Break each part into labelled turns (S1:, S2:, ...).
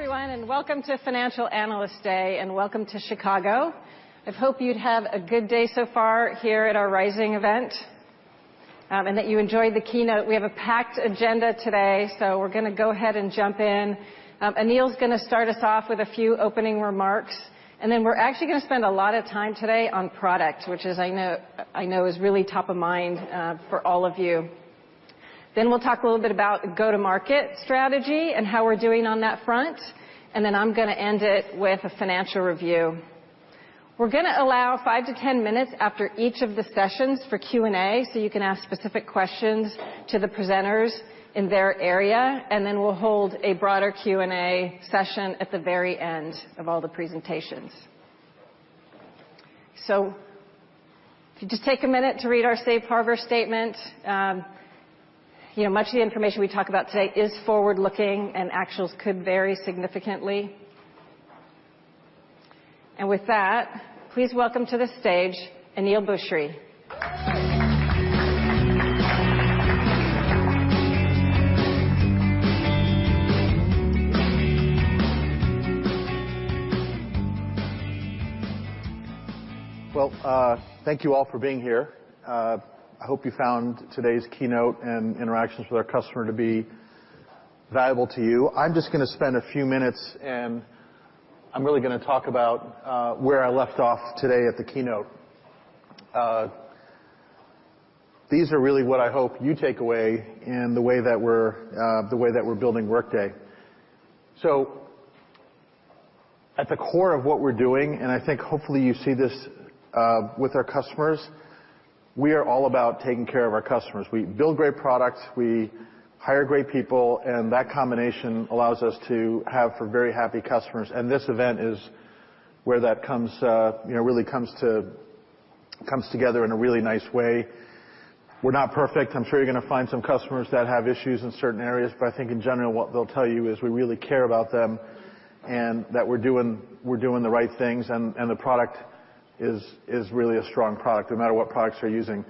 S1: Hi, everyone, welcome to Financial Analyst Day, welcome to Chicago. I hope you'd have a good day so far here at our Workday Rising event, that you enjoyed the keynote. We have a packed agenda today, we're going to go ahead and jump in. Aneel's going to start us off with a few opening remarks, then we're actually going to spend a lot of time today on product, which I know is really top of mind for all of you. We'll talk a little bit about go-to-market strategy and how we're doing on that front. I'm going to end it with a financial review. We're going to allow five to 10 minutes after each of the sessions for Q&A, you can ask specific questions to the presenters in their area, we'll hold a broader Q&A session at the very end of all the presentations. If you just take a minute to read our safe harbor statement. Much of the information we talk about today is forward-looking, actuals could vary significantly. With that, please welcome to the stage Aneel Bhusri.
S2: Well, thank you all for being here. I hope you found today's keynote and interactions with our customer to be valuable to you. I'm just going to spend a few minutes, I'm really going to talk about where I left off today at the keynote. These are really what I hope you take away in the way that we're building Workday. At the core of what we're doing, I think hopefully you see this with our customers, we are all about taking care of our customers. We build great products, we hire great people, that combination allows us to have very happy customers. This event is where that really comes together in a really nice way. We're not perfect. I'm sure you're going to find some customers that have issues in certain areas, I think in general, what they'll tell you is we really care about them that we're doing the right things, the product is really a strong product, no matter what products you're using.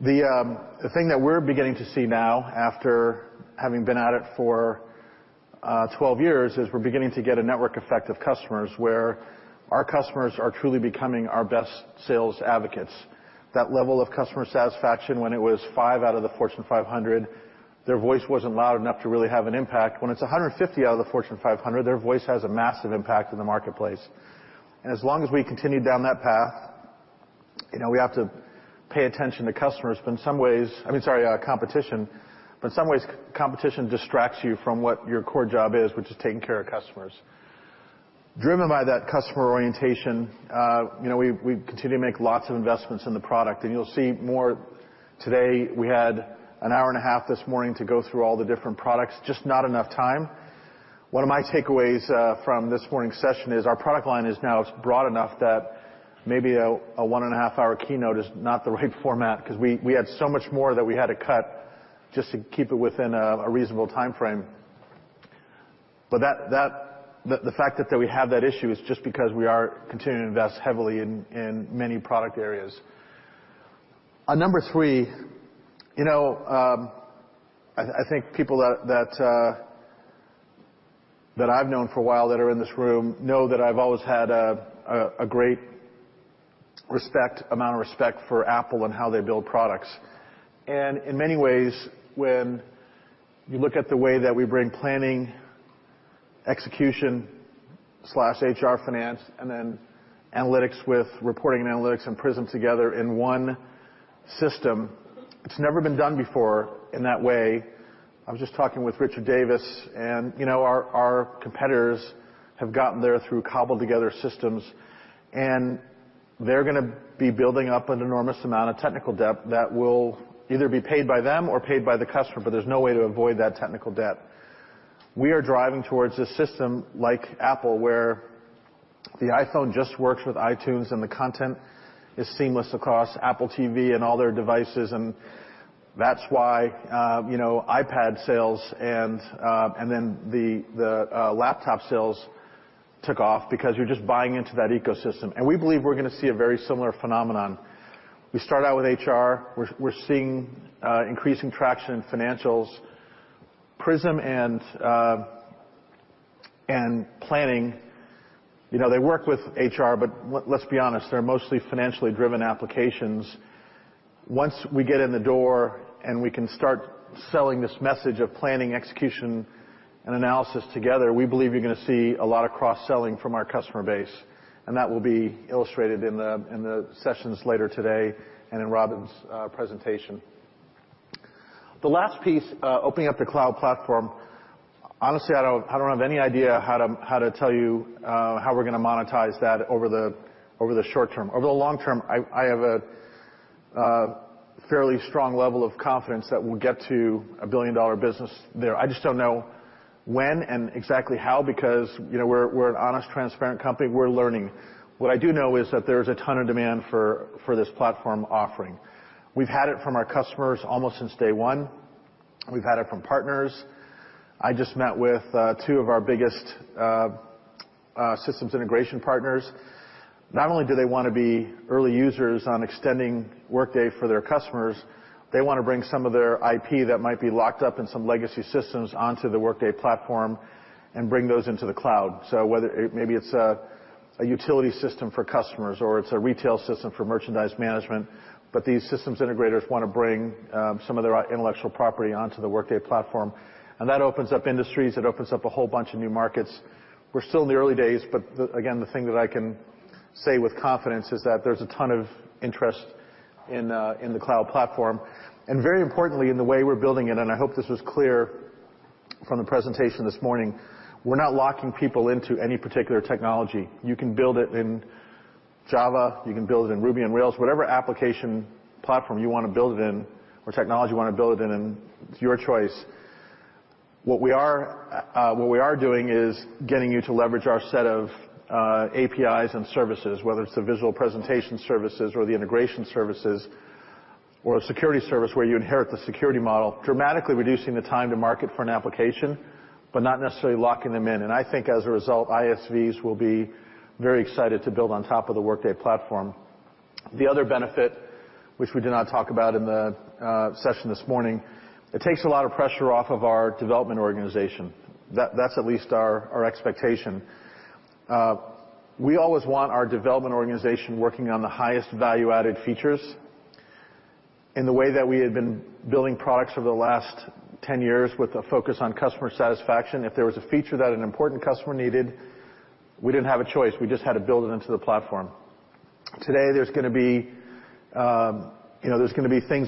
S2: The thing that we're beginning to see now, after having been at it for 12 years, is we're beginning to get a network effect of customers where our customers are truly becoming our best sales advocates. That level of customer satisfaction when it was five out of the Fortune 500, their voice wasn't loud enough to really have an impact. When it's 150 out of the Fortune 500, their voice has a massive impact in the marketplace. As long as we continue down that path, we have to pay attention to competition, in some ways, competition distracts you from what your core job is, which is taking care of customers. Driven by that customer orientation, we continue to make lots of investments in the product, and you'll see more today. We had an hour and a half this morning to go through all the different products. Just not enough time. One of my takeaways from this morning's session is our product line is now broad enough that maybe a one-and-a-half-hour keynote is not the right format because we had so much more that we had to cut just to keep it within a reasonable timeframe. The fact that we have that issue is just because we are continuing to invest heavily in many product areas. Number three, I think people that I've known for a while that are in this room know that I've always had a great amount of respect for Apple and how they build products. In many ways, when you look at the way that we bring planning, execution/HR finance, then analytics with reporting and analytics and Prism together in one system, it's never been done before in that way. I was just talking with Richard Davis, our competitors have gotten there through cobbled-together systems, they're going to be building up an enormous amount of technical debt that will either be paid by them or paid by the customer, there's no way to avoid that technical debt. We are driving towards a system like Apple, where the iPhone just works with iTunes, the content is seamless across Apple TV and all their devices, that's why iPad sales then the laptop sales took off because you're just buying into that ecosystem. We believe we're going to see a very similar phenomenon. We start out with HR. We're seeing increasing traction in financials. Prism and Planning, they work with HR, let's be honest, they're mostly financially driven applications. Once we get in the door and we can start selling this message of planning, execution, and analysis together, we believe you're going to see a lot of cross-selling from our customer base, that will be illustrated in the sessions later today and in Robyn's presentation. The last piece, opening up the cloud platform. Honestly, I don't have any idea how to tell you how we're going to monetize that over the short term. Over the long term, I have a fairly strong level of confidence that we'll get to a billion-dollar business there. I just don't know when and exactly how, because we're an honest, transparent company. We're learning. What I do know is that there's a ton of demand for this platform offering. We've had it from our customers almost since day one. We've had it from partners. I just met with two of our biggest Systems integration partners, not only do they want to be early users on extending Workday for their customers, they want to bring some of their IP that might be locked up in some legacy systems onto the Workday platform and bring those into the cloud. Maybe it's a utility system for customers, or it's a retail system for merchandise management, these systems integrators want to bring some of their intellectual property onto the Workday platform, that opens up industries, it opens up a whole bunch of new markets. We're still in the early days, again, the thing that I can say with confidence is that there's a ton of interest in the cloud platform. Very importantly, in the way we're building it, and I hope this was clear from the presentation this morning, we're not locking people into any particular technology. You can build it in Java, you can build it in Ruby on Rails. Whatever application platform you want to build it in or technology you want to build it in, it's your choice. What we are doing is getting you to leverage our set of APIs and services, whether it's the visual presentation services or the integration services, or a security service where you inherit the security model, dramatically reducing the time to market for an application, but not necessarily locking them in. I think as a result, ISVs will be very excited to build on top of the Workday platform. The other benefit, which we did not talk about in the session this morning, it takes a lot of pressure off of our development organization. That's at least our expectation. We always want our development organization working on the highest value-added features. In the way that we had been building products over the last 10 years with a focus on customer satisfaction, if there was a feature that an important customer needed, we didn't have a choice, we just had to build it into the platform. Today, there's going to be things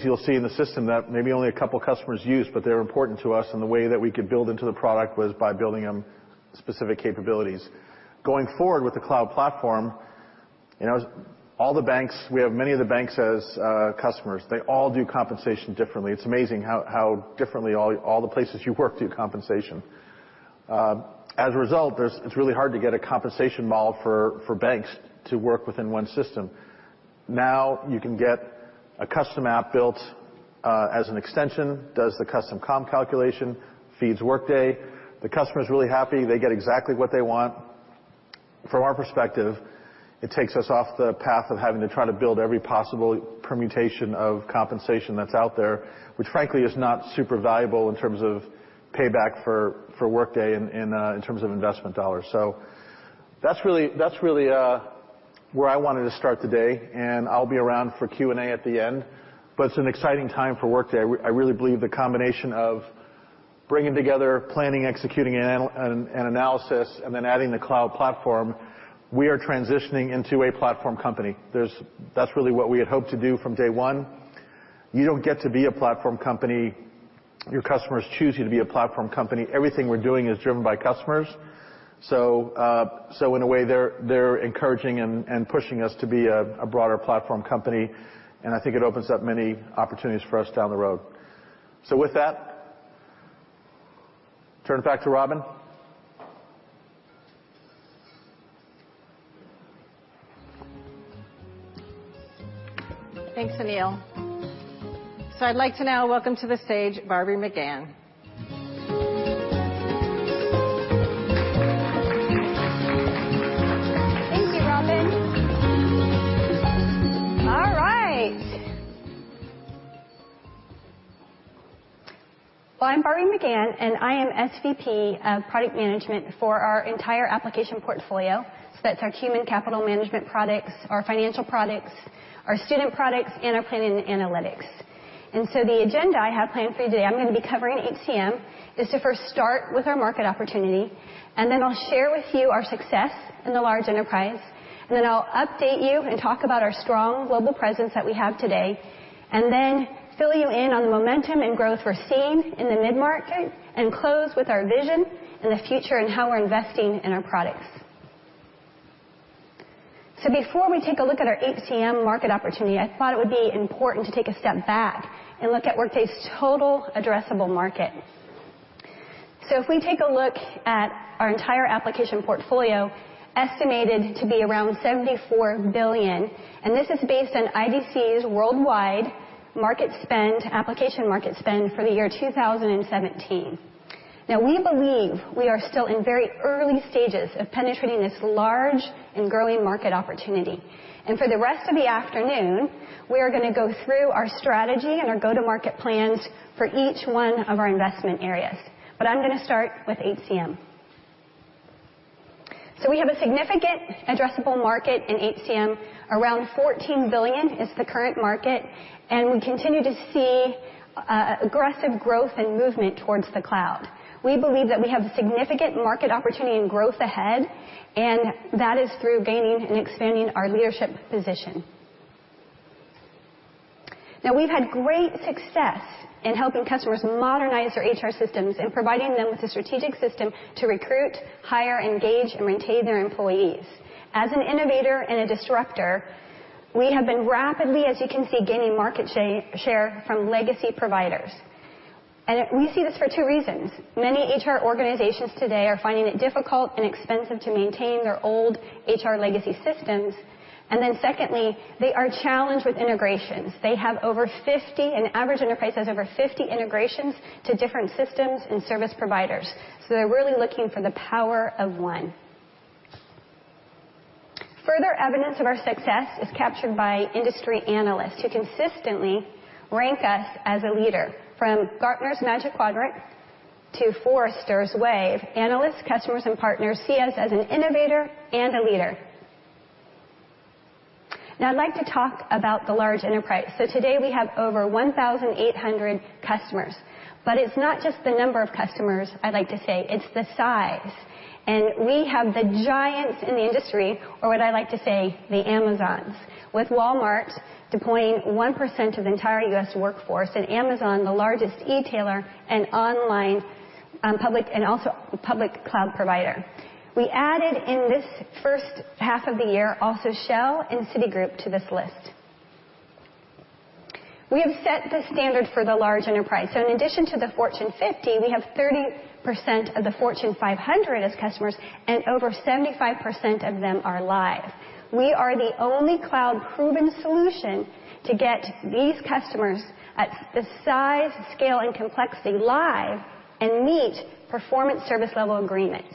S2: you'll see in the system that maybe only a couple of customers use, but they're important to us, and the way that we could build into the product was by building them specific capabilities. Going forward with the cloud platform, all the banks, we have many of the banks as customers. They all do compensation differently. It's amazing how differently all the places you work do compensation. As a result, it's really hard to get a compensation model for banks to work within one system. Now you can get a custom app built as an extension, does the custom comp calculation, feeds Workday. The customer's really happy. They get exactly what they want. From our perspective, it takes us off the path of having to try to build every possible permutation of compensation that's out there, which frankly is not super valuable in terms of payback for Workday in terms of investment dollars. That's really where I wanted to start today, and I'll be around for Q&A at the end. It's an exciting time for Workday. I really believe the combination of bringing together planning, executing, and analysis, and then adding the cloud platform, we are transitioning into a platform company. That's really what we had hoped to do from day one. You don't get to be a platform company. Your customers choose you to be a platform company. Everything we're doing is driven by customers. In a way, they're encouraging and pushing us to be a broader platform company, I think it opens up many opportunities for us down the road. With that, turn it back to Robyn.
S1: Thanks, Aneel. I'd like to now welcome to the stage Barbry McGann.
S3: Thank you, Robyn. All right. Well, I'm Barbry McGann, I am SVP of Product Management for our entire application portfolio. That's our human capital management products, our financial products, our student products, and our planning analytics. The agenda I have planned for you today, I'm going to be covering HCM, is to first start with our market opportunity, I'll share with you our success in the large enterprise. I'll update you and talk about our strong global presence that we have today, fill you in on the momentum and growth we're seeing in the mid-market, close with our vision and the future and how we're investing in our products. Before we take a look at our HCM market opportunity, I thought it would be important to take a step back and look at Workday's total addressable market. If we take a look at our entire application portfolio, estimated to be around $74 billion, this is based on IDC's worldwide application market spend for the year 2017. Now, we believe we are still in very early stages of penetrating this large and growing market opportunity. For the rest of the afternoon, we are going to go through our strategy and our go-to-market plans for each one of our investment areas. I'm going to start with HCM. We have a significant addressable market in HCM. Around $14 billion is the current market, we continue to see aggressive growth and movement towards the cloud. We believe that we have significant market opportunity and growth ahead, that is through gaining and expanding our leadership position. We've had great success in helping customers modernize their HR systems and providing them with a strategic system to recruit, hire, engage, and retain their employees. As an innovator and a disruptor, we have been rapidly, as you can see, gaining market share from legacy providers. We see this for 2 reasons. Many HR organizations today are finding it difficult and expensive to maintain their old HR legacy systems. Secondly, they are challenged with integrations. An average enterprise has over 50 integrations to different systems and service providers. They're really looking for the power of one. Further evidence of our success is captured by industry analysts, who consistently rank us as a leader. From Gartner's Magic Quadrant to Forrester's Wave, analysts, customers, and partners see us as an innovator and a leader. I'd like to talk about the large enterprise. Today we have over 1,800 customers, but it's not just the number of customers I'd like to say, it's the size. We have the giants in the industry, or what I like to say, the Amazons. With Walmart deploying 1% of the entire U.S. workforce and Amazon, the largest e-tailer and online public cloud provider. We added in this first half of the year also Shell and Citigroup to this list. We have set the standard for the large enterprise. In addition to the Fortune 50, we have 30% of the Fortune 500 as customers, and over 75% of them are live. We are the only cloud-proven solution to get these customers at the size, scale, and complexity live and meet performance service level agreements.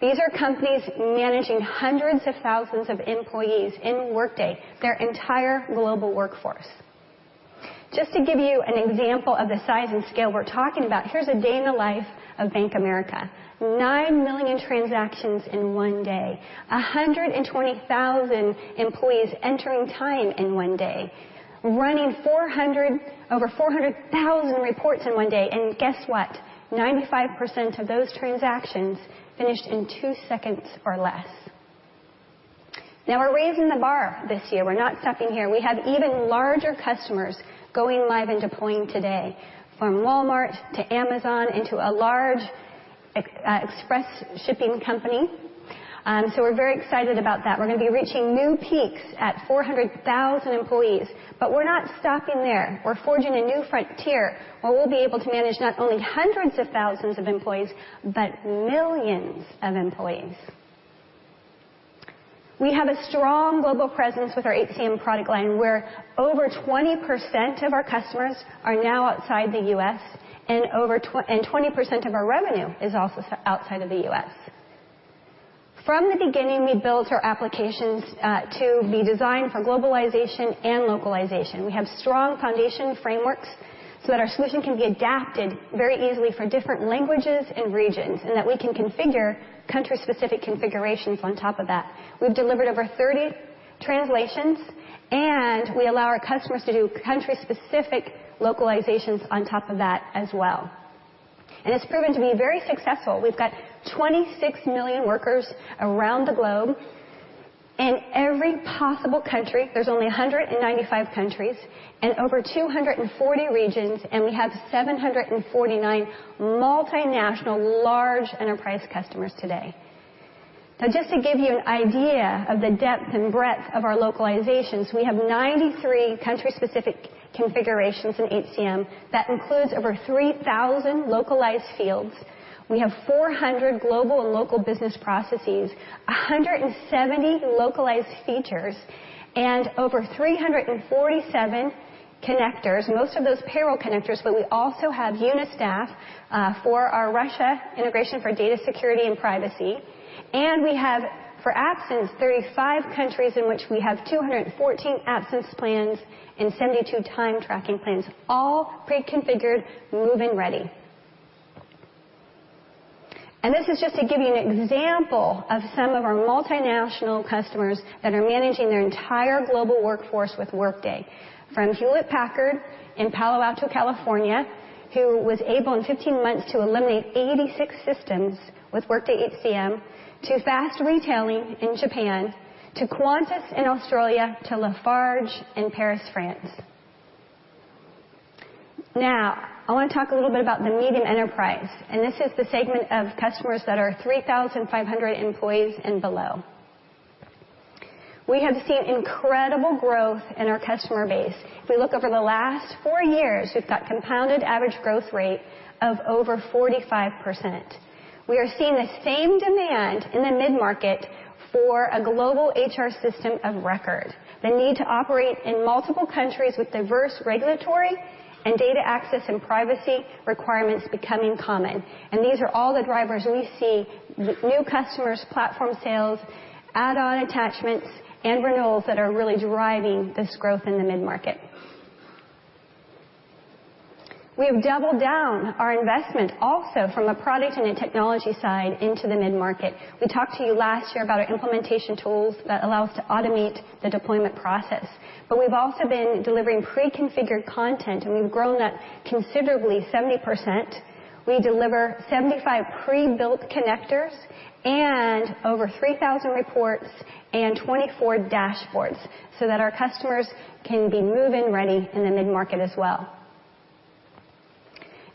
S3: These are companies managing hundreds of thousands of employees in Workday, their entire global workforce. Just to give you an example of the size and scale we're talking about, here's a day in the life of Bank of America. 9 million transactions in one day, 120,000 employees entering time in one day, running over 400,000 reports in one day. Guess what? 95% of those transactions finished in 2 seconds or less. We're raising the bar this year. We're not stopping here. We have even larger customers going live and deploying today, from Walmart to Amazon into a large express shipping company. We're very excited about that. We're going to be reaching new peaks at 400,000 employees. We're not stopping there. We're forging a new frontier where we'll be able to manage not only hundreds of thousands of employees, but millions of employees. We have a strong global presence with our HCM product line, where over 20% of our customers are now outside the U.S., and 20% of our revenue is also outside of the U.S. From the beginning, we built our applications to be designed for globalization and localization. We have strong foundation frameworks so that our solution can be adapted very easily for different languages and regions, and that we can configure country-specific configurations on top of that. We've delivered over 30 translations, and we allow our customers to do country-specific localizations on top of that as well. It's proven to be very successful. We've got 26 million workers around the globe in every possible country. There's only 195 countries and over 240 regions, and we have 749 multinational large enterprise customers today. Just to give you an idea of the depth and breadth of our localizations, we have 93 country-specific configurations in HCM. That includes over 3,000 localized fields. We have 400 global and local business processes, 170 localized features, and over 347 connectors. Most of those payroll connectors, but we also have Unistaff for our Russia integration for data security and privacy. We have, for absence, 35 countries in which we have 214 absence plans and 72 time tracking plans, all pre-configured, move-in ready. This is just to give you an example of some of our multinational customers that are managing their entire global workforce with Workday. From Hewlett-Packard in Palo Alto, California, who was able in 15 months to eliminate 86 systems with Workday HCM, to Fast Retailing in Japan, to Qantas in Australia, to Lafarge in Paris, France. I want to talk a little bit about the medium enterprise, this is the segment of customers that are 3,500 employees and below. We have seen incredible growth in our customer base. If we look over the last four years, we've got compounded average growth rate of over 45%. We are seeing the same demand in the mid-market for a global HR system of record. The need to operate in multiple countries with diverse regulatory and data access and privacy requirements becoming common. These are all the drivers we see, new customers, platform sales, add-on attachments, and renewals that are really driving this growth in the mid-market. We have doubled down our investment also from a product and a technology side into the mid-market. We talked to you last year about our implementation tools that allow us to automate the deployment process. We've also been delivering pre-configured content, and we've grown that considerably 70%. We deliver 75 pre-built connectors and over 3,000 reports and 24 dashboards so that our customers can be move-in ready in the mid-market as well.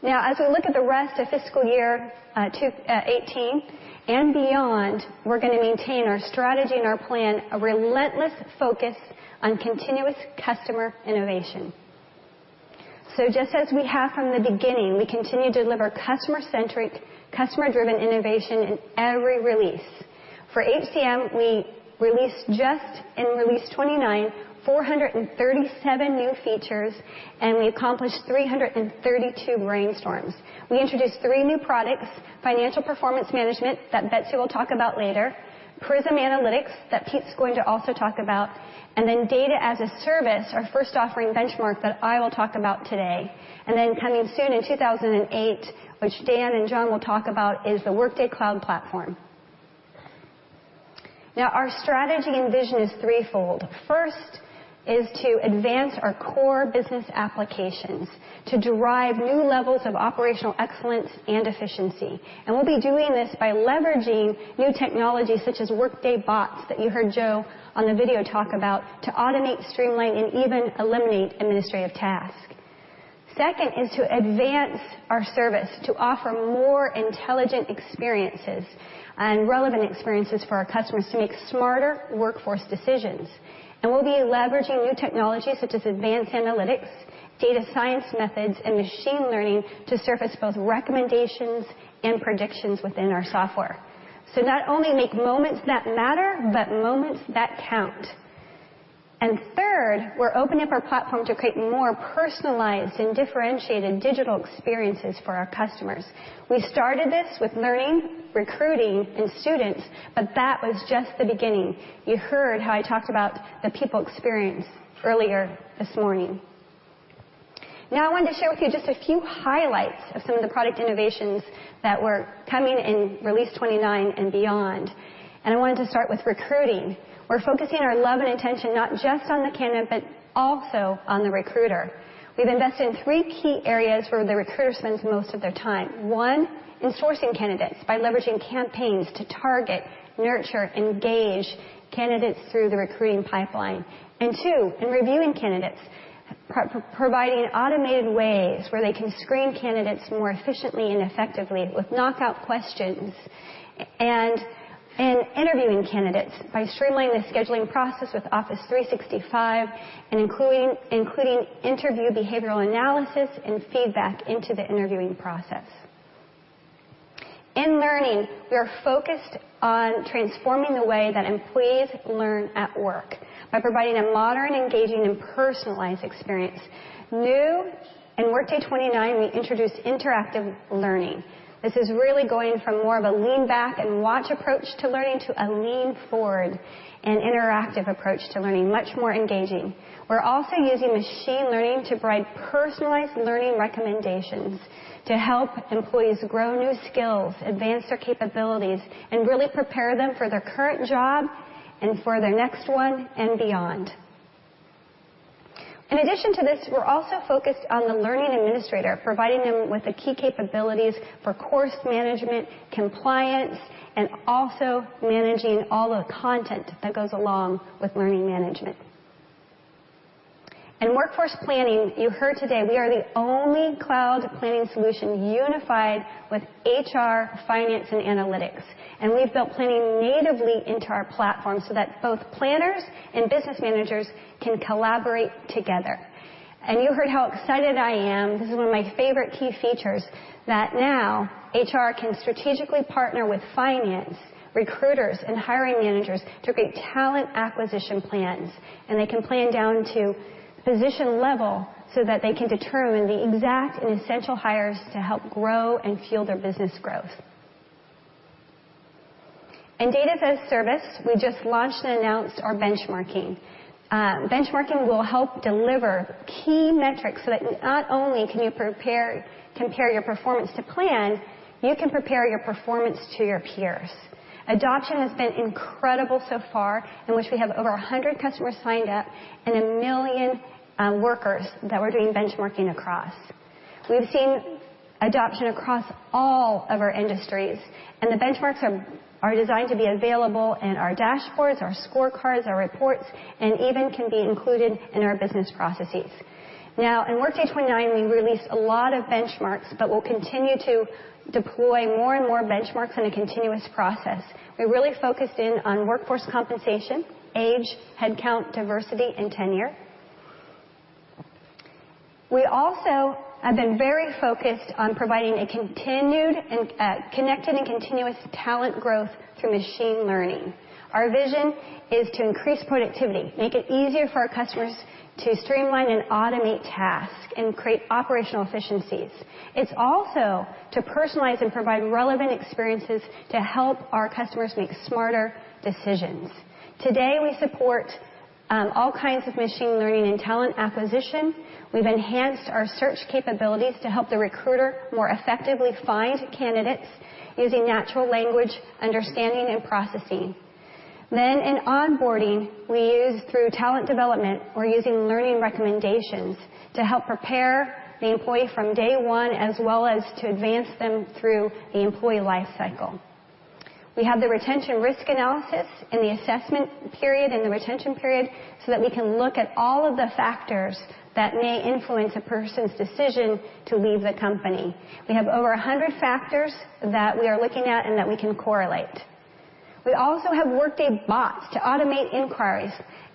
S3: As we look at the rest of fiscal year 2018 and beyond, we're going to maintain our strategy and our plan, a relentless focus on continuous customer innovation. Just as we have from the beginning, we continue to deliver customer-centric, customer-driven innovation in every release. For HCM, we released just in Release 29, 437 new features, and we accomplished 332 brainstorms. We introduced three new products: Financial Performance Management that Betsy will talk about later, Prism Analytics that Pete's going to also talk about, and Data as a Service, our first offering benchmark that I will talk about today. Coming soon in 2018, which Dan and Jon will talk about, is the Workday Cloud Platform. Our strategy and vision is threefold. First is to advance our core business applications to derive new levels of operational excellence and efficiency. We'll be doing this by leveraging new technologies such as Workday bots that you heard Joe on the video talk about to automate, streamline, and even eliminate administrative tasks. Second is to advance our service to offer more intelligent experiences and relevant experiences for our customers to make smarter workforce decisions. We'll be leveraging new technologies such as advanced analytics, data science methods, and machine learning to surface both recommendations and predictions within our software. Not only make moments that matter, but moments that count. Third, we're opening up our platform to create more personalized and differentiated digital experiences for our customers. We started this with learning, recruiting, and students, but that was just the beginning. You heard how I talked about the people experience earlier this morning. I wanted to share with you just a few highlights of some of the product innovations that were coming in Release 29 and beyond, and I wanted to start with recruiting. We're focusing our love and attention not just on the candidate, but also on the recruiter. We've invested in three key areas where the recruiter spends most of their time. One, in sourcing candidates by leveraging campaigns to target, nurture, engage candidates through the recruiting pipeline. Two, in reviewing candidates, providing automated ways where they can screen candidates more efficiently and effectively with knockout questions. In interviewing candidates by streamlining the scheduling process with Office 365 and including interview behavioral analysis and feedback into the interviewing process. In learning, we are focused on transforming the way that employees learn at work by providing a modern, engaging, and personalized experience. New in Workday 29, we introduced interactive learning. This is really going from more of a lean back and watch approach to learning to a lean forward and interactive approach to learning, much more engaging. We're also using machine learning to provide personalized learning recommendations to help employees grow new skills, advance their capabilities, and really prepare them for their current job and for their next one and beyond. In addition to this, we're also focused on the learning administrator, providing them with the key capabilities for course management, compliance, and also managing all the content that goes along with learning management. In workforce planning, you heard today we are the only cloud planning solution unified with HR, finance, and analytics, we've built planning natively into our platform so that both planners and business managers can collaborate together. You heard how excited I am, this is one of my favorite key features, that now HR can strategically partner with finance, recruiters, and hiring managers to create talent acquisition plans, and they can plan down to position level so that they can determine the exact and essential hires to help grow and fuel their business growth. In Workday Data-as-a-Service, we just launched and announced our benchmarking. Benchmarking will help deliver key metrics so that not only can you compare your performance to plan, you can prepare your performance to your peers. Adoption has been incredible so far in which we have over 100 customers signed up and a million workers that we're doing benchmarking across. We've seen adoption across all of our industries, and the benchmarks are designed to be available in our dashboards, our scorecards, our reports, and even can be included in our business processes. Now in Workday 29, we released a lot of benchmarks, but we'll continue to deploy more and more benchmarks in a continuous process. We really focused in on workforce compensation, age, headcount, diversity, and tenure. We also have been very focused on providing a connected and continuous talent growth through machine learning. Our vision is to increase productivity, make it easier for our customers to streamline and automate tasks, and create operational efficiencies. It's also to personalize and provide relevant experiences to help our customers make smarter decisions. Today, we support all kinds of machine learning and talent acquisition. We've enhanced our search capabilities to help the recruiter more effectively find candidates using natural language understanding and processing. In onboarding, we use through talent development, we're using learning recommendations to help prepare the employee from day one, as well as to advance them through the employee life cycle. We have the retention risk analysis in the assessment period and the retention period, so that we can look at all of the factors that may influence a person's decision to leave the company. We have over 100 factors that we are looking at and that we can correlate. We also have Workday bots to automate inquiries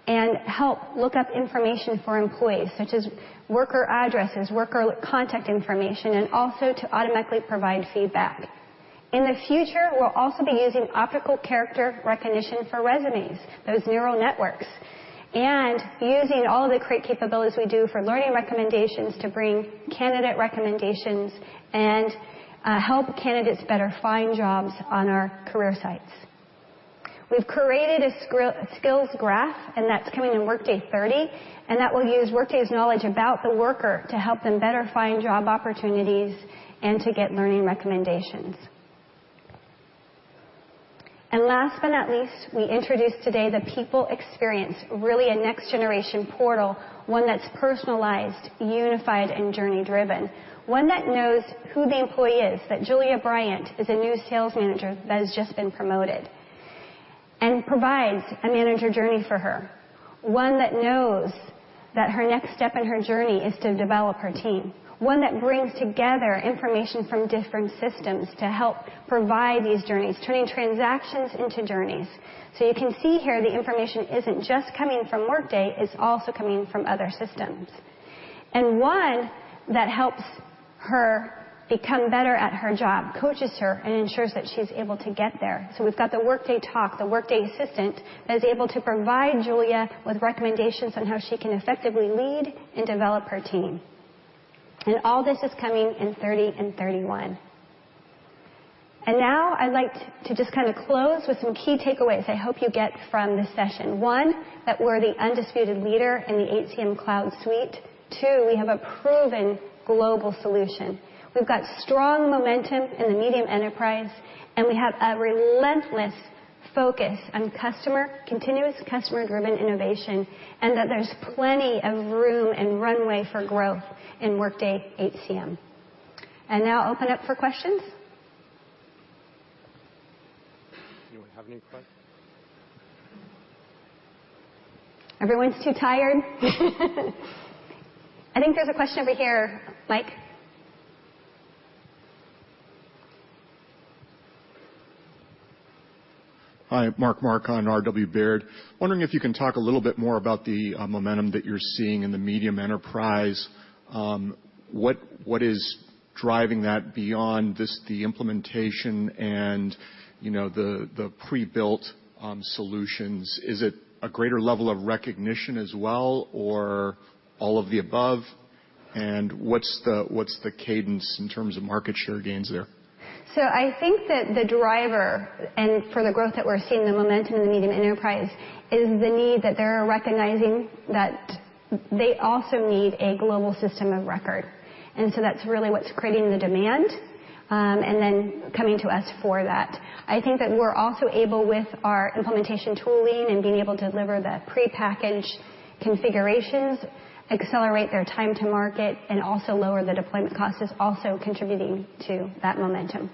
S3: and help look up information for employees, such as worker addresses, worker contact information, and also to automatically provide feedback. In the future, we'll also be using optical character recognition for resumes, those neural networks, and using all of the great capabilities we do for learning recommendations to bring candidate recommendations and help candidates better find jobs on our career sites. We've created a skills graph, that's coming in Workday 30, that will use Workday's knowledge about the worker to help them better find job opportunities and to get learning recommendations. Last but not least, we introduced today the people experience, really a next-generation portal, one that's personalized, unified, and journey-driven. One that knows who the employee is, that Julia Bryant is a new sales manager that has just been promoted, and provides a manager journey for her. One that knows that her next step in her journey is to develop her team. One that brings together information from different systems to help provide these journeys, turning transactions into journeys. You can see here the information isn't just coming from Workday, it's also coming from other systems. One that helps her become better at her job, coaches her, and ensures that she's able to get there. We've got the Workday Talk, the Workday Assistant, that is able to provide Julia with recommendations on how she can effectively lead and develop her team. All this is coming in 30 and 31. Now I'd like to just close with some key takeaways I hope you get from this session. One, that we're the undisputed leader in the HCM cloud suite. Two, we have a proven global solution. We've got strong momentum in the medium enterprise, we have a relentless focus on continuous customer-driven innovation, that there's plenty of room and runway for growth in Workday HCM. Now I'll open up for questions.
S1: Anyone have any questions?
S3: Everyone's too tired? I think there's a question over here. Mike?
S4: Hi. Mark Marcon, R.W. Baird. Wondering if you can talk a little bit more about the momentum that you're seeing in the medium enterprise. What is driving that beyond just the implementation and the pre-built solutions? Is it a greater level of recognition as well, or all of the above? What's the cadence in terms of market share gains there?
S3: I think that the driver, and for the growth that we're seeing, the momentum in the medium enterprise, is the need that they're recognizing that they also need a global system of record. That's really what's creating the demand, and then coming to us for that. I think that we're also able, with our implementation tooling and being able to deliver the prepackaged configurations, accelerate their time to market, and also lower the deployment cost is also contributing to that momentum.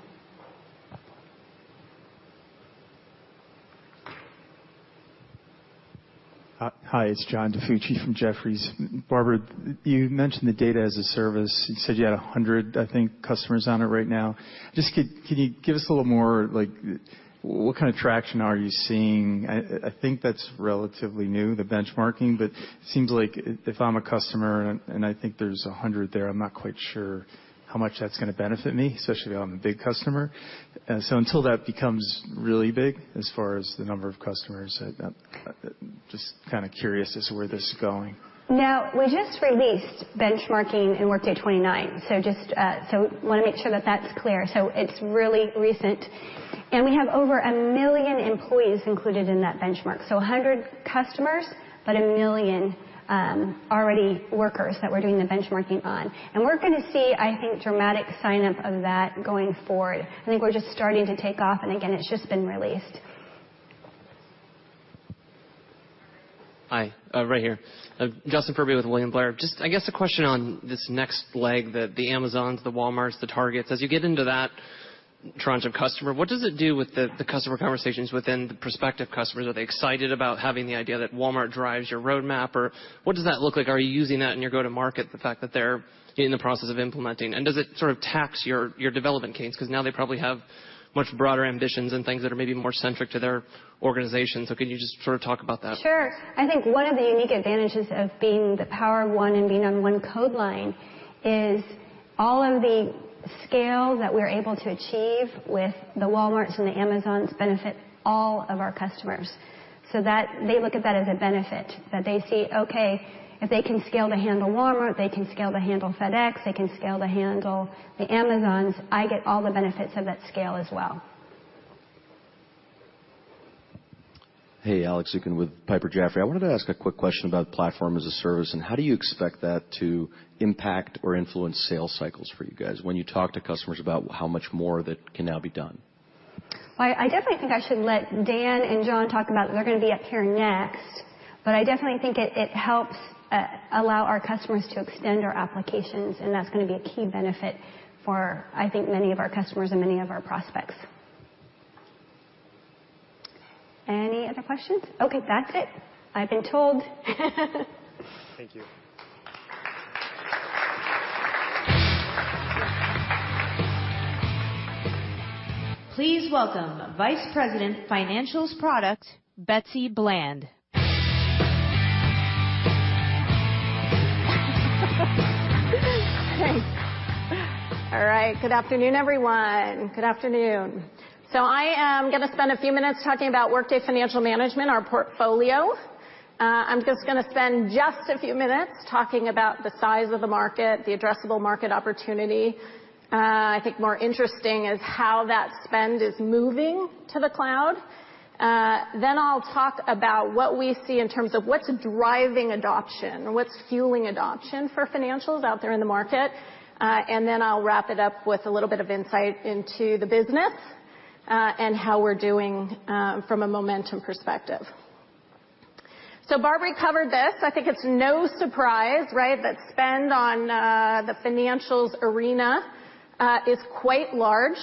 S5: Hi. It's John DiFucci from Jefferies. Barbara, you mentioned the Workday Data-as-a-Service. You said you had 100, I think, customers on it right now. Can you give us a little more, like what kind of traction are you seeing? I think that's relatively new, the benchmarking. Seems like if I'm a customer, and I think there's 100 there, I'm not quite sure how much that's going to benefit me, especially if I'm a big customer. Until that becomes really big, as far as the number of customers, just kind of curious as to where this is going.
S3: We just released benchmarking in Workday 29, want to make sure that that's clear. It's really recent. We have over a million employees included in that benchmark. 100 customers, but a million already workers that we're doing the benchmarking on. We're going to see, I think, dramatic sign-up of that going forward. I think we're just starting to take off, and again, it's just been released.
S6: Hi. Right here. Justin Ferbey with William Blair. I guess, a question on this next leg, the Amazons, the Walmarts, the Targets. As you get into that tranche of customer, what does it do with the customer conversations within the prospective customers? Are they excited about having the idea that Walmart drives your roadmap? What does that look like? Are you using that in your go to market, the fact that they're in the process of implementing? Does it sort of tax your development cadence? Because now they probably have much broader ambitions and things that are maybe more centric to their organization. Can you just sort of talk about that?
S3: Sure. I think one of the unique advantages of being the power of one and being on one code line is all of the scale that we're able to achieve with the Walmarts and the Amazons benefit all of our customers. They look at that as a benefit. That they see, okay, if they can scale to handle Walmart, they can scale to handle FedEx, they can scale to handle the Amazons, I get all the benefits of that scale as well.
S7: Hey, Alex Zukin with Piper Jaffray. I wanted to ask a quick question about platform as a service, and how do you expect that to impact or influence sales cycles for you guys when you talk to customers about how much more that can now be done?
S3: Well, I definitely think I should let Dan and John talk about They're going to be up here next. I definitely think it helps allow our customers to extend our applications, and that's going to be a key benefit for, I think, many of our customers and many of our prospects. Any other questions? Okay, that's it. I've been told.
S1: Thank you.
S8: Please welcome Vice President Financials Product, Barbara Larson.
S9: Thanks. All right. Good afternoon, everyone. Good afternoon. I am going to spend a few minutes talking about Workday Financial Management, our portfolio. I'm going to spend just a few minutes talking about the size of the market, the addressable market opportunity. I think more interesting is how that spend is moving to the cloud. I'll talk about what we see in terms of what's driving adoption, what's fueling adoption for financials out there in the market. I'll wrap it up with a little bit of insight into the business, and how we're doing from a momentum perspective. Barb already covered this. I think it's no surprise, right? That spend on the financials arena is quite large.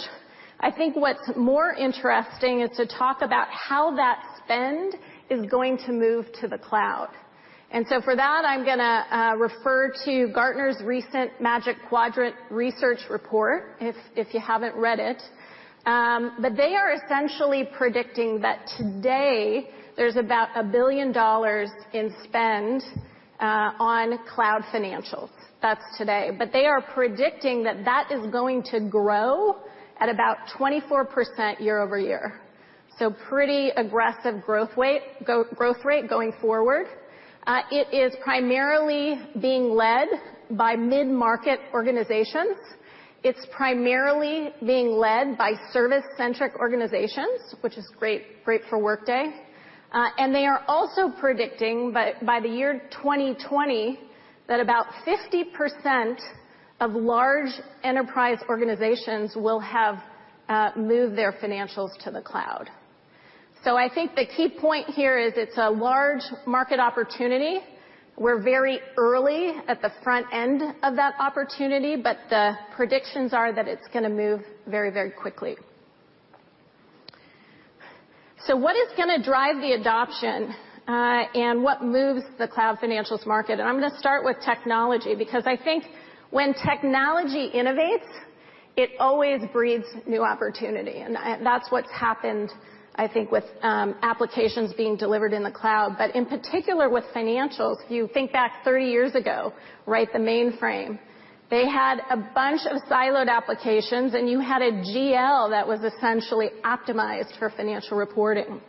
S9: I think what's more interesting is to talk about how that spend is going to move to the cloud. For that, I'm going to refer to Gartner's recent Magic Quadrant research report, if you haven't read it. They are essentially predicting that today there's about $1 billion in spend on cloud financials. That's today. They are predicting that that is going to grow at about 24% year-over-year. Pretty aggressive growth rate going forward. It is primarily being led by mid-market organizations. It's primarily being led by service-centric organizations, which is great for Workday. They are also predicting by the year 2020 that about 50% of large enterprise organizations will have moved their financials to the cloud. I think the key point here is it's a large market opportunity. We're very early at the front end of that opportunity, but the predictions are that it's going to move very quickly. What is going to drive the adoption, and what moves the cloud financials market? I'm going to start with technology, because I think when technology innovates, it always breeds new opportunity. That's what's happened, I think, with applications being delivered in the cloud. In particular with financials, if you think back 30 years ago, right, the mainframe. They had a bunch of siloed applications, and you had a GL that was essentially optimized for financial reporting.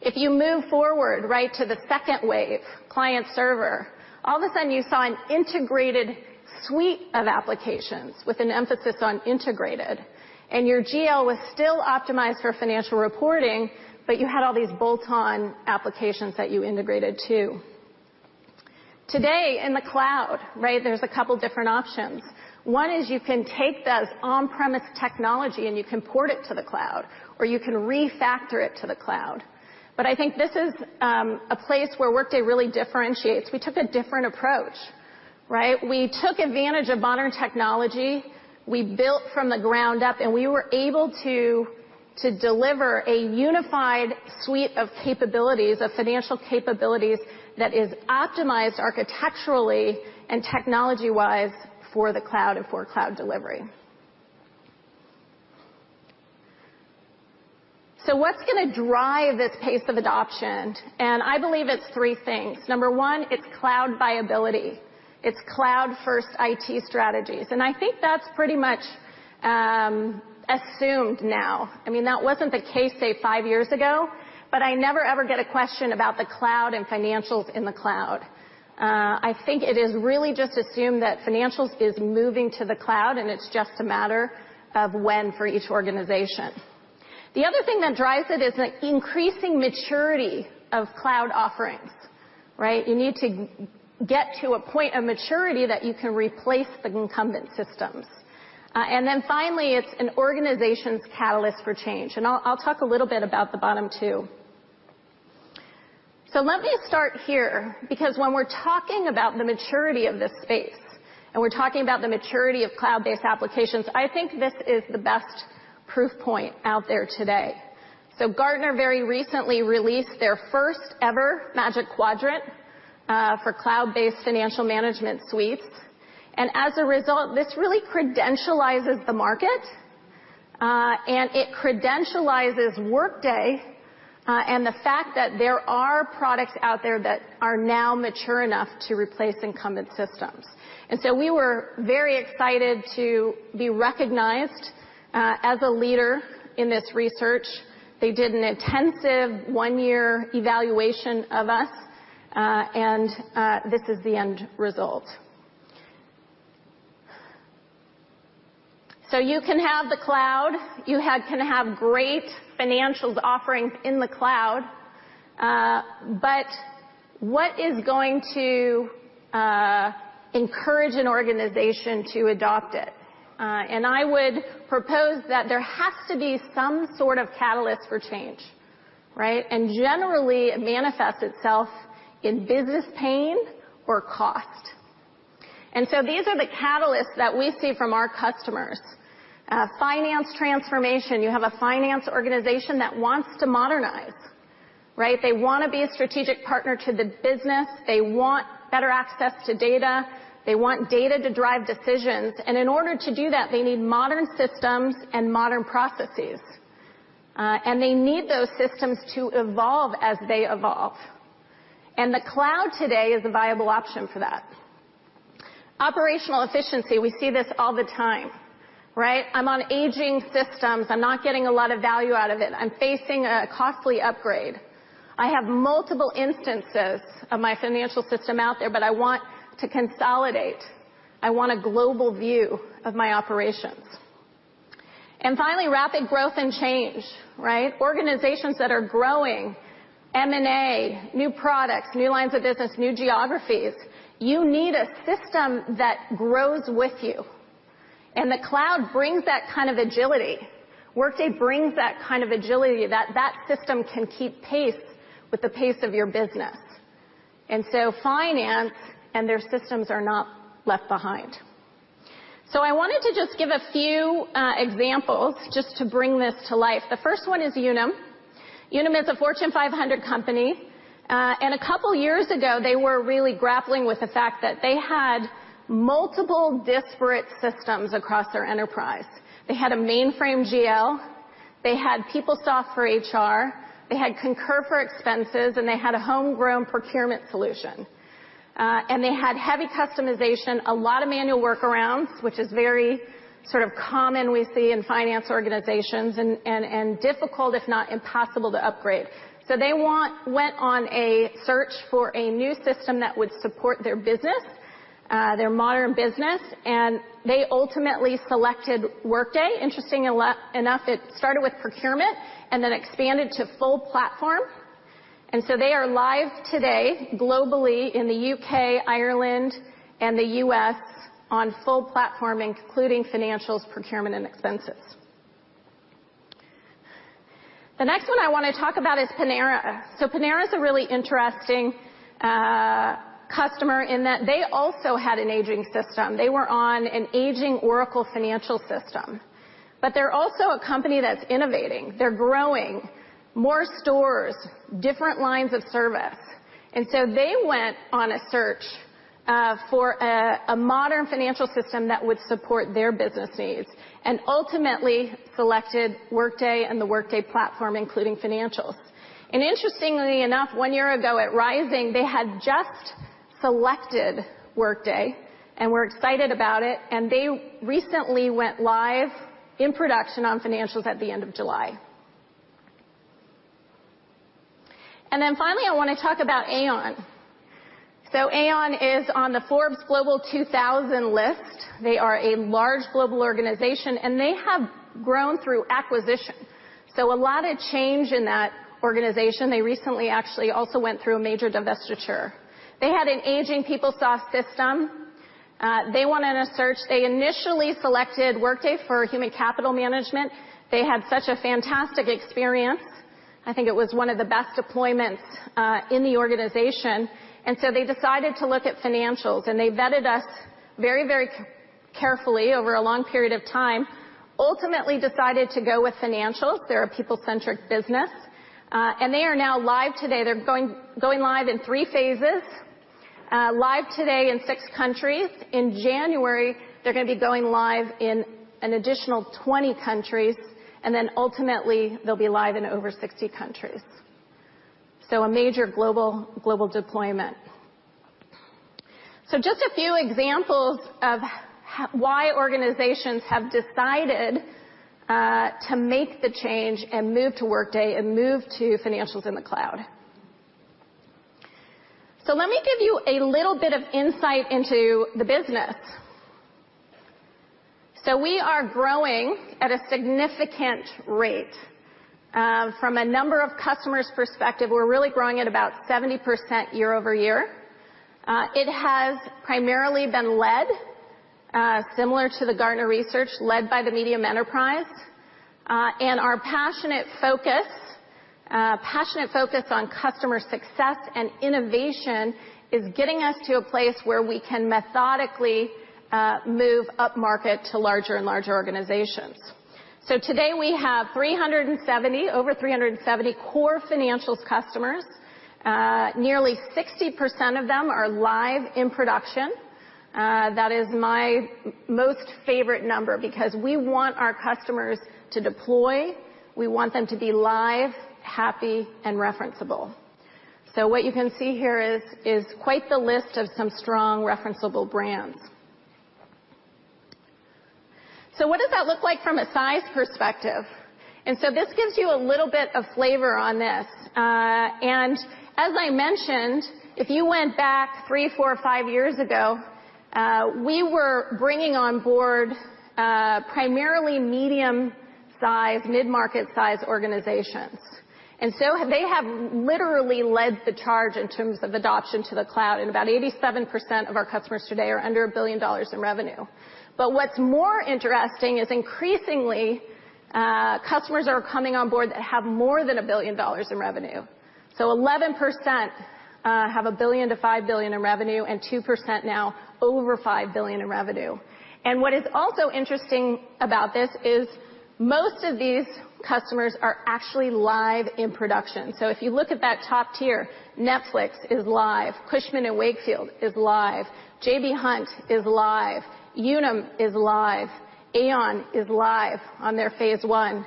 S9: If you move forward right to the 2nd wave, client server, all of a sudden you saw an integrated suite of applications with an emphasis on integrated, and your GL was still optimized for financial reporting, but you had all these bolt-on applications that you integrated too. Today in the cloud, right, there's a couple different options. One is you can take this on-premise technology, and you can port it to the cloud, or you can refactor it to the cloud. I think this is a place where Workday really differentiates. We took a different approach, right? We took advantage of modern technology. We built from the ground up, and we were able to deliver a unified suite of capabilities, of financial capabilities that is optimized architecturally and technology-wise for the cloud and for cloud delivery. What's going to drive this pace of adoption? I believe it's three things. Number 1, it's cloud viability. It's cloud-first IT strategies. I think that's pretty much assumed now. I mean, that wasn't the case, say, five years ago. I never ever get a question about the cloud and financials in the cloud. I think it is really just assumed that financials is moving to the cloud, and it's just a matter of when for each organization. The other thing that drives it is the increasing maturity of cloud offerings, right? You need to get to a point of maturity that you can replace the incumbent systems. Finally, it's an organization's catalyst for change. I'll talk a little bit about the bottom two. Let me start here, because when we're talking about the maturity of this space, and we're talking about the maturity of cloud-based applications, I think this is the best proof point out there today. Gartner very recently released their first ever Magic Quadrant for cloud-based financial management suites. As a result, this really credentializes the market, and it credentializes Workday and the fact that there are products out there that are now mature enough to replace incumbent systems. We were very excited to be recognized as a leader in this research. They did an intensive one-year evaluation of us, and this is the end result. You can have the cloud, you can have great financials offerings in the cloud. What is going to encourage an organization to adopt it? I would propose that there has to be some sort of catalyst for change, right? Generally, it manifests itself in business pain or cost. These are the catalysts that we see from our customers. Finance transformation. You have a finance organization that wants to modernize. They want to be a strategic partner to the business. They want better access to data. They want data to drive decisions. In order to do that, they need modern systems and modern processes. They need those systems to evolve as they evolve. The cloud today is a viable option for that. Operational efficiency, we see this all the time. I'm on aging systems. I'm not getting a lot of value out of it. I'm facing a costly upgrade. I have multiple instances of my financial system out there, but I want to consolidate. I want a global view of my operations. Finally, rapid growth and change. Organizations that are growing, M&A, new products, new lines of business, new geographies. You need a system that grows with you. The cloud brings that kind of agility. Workday brings that kind of agility, that that system can keep pace with the pace of your business. Finance and their systems are not left behind. I wanted to just give a few examples just to bring this to life. The first one is Unum. Unum is a Fortune 500 company. A couple of years ago, they were really grappling with the fact that they had multiple disparate systems across their enterprise. They had a mainframe GL, they had PeopleSoft for HR, they had Concur for expenses, and they had a homegrown procurement solution. They had heavy customization, a lot of manual workarounds, which is very common we see in finance organizations, and difficult, if not impossible, to upgrade. They went on a search for a new system that would support their business, their modern business, and they ultimately selected Workday. Interestingly enough, it started with procurement and then expanded to full platform. They are live today globally in the U.K., Ireland, and the U.S. on full platform, including financials, procurement, and expenses. The next one I want to talk about is Panera. Panera is a really interesting customer in that they also had an aging system. They were on an aging Oracle financial system. They're also a company that's innovating. They're growing. More stores, different lines of service. They went on a search for a modern financial system that would support their business needs, and ultimately selected Workday and the Workday platform, including financials. Interestingly enough, one year ago at Rising, they had just selected Workday and were excited about it, and they recently went live in production on financials at the end of July. Finally, I want to talk about Aon. Aon is on the Forbes Global 2000 list. They are a large global organization, and they have grown through acquisition. A lot of change in that organization. They recently actually also went through a major divestiture. They had an aging PeopleSoft system. They went on a search. They initially selected Workday for human capital management. They had such a fantastic experience. I think it was one of the best deployments in the organization. They decided to look at financials, and they vetted us very carefully over a long period of time. Ultimately decided to go with financials. They're a people-centric business. They are now live today. They're going live in 3 phases. Live today in 6 countries. In January, they're going to be going live in an additional 20 countries. Ultimately, they'll be live in over 60 countries. A major global deployment. Just a few examples of why organizations have decided to make the change and move to Workday and move to financials in the cloud. Let me give you a little bit of insight into the business. We are growing at a significant rate. From a number-of-customers perspective, we're really growing at about 70% year-over-year. It has primarily been led, similar to the Gartner research, led by the medium enterprise. Our passionate focus on customer success and innovation is getting us to a place where we can methodically move upmarket to larger and larger organizations. Today we have over 370 core financials customers. Nearly 60% of them are live in production. That is my most favorite number because we want our customers to deploy. We want them to be live, happy, and referenceable. What you can see here is quite the list of some strong referenceable brands. What does that look like from a size perspective? This gives you a little bit of flavor on this. As I mentioned, if you went back three, four, or five years ago, we were bringing on board primarily medium size, mid-market size organizations. They have literally led the charge in terms of adoption to the cloud, and about 87% of our customers today are under $1 billion in revenue. What's more interesting is increasingly, customers are coming on board that have more than $1 billion in revenue. 11% have $1 billion-$5 billion in revenue and 2% now over $5 billion in revenue. What is also interesting about this is most of these customers are actually live in production. Netflix is live, Cushman & Wakefield is live, J.B. Hunt is live, Unum is live, Aon is live on their phase 1.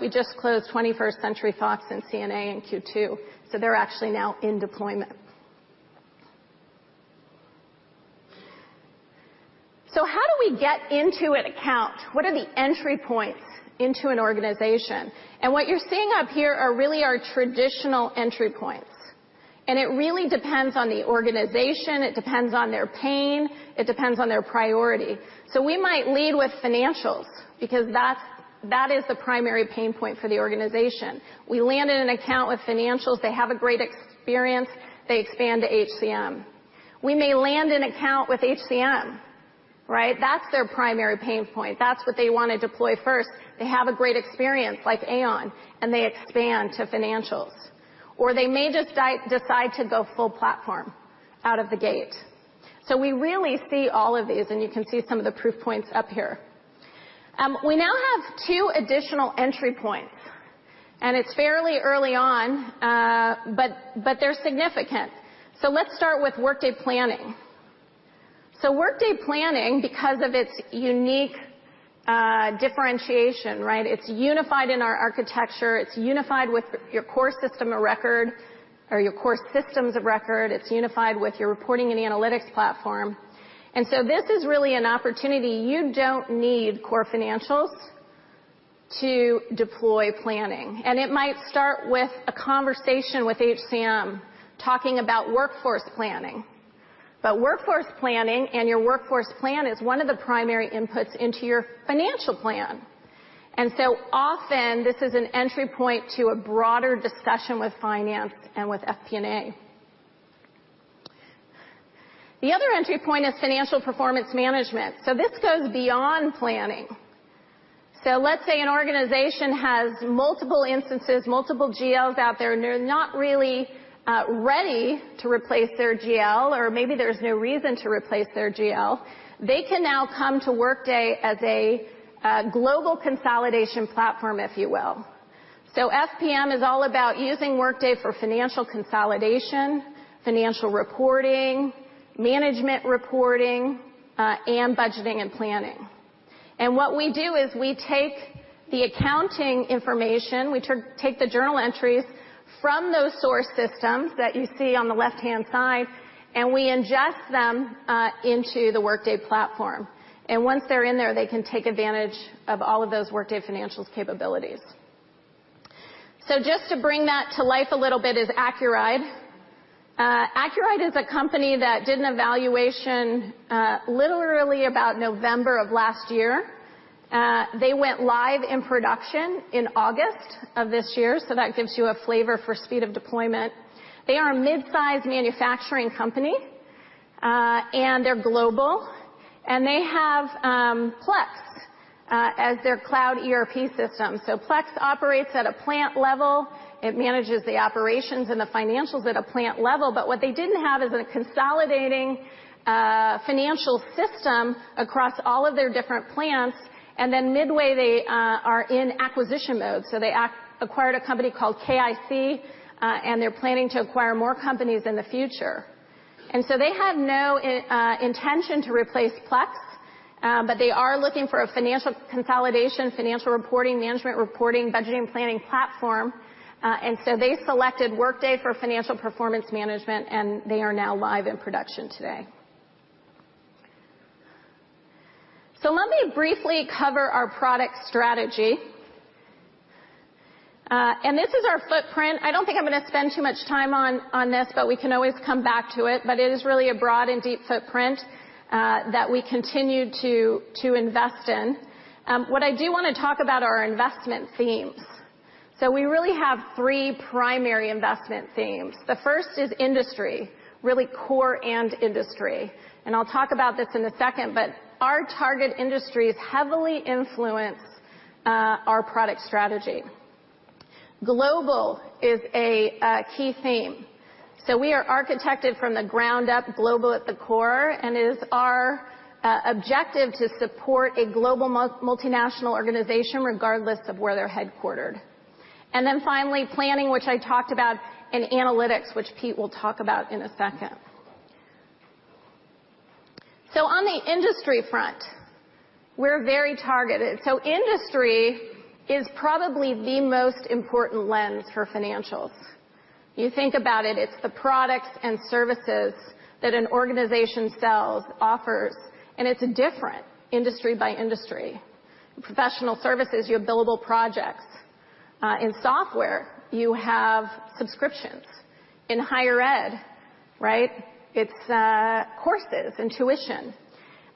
S9: We just closed 21st Century Fox and CNA in Q2, they're actually now in deployment. How do we get into an account? What are the entry points into an organization? What you're seeing up here are really our traditional entry points. It really depends on the organization, it depends on their pain, it depends on their priority. We might lead with financials because that is the primary pain point for the organization. We land in an account with financials, they have a great experience, they expand to HCM. We may land an account with HCM, right? That's their primary pain point. That's what they want to deploy first. They have a great experience like Aon, they expand to financials. They may just decide to go full platform out of the gate. We really see all of these, you can see some of the proof points up here. We now have 2 additional entry points, it's fairly early on, they're significant. Let's start with Workday Planning. Workday Planning, because of its unique differentiation, right? It's unified in our architecture. It's unified with your core system of record or your core systems of record. It's unified with your reporting and analytics platform. This is really an opportunity. You don't need core financials to deploy Planning. It might start with a conversation with HCM, talking about workforce planning. Workforce planning and your workforce plan is one of the primary inputs into your financial plan. Often this is an entry point to a broader discussion with finance and with FP&A. The other entry point is financial performance management. This goes beyond Planning. Let's say an organization has multiple instances, multiple GLs out there, they're not really ready to replace their GL, maybe there's no reason to replace their GL. They can now come to Workday as a global consolidation platform, if you will. SPM is all about using Workday for financial consolidation, financial reporting, management reporting, and budgeting and planning. What we do is we take the accounting information, we take the journal entries from those source systems that you see on the left-hand side, we ingest them into the Workday platform. Once they're in there, they can take advantage of all of those Workday financials capabilities. Just to bring that to life a little bit is Accuride. Accuride is a company that did an evaluation literally about November of last year. They went live in production in August of this year, that gives you a flavor for speed of deployment. They are a mid-size manufacturing company, they're global, they have Plex as their cloud ERP system. Plex operates at a plant level. It manages the operations and the financials at a plant level. What they didn't have is a consolidating financial system across all of their different plants. Midway, they are in acquisition mode. They acquired a company called KIC, they're planning to acquire more companies in the future. They had no intention to replace Plex, they are looking for a financial consolidation, financial reporting, management reporting, budgeting and planning platform. They selected Workday for Financial Performance Management, and they are now live in production today. Let me briefly cover our product strategy. This is our footprint. I don't think I'm going to spend too much time on this, but we can always come back to it. It is really a broad and deep footprint that we continue to invest in. What I do want to talk about are our investment themes. We really have three primary investment themes. The first is industry, really core and industry. I'll talk about this in a second, but our target industries heavily influence our product strategy. Global is a key theme. We are architected from the ground up global at the core, and it is our objective to support a global multinational organization, regardless of where they're headquartered. Finally, Planning, which I talked about, and analytics, which Pete will talk about in a second. On the industry front, we're very targeted. Industry is probably the most important lens for financials. You think about it's the products and services that an organization sells, offers, and it's different industry by industry. Professional services, you have billable projects. In software, you have subscriptions. In higher ed, right, it's courses and tuition.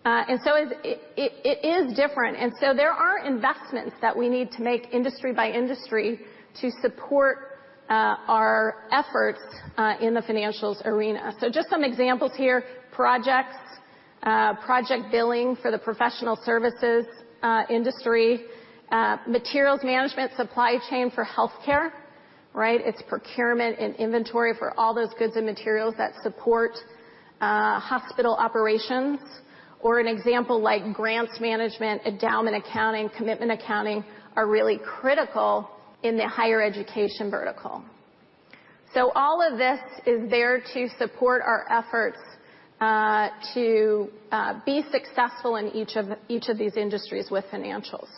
S9: It is different. There are investments that we need to make industry by industry to support our efforts in the financials arena. Just some examples here, Project billing for the professional services industry, materials management, supply chain for healthcare. It's procurement and inventory for all those goods and materials that support hospital operations, or an example like grants management, endowment accounting, commitment accounting, are really critical in the higher education vertical. All of this is there to support our efforts to be successful in each of these industries with financials.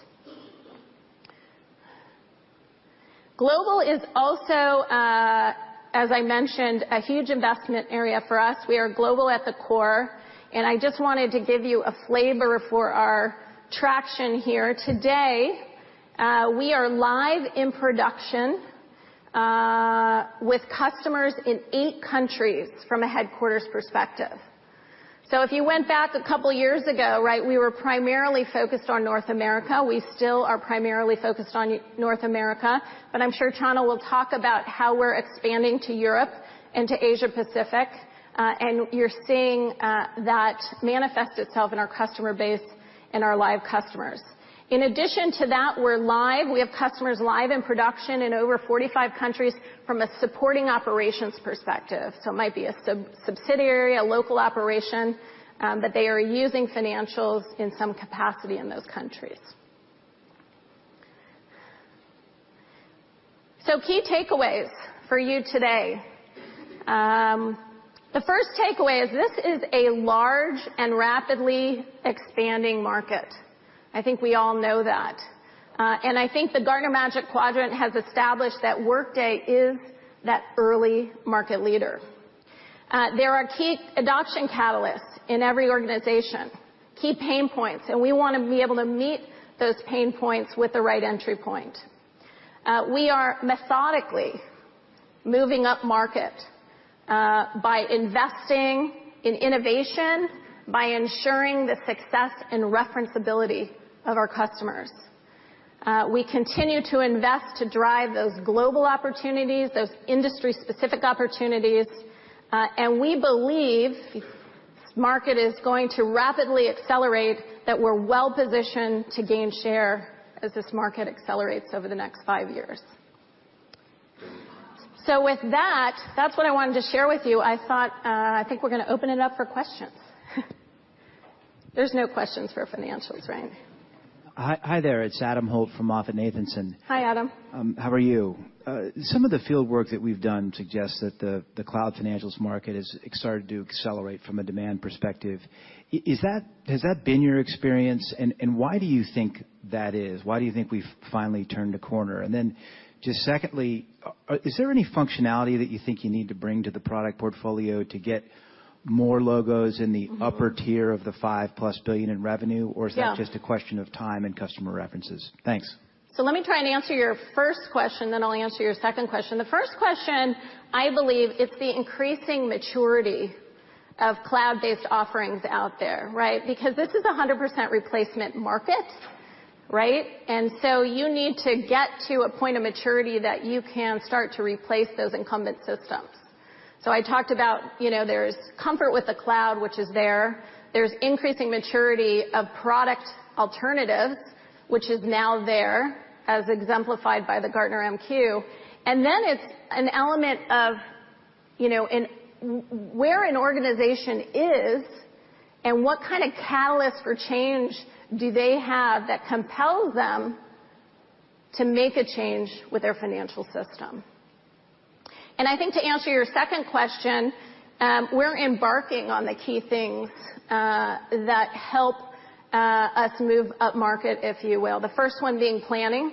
S9: Global is also, as I mentioned, a huge investment area for us. We are global at the core, and I just wanted to give you a flavor for our traction here. Today, we are live in production, with customers in eight countries from a headquarters perspective. If you went back a couple of years ago, we were primarily focused on North America. We still are primarily focused on North America, but I'm sure Chano will talk about how we're expanding to Europe and to Asia-Pacific. You're seeing that manifest itself in our customer base and our live customers. In addition to that, we're live. We have customers live in production in over 45 countries from a supporting operations perspective. It might be a subsidiary, a local operation, but they are using financials in some capacity in those countries. Key takeaways for you today. The first takeaway is this is a large and rapidly expanding market. I think we all know that. I think the Gartner Magic Quadrant has established that Workday is that early market leader. There are key adoption catalysts in every organization, key pain points, and we want to be able to meet those pain points with the right entry point. We are methodically moving up market, by investing in innovation, by ensuring the success and referenceability of our customers. We continue to invest to drive those global opportunities, those industry-specific opportunities. We believe this market is going to rapidly accelerate, that we're well-positioned to gain share as this market accelerates over the next five years. With that's what I wanted to share with you. I think we're going to open it up for questions. There's no questions for financials, right?
S10: Hi there, it's Adam Holt from MoffettNathanson.
S9: Hi, Adam.
S10: How are you? Some of the field work that we've done suggests that the cloud financials market has started to accelerate from a demand perspective. Has that been your experience, and why do you think that is? Why do you think we've finally turned a corner? Then just secondly, is there any functionality that you think you need to bring to the product portfolio to get more logos in the upper tier of the $5+ billion in revenue?
S9: Yeah.
S10: Is that just a question of time and customer references? Thanks.
S9: Let me try and answer your first question, then I'll answer your second question. The first question, I believe it's the increasing maturity of cloud-based offerings out there. This is a 100% replacement market. You need to get to a point of maturity that you can start to replace those incumbent systems. I talked about, there's comfort with the cloud, which is there. There's increasing maturity of product alternatives, which is now there, as exemplified by the Gartner MQ. It's an element of where an organization is and what kind of catalyst for change do they have that compels them to make a change with their financial system. I think to answer your second question, we're embarking on the key things that help us move up market, if you will. The first one being planning.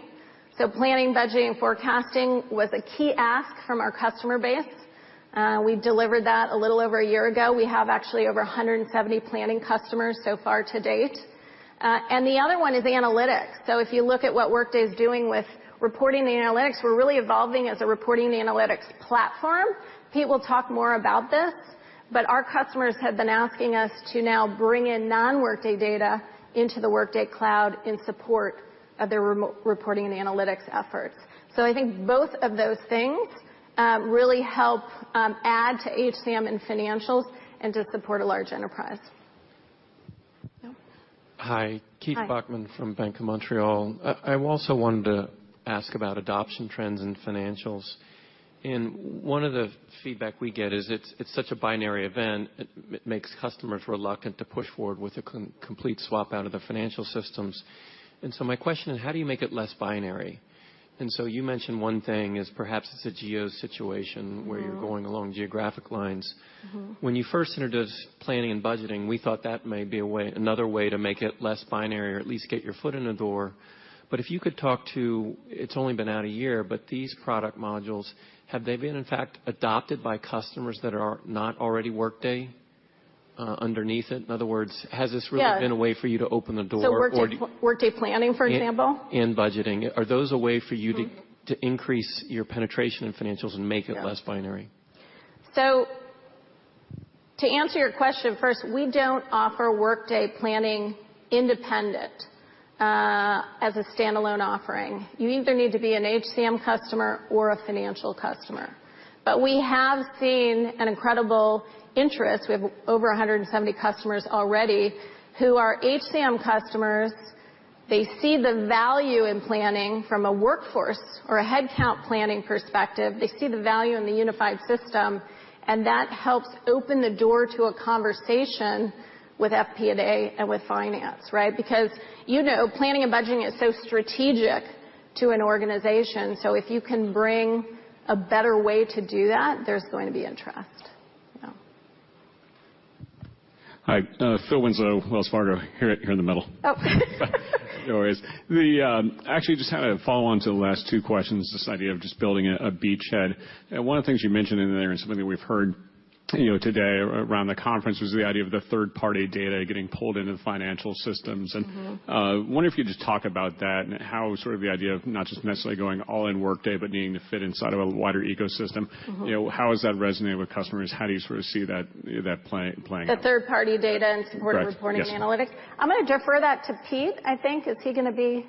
S9: Planning, budgeting, and forecasting was a key ask from our customer base. We delivered that a little over a year ago. We have actually over 170 planning customers so far to date. The other one is analytics. If you look at what Workday's doing with reporting analytics, we're really evolving as a reporting analytics platform. Pete will talk more about this, but our customers have been asking us to now bring in non-Workday data into the Workday cloud in support of their reporting and analytics efforts. I think both of those things really help add to HCM in financials and to support a large enterprise. Yeah.
S11: Hi.
S9: Hi.
S11: Keith Bachman from Bank of Montreal. I also wanted to ask about adoption trends in financials. In one of the feedback we get is it's such a binary event, it makes customers reluctant to push forward with a complete swap out of their financial systems. My question is, how do you make it less binary? You mentioned one thing is perhaps it's a geo situation- where you're going along geographic lines. When you first introduced planning and budgeting, we thought that may be another way to make it less binary or at least get your foot in the door. If you could talk to, it's only been out a year, but these product modules, have they been, in fact, adopted by customers that are not already Workday, underneath it? In other words, has this really
S9: Yeah
S11: been a way for you to open the door?
S9: Workday Planning, for example?
S11: Budgeting. Are those a way for you to- to increase your penetration in financials and make it less binary?
S9: To answer your question, first, we don't offer Workday Planning independent as a standalone offering. You either need to be an HCM customer or a financial customer. We have seen an incredible interest. We have over 170 customers already who are HCM customers. They see the value in planning from a workforce or a headcount planning perspective. They see the value in the unified system, and that helps open the door to a conversation with FP&A and with finance, right? Planning and budgeting is so strategic to an organization. If you can bring a better way to do that, there's going to be interest. Yeah.
S12: Hi. Phil Winslow, Wells Fargo. Here in the middle.
S9: Oh.
S12: No worries. Actually, just had a follow-on to the last two questions, this idea of just building a beachhead. One of the things you mentioned in there, and it's something we've heard today around the conference, was the idea of the third-party data getting pulled into the financial systems. I wonder if you could just talk about that and how sort of the idea of not just necessarily going all-in Workday, but needing to fit inside of a wider ecosystem. How has that resonated with customers? How do you sort of see that playing out?
S9: The third-party data and-
S12: Right. Yes
S9: supportive reporting analytics? I'm going to defer that to Pete, I think. Is he going to be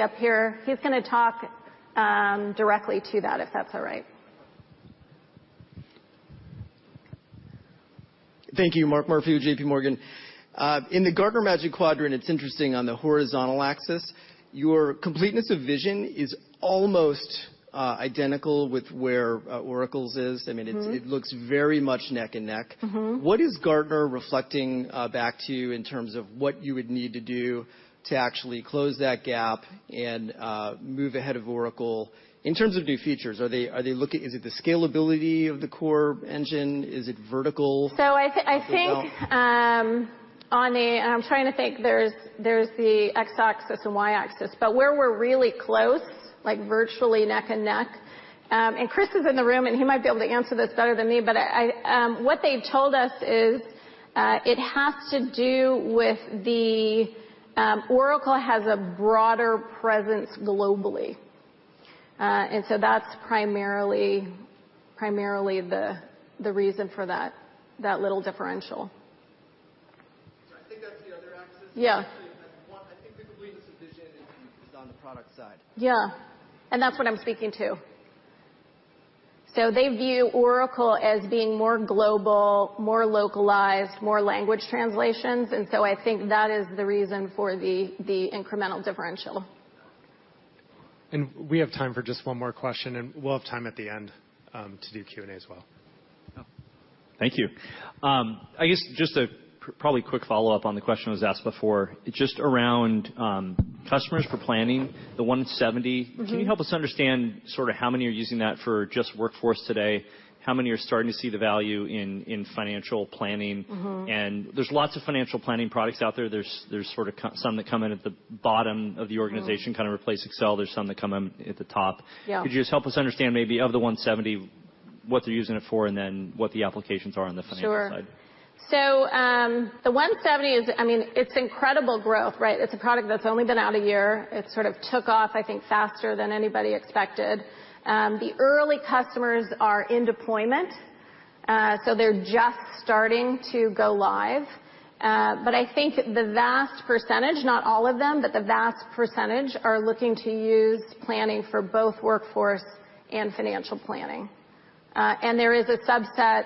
S9: up here. He's going to talk directly to that, if that's all right.
S13: Thank you. Mark Murphy with JPMorgan. In the Gartner Magic Quadrant, it's interesting, on the horizontal axis, your completeness of vision is almost identical with where Oracle's is. It looks very much neck and neck. What is Gartner reflecting back to you in terms of what you would need to do to actually close that gap and move ahead of Oracle in terms of new features? Is it the scalability of the core engine? Is it vertical as well?
S9: I'm trying to think. There's the X-axis and Y-axis, but where we're really close, like virtually neck and neck, Chris is in the room, and he might be able to answer this better than me, but what they've told us is, it has to do with the Oracle has a broader presence globally. That's primarily the reason for that little differential.
S13: I think that's the other axis.
S9: Yeah.
S13: Actually, I think the completeness of vision is on the product side.
S9: Yeah. That's what I'm speaking to. They view Oracle as being more global, more localized, more language translations, I think that is the reason for the incremental differential.
S1: We have time for just one more question, and we'll have time at the rug to do Q&A as well.
S9: Oh.
S14: Thank you. I guess just a probably quick follow-up on the question that was asked before, just around customers for planning, the 170. Can you help us understand sort of how many are using that for just Workforce today? How many are starting to see the value in financial planning? There's lots of financial planning products out there. There's sort of some that come in at the bottom of the organization- kind of replace Excel. There's some that come in at the top.
S9: Yeah.
S14: Could you just help us understand maybe of the 170, what they're using it for, and then what the applications are on the financial side?
S9: Sure. The 170 is, it's incredible growth, right? It's a product that's only been out a year. It sort of took off, I think, faster than anybody expected. The early customers are in deployment, so they're just starting to go live. I think the vast percentage, not all of them, but the vast percentage are looking to use planning for both workforce and financial planning. There is a subset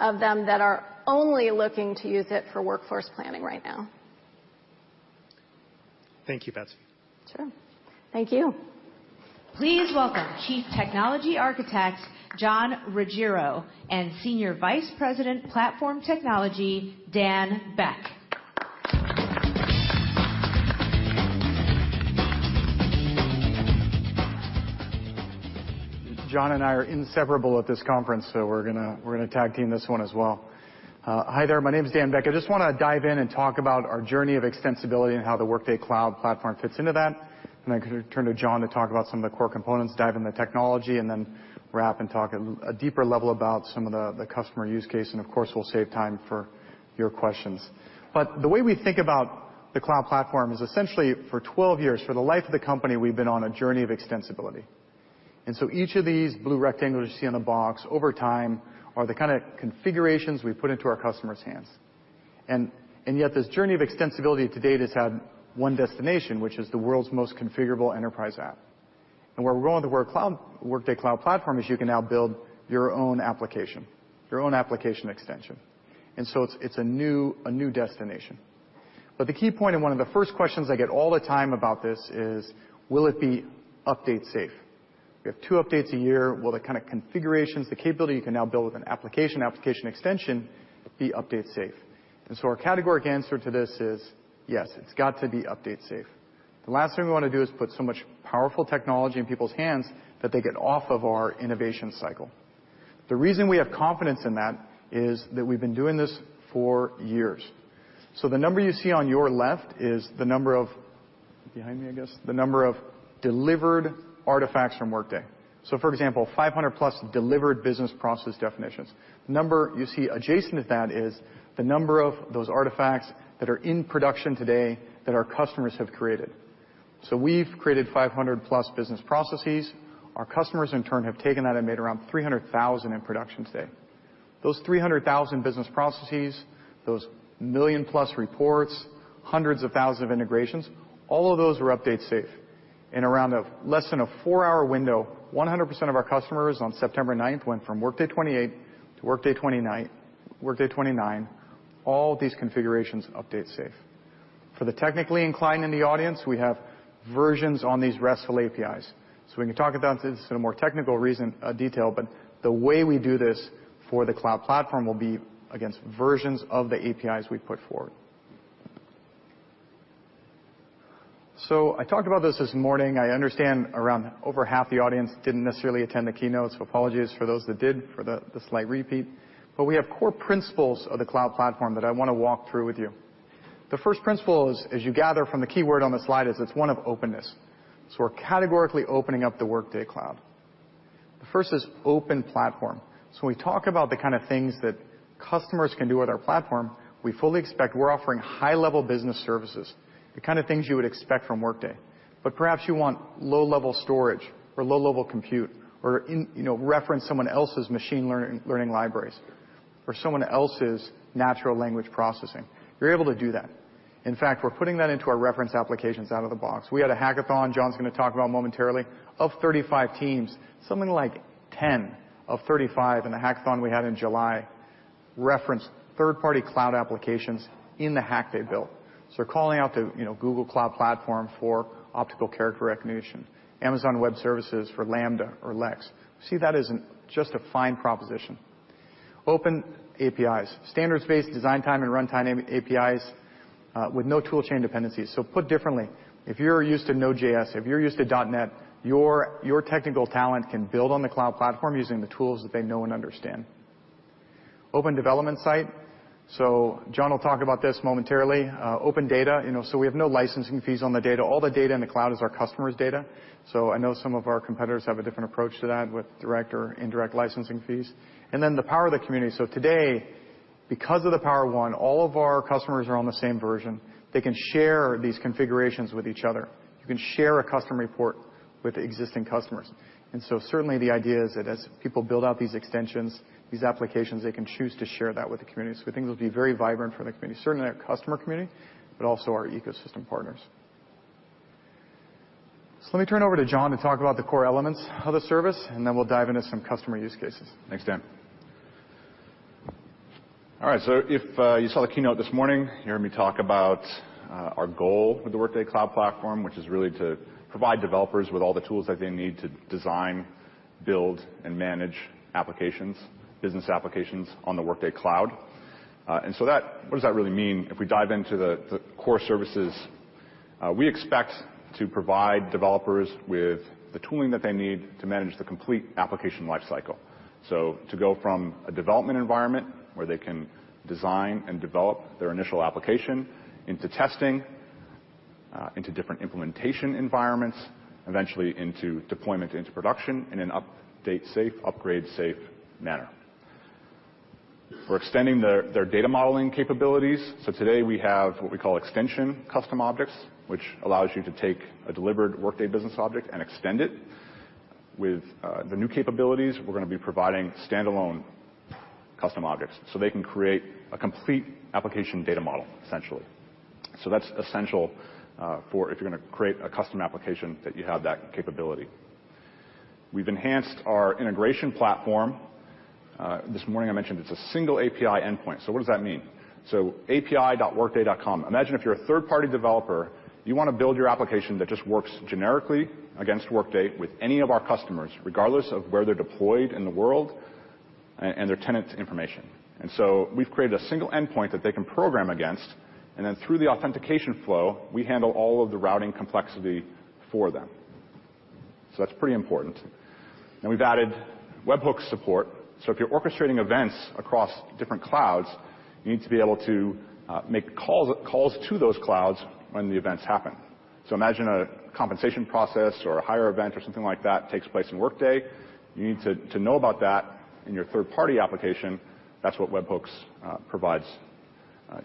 S9: of them that are only looking to use it for workforce planning right now.
S14: Thank you, Betsy.
S9: Sure. Thank you.
S8: Please welcome Chief Technology Architect, Jon Ruggiero, and Senior Vice President of Platform Technology, Dan Beck.
S15: Jon and I are inseparable at this conference, we're going to tag team this one as well. Hi there. My name's Dan Beck. I just want to dive in and talk about our journey of extensibility and how the Workday Cloud Platform fits into that. Then I'm going to turn to Jon to talk about some of the core components, dive into technology, then wrap and talk at a deeper level about some of the customer use case. Of course, we'll save time for your questions. The way we think about the cloud platform is essentially for 12 years, for the life of the company, we've been on a journey of extensibility. So each of these blue rectangles you see on the box over time are the kind of configurations we've put into our customers' hands. Yet this journey of extensibility to date has had one destination, which is the world's most configurable enterprise app. Where we're going with the Workday Cloud Platform is you can now build your own application, your own application extension. It's a new destination. The key point, and one of the first questions I get all the time about this is, will it be update safe? We have two updates a year. Will the kind of configurations, the capability you can now build with an application extension, be update safe? Our categoric answer to this is, yes, it's got to be update safe. The last thing we want to do is put so much powerful technology in people's hands that they get off of our innovation cycle. The reason we have confidence in that is that we've been doing this for years. The number you see on your left is the number of, behind me, I guess, the number of delivered artifacts from Workday. For example, 500+ delivered business process definitions. The number you see adjacent to that is the number of those artifacts that are in production today that our customers have created. We've created 500-plus business processes. Our customers in turn have taken that and made around 300,000 in production today. Those 300,000 business processes, those million-plus reports, hundreds of thousands of integrations, all of those were update safe. In around less than a 4-hour window, 100% of our customers on September 9th went from Workday 28 to Workday 29, all these configurations update safe. For the technically inclined in the audience, we have versions on these RESTful APIs. We can talk about this in a more technical detail, but the way we do this for the cloud platform will be against versions of the APIs we put forward. I talked about this this morning. I understand around over half the audience didn't necessarily attend the keynote, apologies for those that did for the slight repeat. We have core principles of the cloud platform that I want to walk through with you. The first principle is, as you gather from the key word on the slide, is it's one of openness. We're categorically opening up the Workday Cloud. The first is open platform. When we talk about the kind of things that customers can do with our platform, we fully expect we're offering high-level business services, the kind of things you would expect from Workday. Perhaps you want low-level storage or low-level compute or reference someone else's machine learning libraries or someone else's natural language processing. You're able to do that. In fact, we're putting that into our reference applications out of the box. We had a hackathon Jon's going to talk about momentarily. Of 35 teams, something like 10 of 35 in the hackathon we had in July referenced third-party cloud applications in the hack they built. They're calling out to Google Cloud Platform for optical character recognition, Amazon Web Services for Lambda or Lex. We see that as just a fine proposition. Open APIs. Standards-based design time and runtime APIs, with no tool chain dependencies. Put differently, if you're used to Node.js, if you're used to .NET, your technical talent can build on the cloud platform using the tools that they know and understand. Open development site. Jon will talk about this momentarily. Open data. We have no licensing fees on the data. All the data in the cloud is our customer's data. I know some of our competitors have a different approach to that with direct or indirect licensing fees. The power of the community. Today, because of the power of one, all of our customers are on the same version. They can share these configurations with each other. You can share a custom report with existing customers. Certainly the idea is that as people build out these extensions, these applications, they can choose to share that with the community. We think it'll be very vibrant for the community, certainly our customer community, but also our ecosystem partners. Let me turn it over to Jon to talk about the core elements of the service, and then we'll dive into some customer use cases.
S16: Thanks, Dan. All right. If you saw the keynote this morning, you heard me talk about our goal with the Workday Cloud Platform, which is really to provide developers with all the tools that they need to design, build, and manage business applications on the Workday Cloud. What does that really mean? If we dive into the core services, we expect to provide developers with the tooling that they need to manage the complete application life cycle. To go from a development environment where they can design and develop their initial application into testing, into different implementation environments, eventually into deployment into production in an update safe, upgrade safe manner. We're extending their data modeling capabilities. Today we have what we call extension custom objects, which allows you to take a delivered Workday business object and extend it. With the new capabilities, we're going to be providing standalone custom objects so they can create a complete application data model, essentially. That's essential if you're going to create a custom application that you have that capability. We've enhanced our integration platform. This morning I mentioned it's a single API endpoint. What does that mean? api.workday.com. Imagine if you're a third-party developer, you want to build your application that just works generically against Workday with any of our customers, regardless of where they're deployed in the world and their tenant information. We've created a single endpoint that they can program against, and then through the authentication flow, we handle all of the routing complexity for them. That's pretty important. We've added webhooks support. If you're orchestrating events across different clouds, you need to be able to make calls to those clouds when the events happen. Imagine a compensation process or a hire event or something like that takes place in Workday. You need to know about that in your third-party application. That's what webhooks provides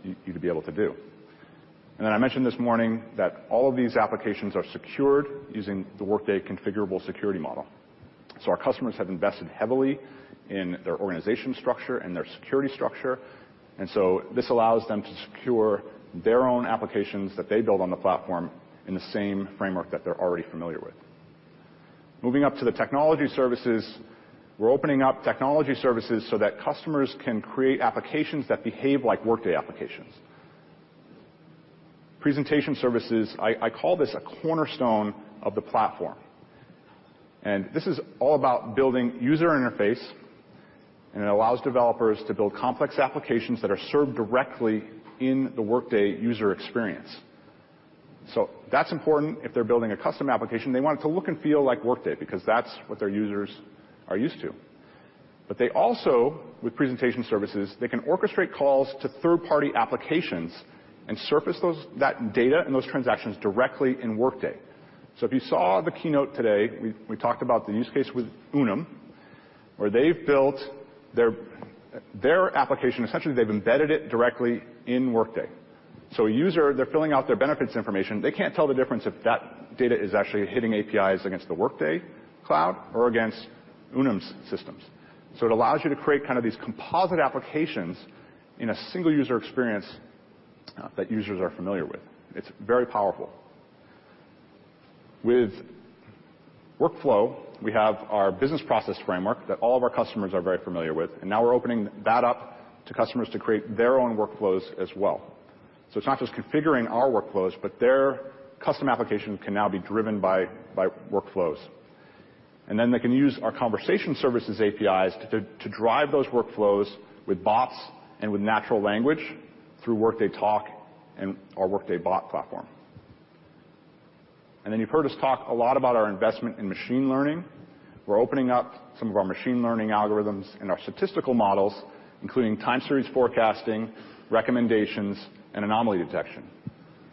S16: you to be able to do. I mentioned this morning that all of these applications are secured using the Workday configurable security model. Our customers have invested heavily in their organization structure and their security structure. This allows them to secure their own applications that they build on the platform in the same framework that they're already familiar with. Moving up to the technology services, we're opening up technology services so that customers can create applications that behave like Workday applications. Presentation services, I call this a cornerstone of the platform. This is all about building user interface, and it allows developers to build complex applications that are served directly in the Workday user experience. That's important if they're building a custom application, they want it to look and feel like Workday because that's what their users are used to. They also, with presentation services, they can orchestrate calls to third-party applications and surface that data and those transactions directly in Workday. If you saw the keynote today, we talked about the use case with Unum, where they've built their application, essentially, they've embedded it directly in Workday. A user, they're filling out their benefits information, they can't tell the difference if that data is actually hitting APIs against the Workday cloud or against Unum's systems. It allows you to create these composite applications in a single user experience that users are familiar with. It's very powerful. With workflow, we have our business process framework that all of our customers are very familiar with, now we're opening that up to customers to create their own workflows as well. It's not just configuring our workflows, but their custom application can now be driven by workflows. They can use our conversation services APIs to drive those workflows with bots and with natural language through Workday Talk and our Workday bot platform. You've heard us talk a lot about our investment in machine learning. We're opening up some of our machine learning algorithms and our statistical models, including time series forecasting, recommendations, and anomaly detection.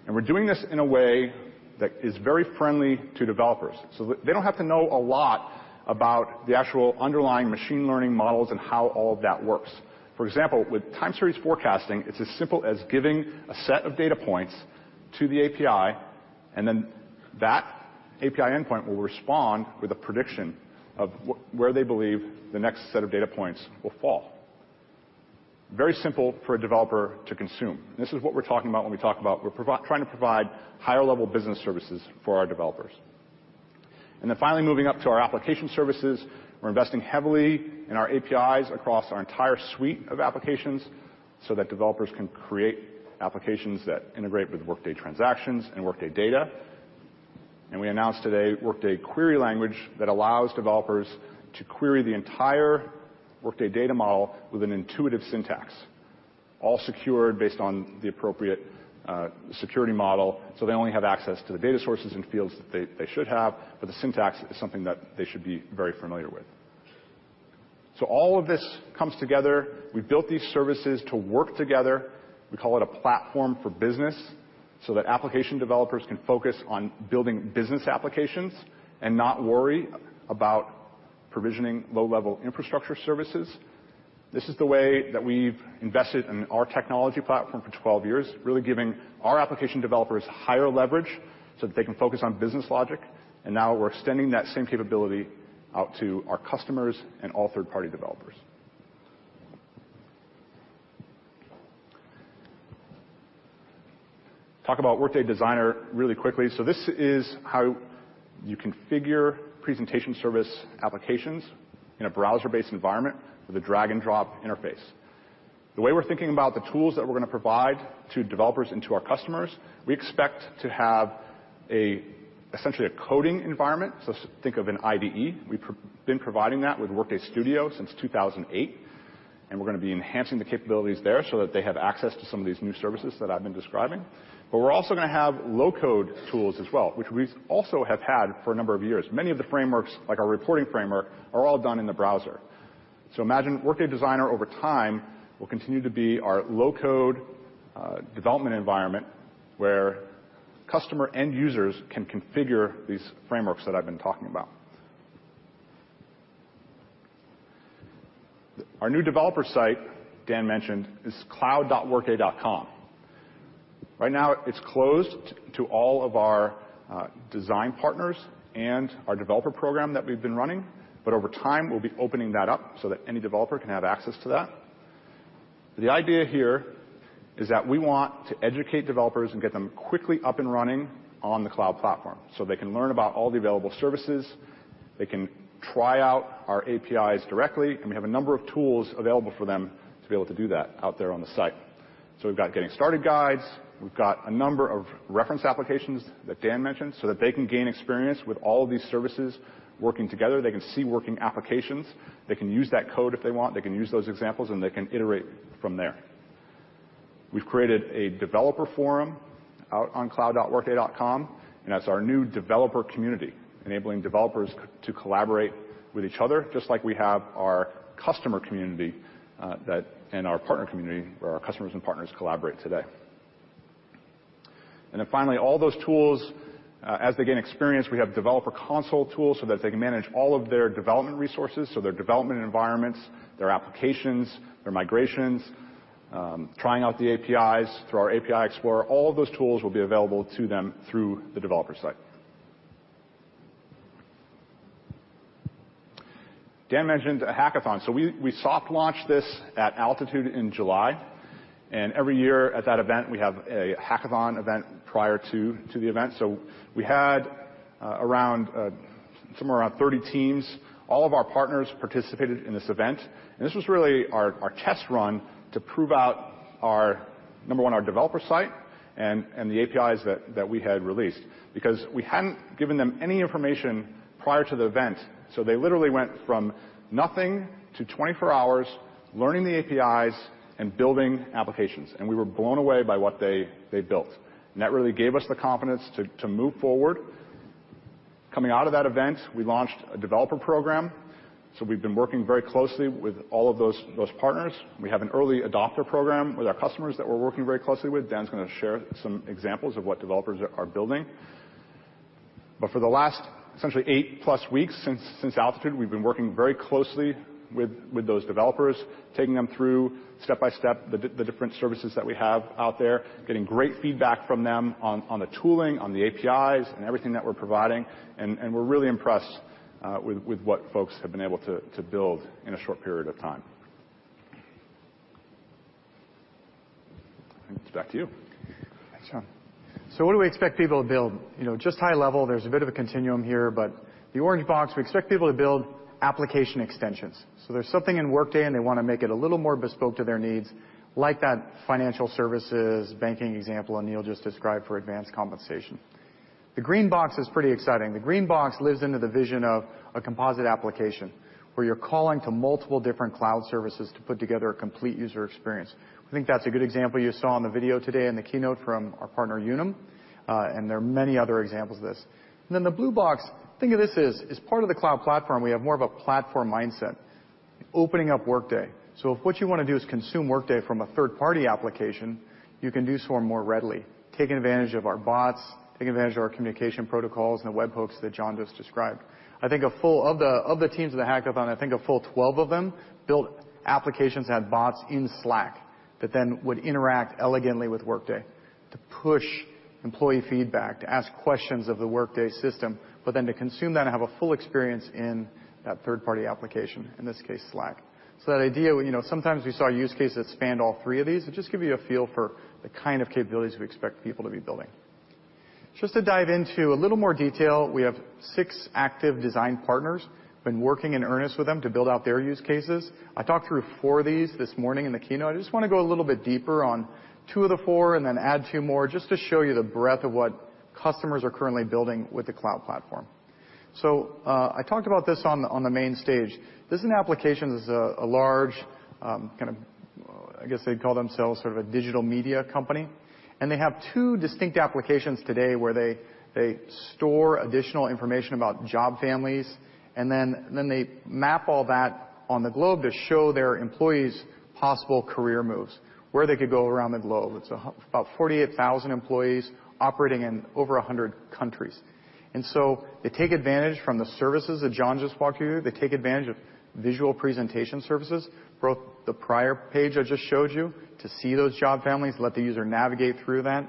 S16: We're doing this in a way that is very friendly to developers, so they don't have to know a lot about the actual underlying machine learning models and how all of that works. For example, with time series forecasting, it's as simple as giving a set of data points to the API, that API endpoint will respond with a prediction of where they believe the next set of data points will fall. Very simple for a developer to consume. This is what we're talking about when we talk about we're trying to provide higher-level business services for our developers. Finally, moving up to our application services. We're investing heavily in our APIs across our entire suite of applications so that developers can create applications that integrate with Workday transactions and Workday data. We announced today Workday Query Language that allows developers to query the entire Workday data model with an intuitive syntax, all secured based on the appropriate security model. They only have access to the data sources and fields that they should have, but the syntax is something that they should be very familiar with. All of this comes together. We built these services to work together. We call it a platform for business, that application developers can focus on building business applications and not worry about provisioning low-level infrastructure services. This is the way that we've invested in our technology platform for 12 years, really giving our application developers higher leverage so that they can focus on business logic. Now we're extending that same capability out to our customers and all third-party developers. Talk about Workday Designer really quickly. This is how you configure presentation service applications in a browser-based environment with a drag and drop interface. The way we're thinking about the tools that we're going to provide to developers and to our customers, we expect to have essentially a coding environment. Think of an IDE. We've been providing that with Workday Studio since 2018, and we're going to be enhancing the capabilities there so that they have access to some of these new services that I've been describing. We're also going to have low-code tools as well, which we also have had for a number of years. Many of the frameworks, like our reporting framework, are all done in the browser. Imagine Workday Designer over time will continue to be our low-code development environment where customer end users can configure these frameworks that I've been talking about. Our new developer site Dan mentioned is cloud.workday.com. Right now it's closed to all of our design partners and our developer program that we've been running, but over time, we'll be opening that up so that any developer can have access to that. The idea here is that we want to educate developers and get them quickly up and running on the cloud platform so they can learn about all the available services. They can try out our APIs directly, and we have a number of tools available for them to be able to do that out there on the site. We've got getting started guides. We've got a number of reference applications that Dan mentioned so that they can gain experience with all of these services working together. They can see working applications. They can use that code if they want. They can use those examples, and they can iterate from there. We've created a developer forum out on cloud.workday.com, and that's our new developer community, enabling developers to collaborate with each other, just like we have our customer community and our partner community where our customers and partners collaborate today. Then finally, all those tools, as they gain experience, we have developer console tools so that they can manage all of their development resources, so their development environments, their applications, their migrations, trying out the APIs through our API Explorer. All of those tools will be available to them through the developer site. Dan mentioned a hackathon. We soft launched this at Workday Altitude in July. Every year at that event, we have a hackathon event prior to the event. We had somewhere around 30 teams. All of our partners participated in this event. This was really our test run to prove out number 1, our developer site and the APIs that we had released. Because we hadn't given them any information prior to the event, so they literally went from nothing to 24 hours learning the APIs and building applications. We were blown away by what they built. That really gave us the confidence to move forward. Coming out of that event, we launched a developer program. We've been working very closely with all of those partners. We have an early adopter program with our customers that we're working very closely with. Dan's going to share some examples of what developers are building. For the last essentially eight plus weeks since Altitude, we've been working very closely with those developers, taking them through step-by-step the different services that we have out there, getting great feedback from them on the tooling, on the APIs, and everything that we're providing. We're really impressed with what folks have been able to build in a short period of time. Back to you.
S15: Thanks, Jon. What do we expect people to build? Just high level, there's a bit of a continuum here, the orange box, we expect people to build application extensions. There's something in Workday, and they want to make it a little more bespoke to their needs, like that financial services banking example Aneel just described for advanced compensation. The green box is pretty exciting. The green box lives into the vision of a composite application, where you're calling to multiple different cloud services to put together a complete user experience. I think that's a good example you saw in the video today in the keynote from our partner Unum, there are many other examples of this. The blue box, think of this as part of the cloud platform, we have more of a platform mindset, opening up Workday. If what you want to do is consume Workday from a third-party application, you can do so more readily, taking advantage of our bots, taking advantage of our communication protocols and the webhooks that Jon just described. I think of the teams of the hackathon, I think a full 12 of them built applications that had bots in Slack that then would interact elegantly with Workday to push employee feedback, to ask questions of the Workday system, but then to consume that and have a full experience in that third-party application, in this case, Slack. That idea, sometimes we saw use cases that spanned all three of these. It just gives you a feel for the kind of capabilities we expect people to be building. Just to dive into a little more detail, we have six active design partners. We've been working in earnest with them to build out their use cases. I talked through four of these this morning in the keynote. I just want to go a little bit deeper on two of the four and then add two more, just to show you the breadth of what customers are currently building with the cloud platform. I talked about this on the main stage. This application is a large, I guess they'd call themselves sort of a digital media company, and they have two distinct applications today where they store additional information about job families, and then they map all that on the globe to show their employees possible career moves, where they could go around the globe. It's about 48,000 employees operating in over 100 countries. They take advantage from the services that Jon just walked you through. They take advantage of visual presentation services, both the prior page I just showed you to see those job families, let the user navigate through that,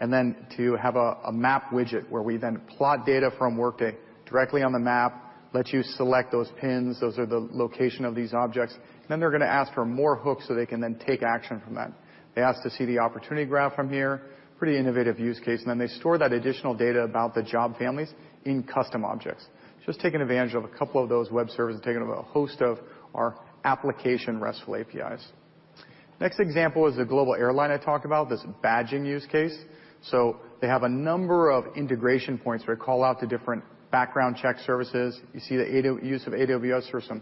S15: and then to have a map widget where we then plot data from Workday directly on the map, lets you select those pins. Those are the location of these objects. They're going to ask for more hooks so they can then take action from that. They ask to see the opportunity graph from here. Pretty innovative use case. They store that additional data about the job families in custom objects. Just taking advantage of a couple of those web services and taking a host of our application RESTful APIs. Next example is the global airline I talked about, this badging use case. You see the use of AWS for some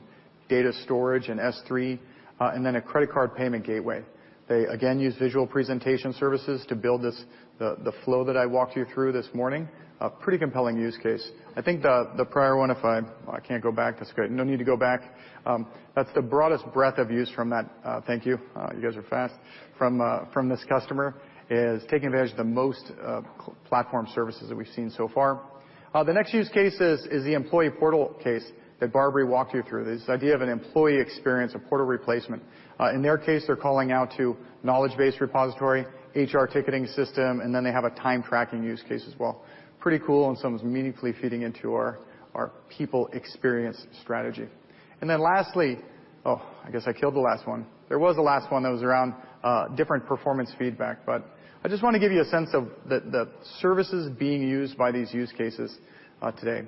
S15: data storage and S3, and then a credit card payment gateway. They, again, use visual presentation services to build the flow that I walked you through this morning. A pretty compelling use case. I think the prior one, if I Oh, I can't go back. That's great. No need to go back. That's the broadest breadth of use from that. Thank you. You guys are fast. From this customer is taking advantage of the most platform services that we've seen so far. The next use case is the employee portal case that Barbry walked you through. This idea of an employee experience, a portal replacement. In their case, they're calling out to knowledge base repository, HR ticketing system, they have a time tracking use case as well. Pretty cool, something that's meaningfully feeding into our people experience strategy. Lastly Oh, I guess I killed the last one. There was a last one that was around different performance feedback. I just want to give you a sense of the services being used by these use cases today.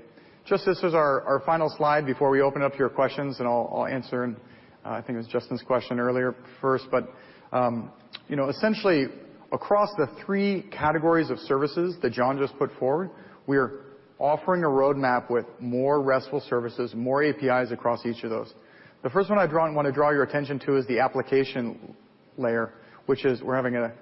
S15: This is our final slide before we open up to your questions, and I'll answer, I think it was Justin's question earlier first. Essentially, across the three categories of services that Jon just put forward, we are offering a roadmap with more RESTful services, more APIs across each of those. The first one I want to draw your attention to is the application layer, which is we're having a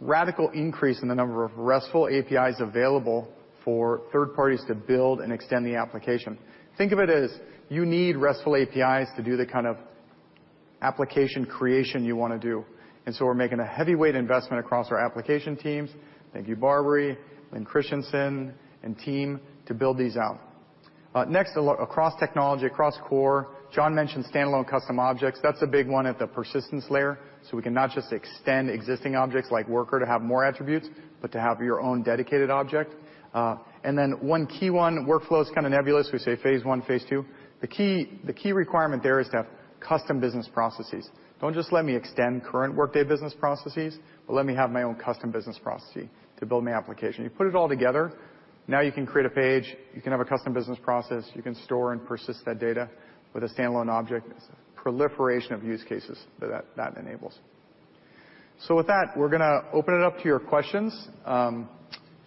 S15: radical increase in the number of RESTful APIs available for third parties to build and extend the application. Think of it as you need RESTful APIs to do the kind of application creation you want to do, we're making a heavyweight investment across our application teams. Thank you, Barbry, Lynn Christensen, and team to build these out. Across technology, across core, Jon mentioned standalone custom objects. That's a big one at the persistence layer. We can not just extend existing objects like worker to have more attributes, but to have your own dedicated object. One key one, workflow is kind of nebulous. We say phase one, phase two. The key requirement there is to have custom business processes. Don't just let me extend current Workday business processes, but let me have my own custom business process to build my application. You put it all together. Now you can create a page. You can have a custom business process. You can store and persist that data with a standalone object. It's a proliferation of use cases that enables. With that, we're going to open it up to your questions.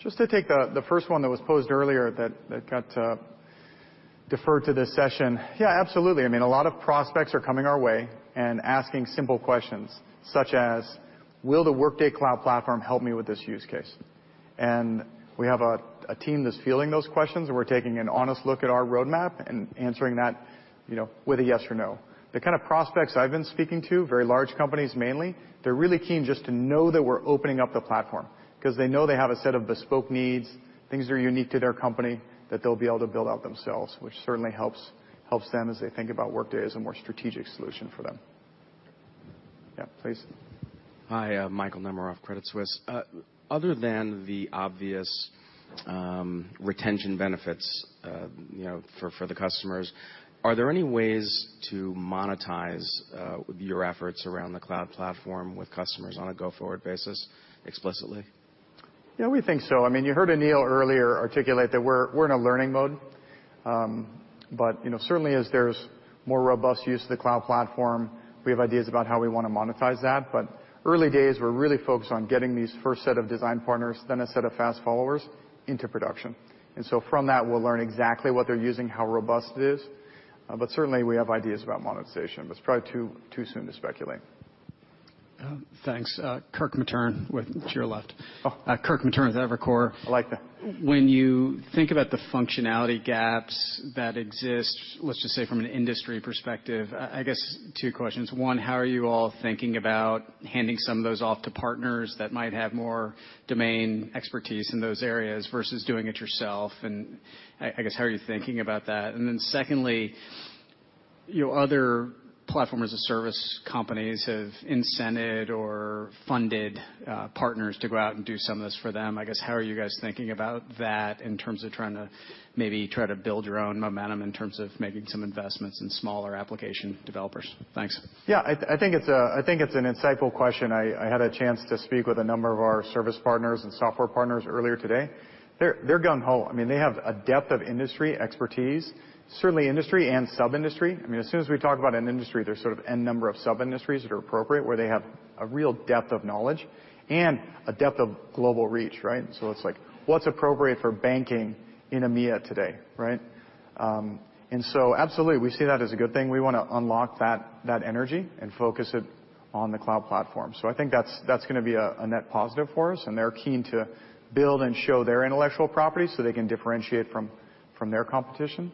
S15: Just to take the first one that was posed earlier that got deferred to this session. Absolutely. I mean, a lot of prospects are coming our way and asking simple questions, such as, "Will the Workday Cloud Platform help me with this use case?" We have a team that's fielding those questions, and we're taking an honest look at our roadmap and answering that with a yes or no. The kind of prospects I've been speaking to, very large companies mainly, they're really keen just to know that we're opening up the platform because they know they have a set of bespoke needs, things that are unique to their company that they'll be able to build out themselves, which certainly helps them as they think about Workday as a more strategic solution for them. Please.
S17: Hi, Michael Nemeroff, Credit Suisse. Other than the obvious retention benefits for the customers, are there any ways to monetize your efforts around the Cloud Platform with customers on a go-forward basis explicitly?
S15: Yeah, we think so. You heard Aneel earlier articulate that we're in a learning mode. Certainly, as there's more robust use of the cloud platform, we have ideas about how we want to monetize that. Early days, we're really focused on getting these first set of design partners, then a set of fast followers into production. From that, we'll learn exactly what they're using, how robust it is. Certainly, we have ideas about monetization, but it's probably too soon to speculate.
S18: Thanks. Kirk Materne. To your left.
S15: Oh.
S18: Kirk Materne with Evercore.
S15: I like that.
S18: When you think about the functionality gaps that exist, let's just say from an industry perspective, I guess two questions. One, how are you all thinking about handing some of those off to partners that might have more domain expertise in those areas versus doing it yourself? I guess, how are you thinking about that? Secondly, other platform-as-a-service companies have incented or funded partners to go out and do some of this for them. I guess, how are you guys thinking about that in terms of trying to maybe try to build your own momentum in terms of making some investments in smaller application developers? Thanks.
S15: Yeah. I think it's an insightful question. I had a chance to speak with a number of our service partners and software partners earlier today. They're gung ho. They have a depth of industry expertise, certainly industry and sub-industry. As soon as we talk about an industry, there's sort of N number of sub-industries that are appropriate, where they have a real depth of knowledge and a depth of global reach, right? It's like, what's appropriate for banking in EMEA today, right? Absolutely, we see that as a good thing. We want to unlock that energy and focus it on the cloud platform. I think that's going to be a net positive for us, and they're keen to build and show their intellectual property so they can differentiate from their competition.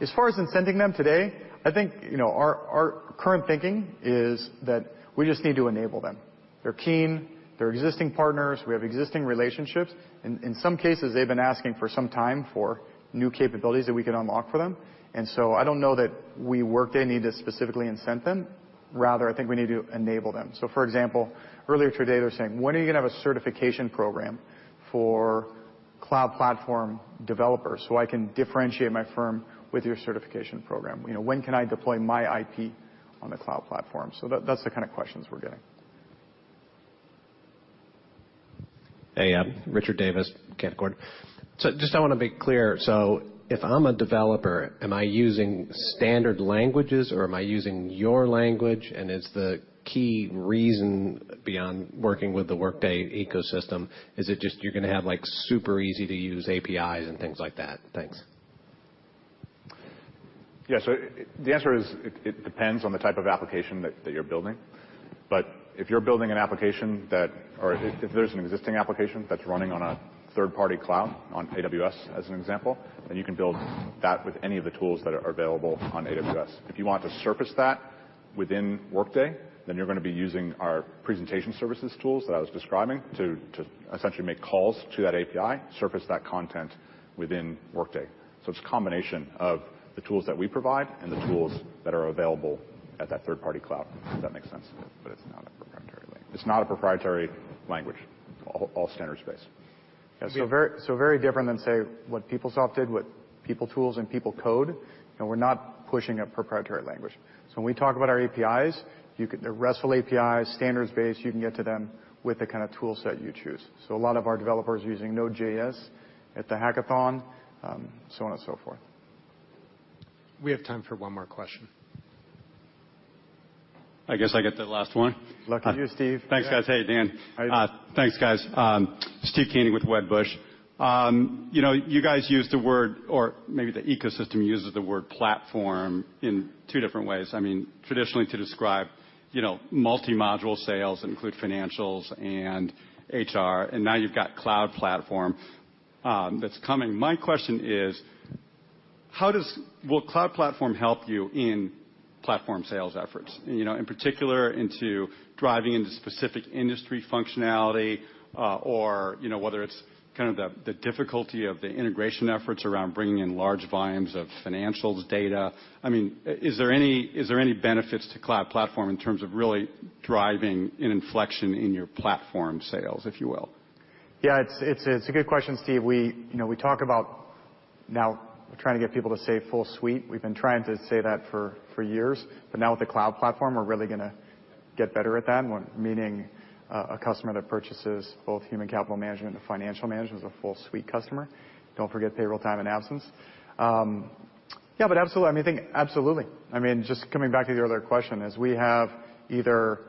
S15: As far as incenting them today, I think our current thinking is that we just need to enable them. They're keen. They're existing partners. We have existing relationships. In some cases, they've been asking for some time for new capabilities that we could unlock for them. I don't know that we Workday need to specifically incent them. Rather, I think we need to enable them. For example, earlier today, they were saying, "When are you going to have a certification program for cloud platform developers so I can differentiate my firm with your certification program?" "When can I deploy my IP on the cloud platform?" That's the kind of questions we're getting.
S19: Hey. Richard Davis, Canaccord. Just I want to be clear. If I'm a developer, am I using standard languages or am I using your language, and is the key reason beyond working with the Workday ecosystem, is it just you're going to have super easy-to-use APIs and things like that? Thanks.
S16: The answer is, it depends on the type of application that you're building. If you're building an application or if there's an existing application that's running on a third-party cloud, on AWS as an example, you can build that with any of the tools that are available on AWS. If you want to surface that within Workday, you're going to be using our presentation services tools that I was describing to essentially make calls to that API, surface that content within Workday. It's a combination of the tools that we provide and the tools that are available at that third-party cloud, if that makes sense. It's not a proprietary language. All standards-based.
S15: Very different than, say, what PeopleSoft did with PeopleTools and PeopleCode. We're not pushing a proprietary language. When we talk about our APIs, they're RESTful APIs, standards-based. You can get to them with the kind of tool set you choose. A lot of our developers are using Node.js at the hackathon, so on and so forth.
S13: We have time for one more question.
S20: I guess I get the last one.
S15: Lucky you, Steve.
S20: Thanks, guys. Hey, Dan.
S15: Hi.
S20: Thanks, guys. Steve Koenig with Wedbush. You guys used the word, or maybe the ecosystem uses the word platform in two different ways. Traditionally to describe multi-module sales that include financials and HR, and now you've got cloud platform that's coming. My question is, will cloud platform help you in platform sales efforts? In particular, into driving into specific industry functionality or whether it's the difficulty of the integration efforts around bringing in large volumes of financials data. Is there any benefits to cloud platform in terms of really driving an inflection in your platform sales, if you will?
S15: Yeah. It's a good question, Steve. We talk about now trying to get people to say full suite. We've been trying to say that for years. Now with the cloud platform, we're really going to get better at that, meaning a customer that purchases both human capital management and financial management is a full suite customer. Don't forget payroll time and absence. Yeah, absolutely. Just coming back to your other question, as we have either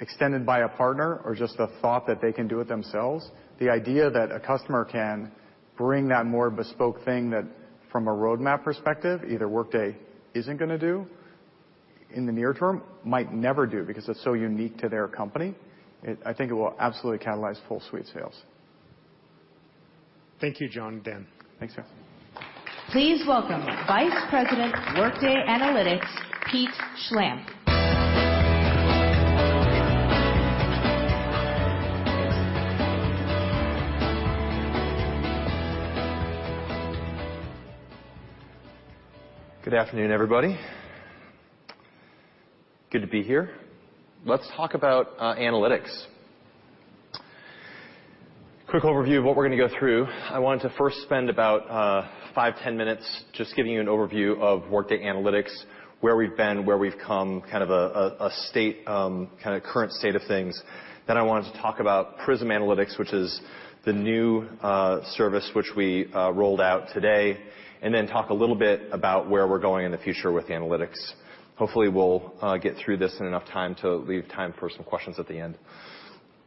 S15: extended by a partner or just the thought that they can do it themselves, the idea that a customer can bring that more bespoke thing that from a roadmap perspective, either Workday isn't going to do in the near term might never do because it's so unique to their company. I think it will absolutely catalyze full suite sales.
S13: Thank you, John. Dan.
S15: Thanks, guys.
S8: Please welcome Vice President, Workday Analytics, Pete Schlampp.
S21: Good afternoon, everybody. Good to be here. Let's talk about analytics. Quick overview of what we're going to go through. I wanted to first spend about five, 10 minutes just giving you an overview of Workday Analytics, where we've been, where we've come, a current state of things. I wanted to talk about Prism Analytics, which is the new service which we rolled out today, talk a little bit about where we're going in the future with analytics. Hopefully, we'll get through this in enough time to leave time for some questions at the end.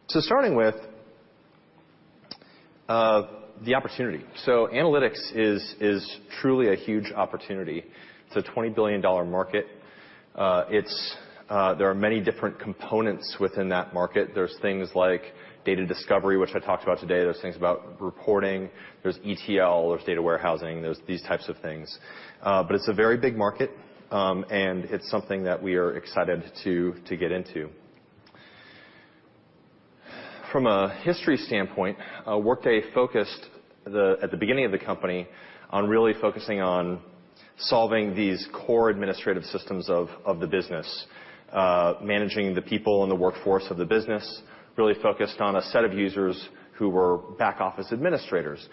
S21: Starting with the opportunity. Analytics is truly a huge opportunity. It's a $20 billion market. There are many different components within that market. There's things like data discovery, which I talked about today. There's things about reporting. There's ETL. There's data warehousing. There's these types of things. It's a very big market, it's something that we are excited to get into. From a history standpoint, Workday focused, at the beginning of the company, on really focusing on solving these core administrative systems of the business, managing the people and the workforce of the business. Really focused on a set of users who were back office administrators.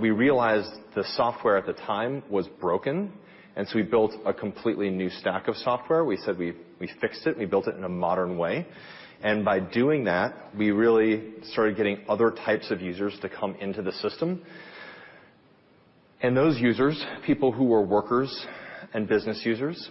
S21: We realized the software at the time was broken, we built a completely new stack of software. We said we fixed it and we built it in a modern way, by doing that, we really started getting other types of users to come into the system. Those users, people who were workers and business users,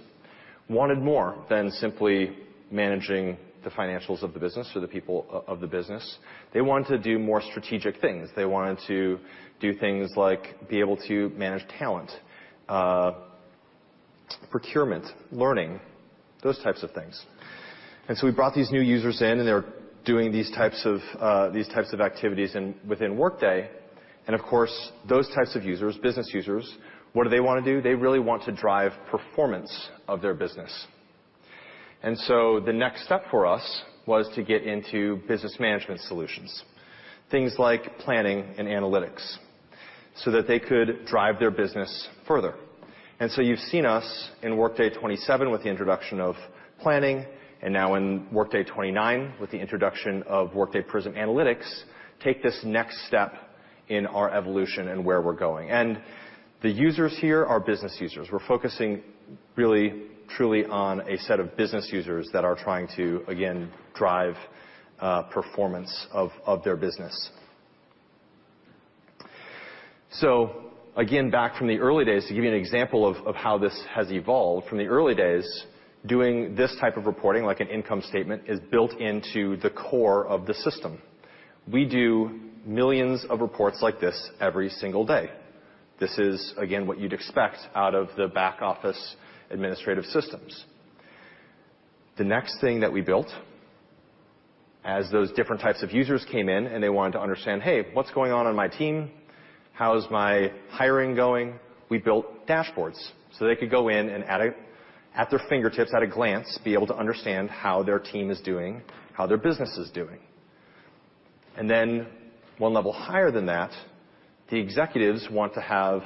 S21: wanted more than simply managing the financials of the business or the people of the business. They wanted to do more strategic things. They wanted to do things like be able to manage talent, procurement, learning, those types of things. We brought these new users in, they were doing these types of activities within Workday. Those types of users, business users, what do they want to do? They really want to drive performance of their business. The next step for us was to get into business management solutions, things like planning and analytics, so that they could drive their business further. You've seen us in Workday 27 with the introduction of planning, now in Workday 29 with the introduction of Workday Prism Analytics, take this next step in our evolution and where we're going. The users here are business users. We're focusing really truly on a set of business users that are trying to, again, drive performance of their business. Again, back from the early days, to give you an example of how this has evolved. From the early days, doing this type of reporting, like an income statement, is built into the core of the system. We do millions of reports like this every single day. This is, again, what you'd expect out of the back office administrative systems. The next thing that we built as those different types of users came in and they wanted to understand, "Hey, what's going on in my team? How's my hiring going?" We built dashboards so they could go in and at their fingertips, at a glance, be able to understand how their team is doing, how their business is doing. One level higher than that, the executives want to have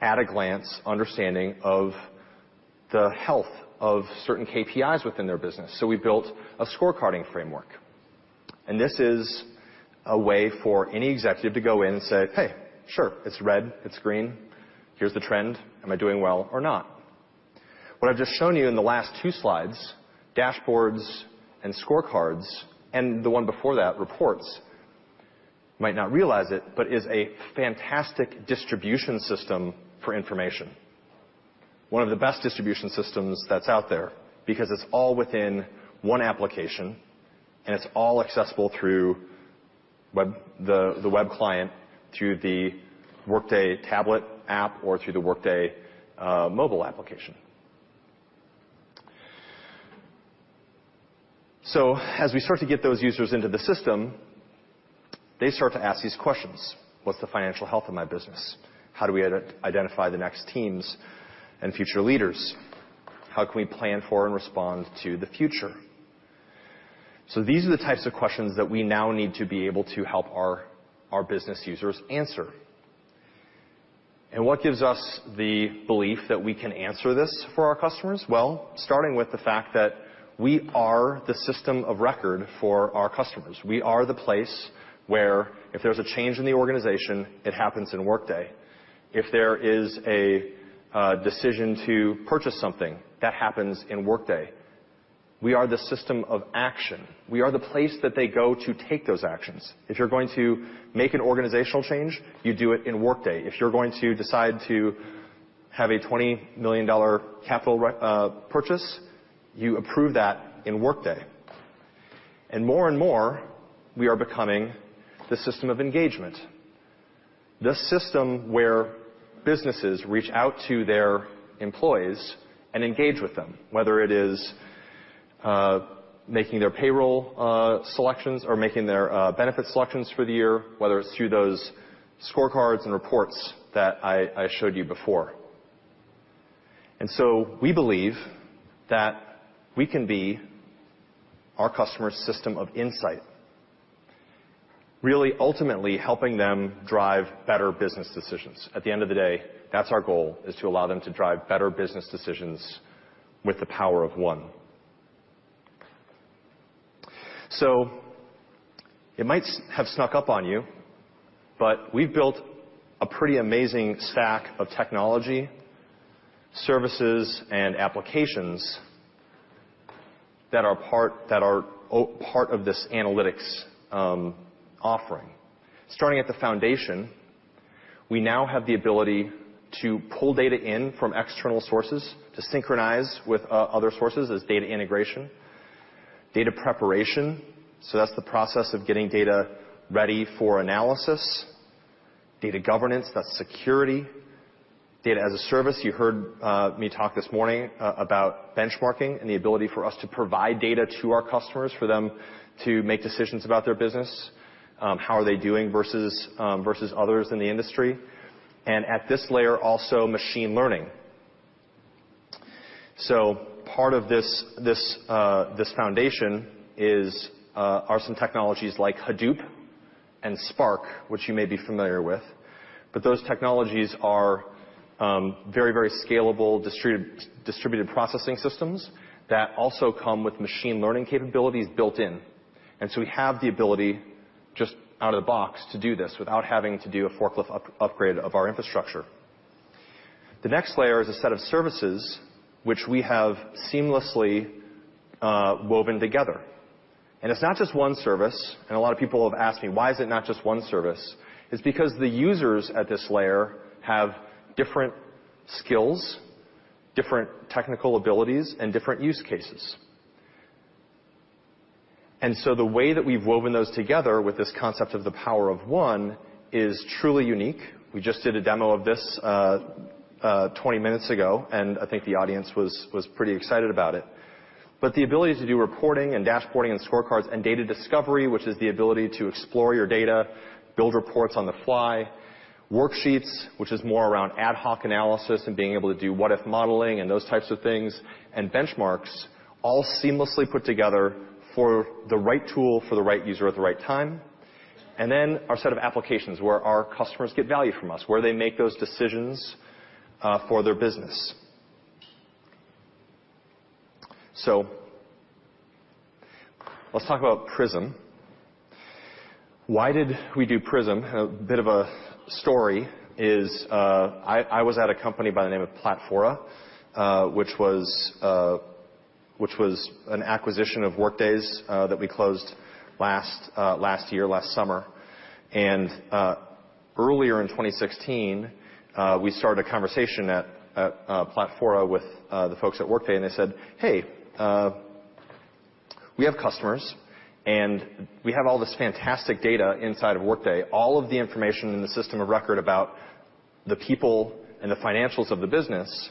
S21: at a glance understanding of the health of certain KPIs within their business. We built a scorecarding framework, this is a way for any executive to go in and say, "Hey, sure, it's red. It's green. Here's the trend. Am I doing well or not?" What I've just shown you in the last two slides, dashboards and scorecards, the one before that, reports, might not realize it, but is a fantastic distribution system for information. One of the best distribution systems that's out there because it's all within one application, it's all accessible through the web client, through the Workday tablet app, or through the Workday mobile application. As we start to get those users into the system, they start to ask these questions. "What's the financial health of my business? How do we identify the next teams and future leaders? How can we plan for and respond to the future?" These are the types of questions that we now need to be able to help our business users answer. What gives us the belief that we can answer this for our customers? Starting with the fact that we are the system of record for our customers. We are the place where if there's a change in the organization, it happens in Workday. If there is a decision to purchase something, that happens in Workday. We are the system of action. We are the place that they go to take those actions. If you're going to make an organizational change, you do it in Workday. If you're going to decide to have a $20 million capital purchase, you approve that in Workday. More and more, we are becoming the system of engagement. The system where businesses reach out to their employees and engage with them, whether it is making their payroll selections or making their benefit selections for the year, whether it's through those scorecards and reports that I showed you before. We believe that we can be our customer's system of insight, really ultimately helping them drive better business decisions. At the end of the day, that's our goal, is to allow them to drive better business decisions with the power of one. It might have snuck up on you, we've built a pretty amazing stack of technology, services, and applications that are part of this analytics offering. Starting at the foundation, we now have the ability to pull data in from external sources to synchronize with other sources as data integration. Data preparation, that's the process of getting data ready for analysis. Data governance, that's security. Data as a service. You heard me talk this morning about benchmarking and the ability for us to provide data to our customers, for them to make decisions about their business, how are they doing versus others in the industry. At this layer, also machine learning. Part of this foundation are some technologies like Hadoop and Spark, which you may be familiar with. Those technologies are very scalable, distributed processing systems that also come with machine learning capabilities built in. We have the ability just out of the box to do this without having to do a forklift upgrade of our infrastructure. The next layer is a set of services which we have seamlessly woven together. It's not just one service, and a lot of people have asked me, why is it not just one service? It's because the users at this layer have different skills, different technical abilities, and different use cases. The way that we've woven those together with this concept of the power of one is truly unique. We just did a demo of this 20 minutes ago, I think the audience was pretty excited about it. The ability to do reporting and dashboarding and scorecards and data discovery, which is the ability to explore your data, build reports on the fly, worksheets, which is more around ad hoc analysis and being able to do what-if modeling and those types of things, and benchmarks all seamlessly put together for the right tool for the right user at the right time. Then our set of applications, where our customers get value from us, where they make those decisions for their business. Let's talk about Prism. Why did we do Prism? A bit of a story is, I was at a company by the name of Platfora, which was an acquisition of Workday's that we closed last year, last summer. Earlier in 2016, we started a conversation at Platfora with the folks at Workday, and they said, "Hey, we have customers, and we have all this fantastic data inside of Workday, all of the information in the system of record about the people and the financials of the business.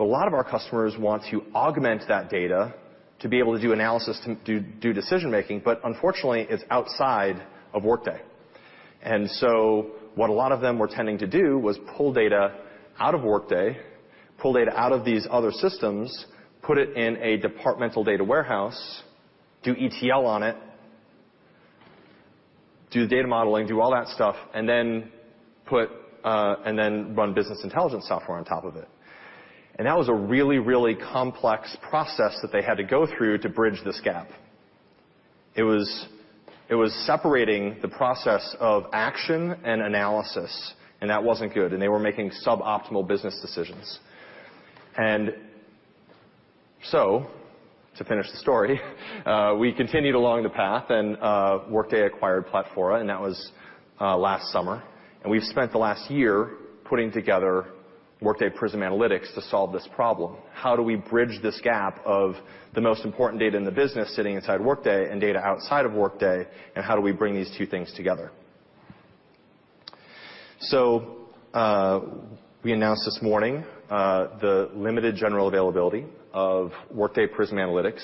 S21: A lot of our customers want to augment that data to be able to do analysis to do decision-making. Unfortunately, it's outside of Workday." What a lot of them were tending to do was pull data out of Workday, pull data out of these other systems, put it in a departmental data warehouse, do ETL on it, do data modeling, do all that stuff, and then run business intelligence software on top of it. That was a really complex process that they had to go through to bridge this gap. It was separating the process of action and analysis, and that wasn't good, and they were making suboptimal business decisions. To finish the story, we continued along the path, and Workday acquired Platfora, and that was last summer. We've spent the last year putting together Workday Prism Analytics to solve this problem. How do we bridge this gap of the most important data in the business sitting inside Workday and data outside of Workday, and how do we bring these two things together? We announced this morning the limited general availability of Workday Prism Analytics.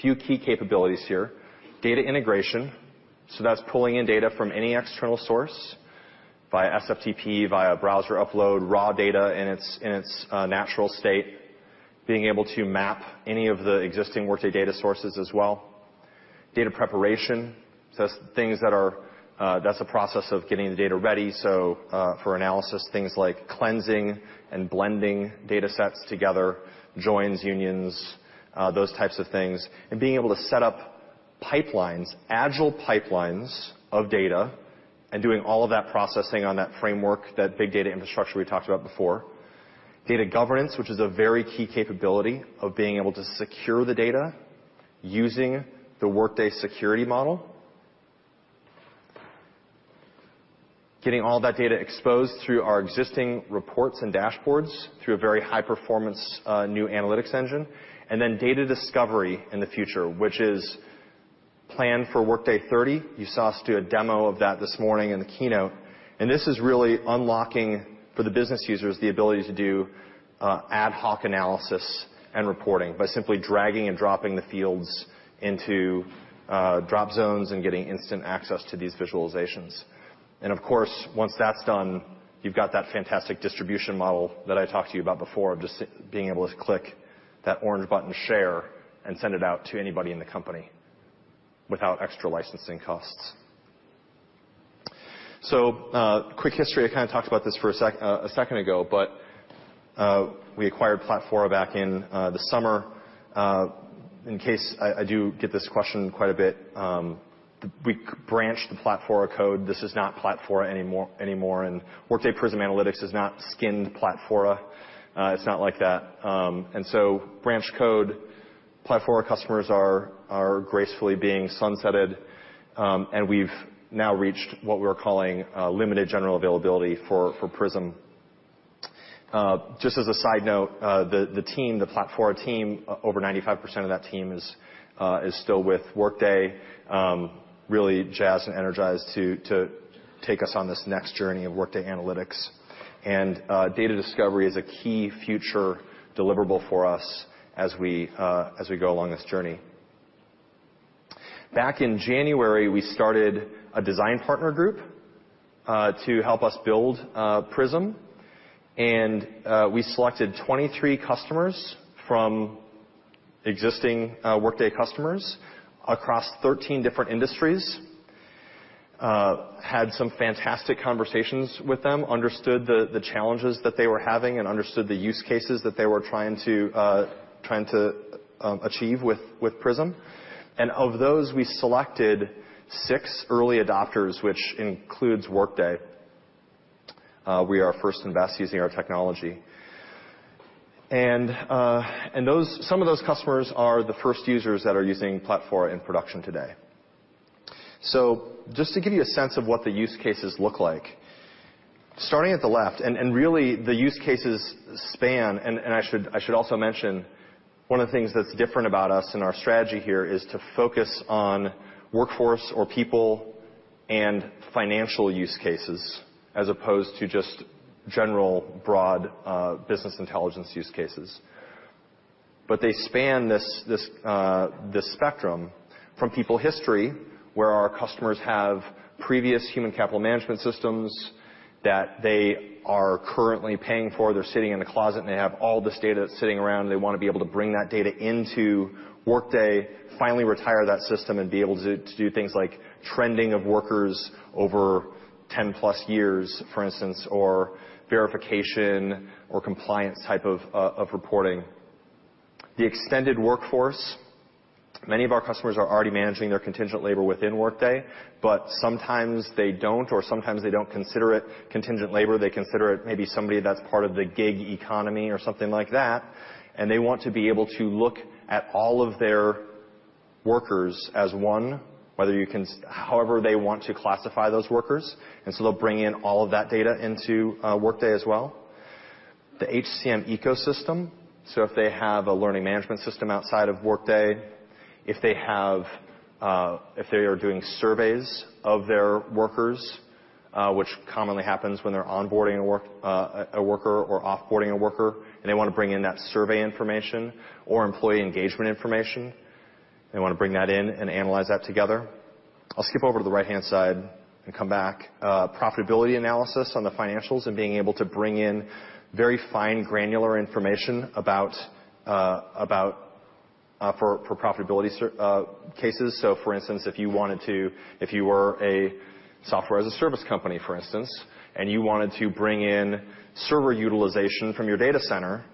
S21: Few key capabilities here. Data integration, so that's pulling in data from any external source via SFTP, via browser upload, raw data in its natural state, being able to map any of the existing Workday data sources as well. Data preparation. That's the process of getting the data ready. For analysis, things like cleansing and blending data sets together, joins, unions, those types of things. Being able to set up agile pipelines of data and doing all of that processing on that framework, that big data infrastructure we talked about before. Data governance, which is a very key capability of being able to secure the data using the Workday security model. Getting all that data exposed through our existing reports and dashboards through a very high-performance new analytics engine, and then data discovery in the future, which is planned for Workday 30. You saw us do a demo of that this morning in the keynote. This is really unlocking for the business users the ability to do ad hoc analysis and reporting by simply dragging and dropping the fields into drop zones and getting instant access to these visualizations. Of course, once that's done, you've got that fantastic distribution model that I talked to you about before of just being able to click that orange button, Share, and send it out to anybody in the company without extra licensing costs. Quick history. I kind of talked about this a second ago, we acquired Platfora back in the summer. In case, I do get this question quite a bit, we branched the Platfora code. This is not Platfora anymore, Workday Prism Analytics is not skinned Platfora. It's not like that. Branched code Platfora customers are gracefully being sunsetted. We've now reached what we're calling limited general availability for Prism. Just as a side note, the team, the Platfora team, over 95% of that team is still with Workday, really jazzed and energized to take us on this next journey of Workday analytics. Data discovery is a key future deliverable for us as we go along this journey. Back in January, we started a design partner group, to help us build Prism. We selected 23 customers from existing Workday customers across 13 different industries. Had some fantastic conversations with them. Understood the challenges that they were having and understood the use cases that they were trying to achieve with Prism. Of those, we selected 6 early adopters, which includes Workday. We are first and best using our technology. Some of those customers are the first users that are using Platfora in production today. Just to give you a sense of what the use cases look like. Starting at the left, and really the use cases span, and I should also mention, one of the things that's different about us and our strategy here is to focus on workforce or people and financial use cases, as opposed to just general broad business intelligence use cases. They span this spectrum from people history, where our customers have previous human capital management systems that they are currently paying for. They're sitting in the closet, and they have all this data that's sitting around, and they want to be able to bring that data into Workday, finally retire that system, and be able to do things like trending of workers over 10-plus years, for instance, or verification or compliance type of reporting. The extended workforce. Many of our customers are already managing their contingent labor within Workday, but sometimes they don't, or sometimes they don't consider it contingent labor. They consider it maybe somebody that's part of the gig economy or something like that. They want to be able to look at all of their workers as one, however they want to classify those workers. They'll bring in all of that data into Workday as well. The HCM ecosystem. If they have a learning management system outside of Workday, if they are doing surveys of their workers, which commonly happens when they're onboarding a worker or off-boarding a worker and they want to bring in that survey information or employee engagement information. They want to bring that in and analyze that together. I'll skip over to the right-hand side and come back. Profitability analysis on the financials and being able to bring in very fine, granular information for profitability cases. For instance, if you were a software as a service company, for instance, and you wanted to bring in server utilization from your data center,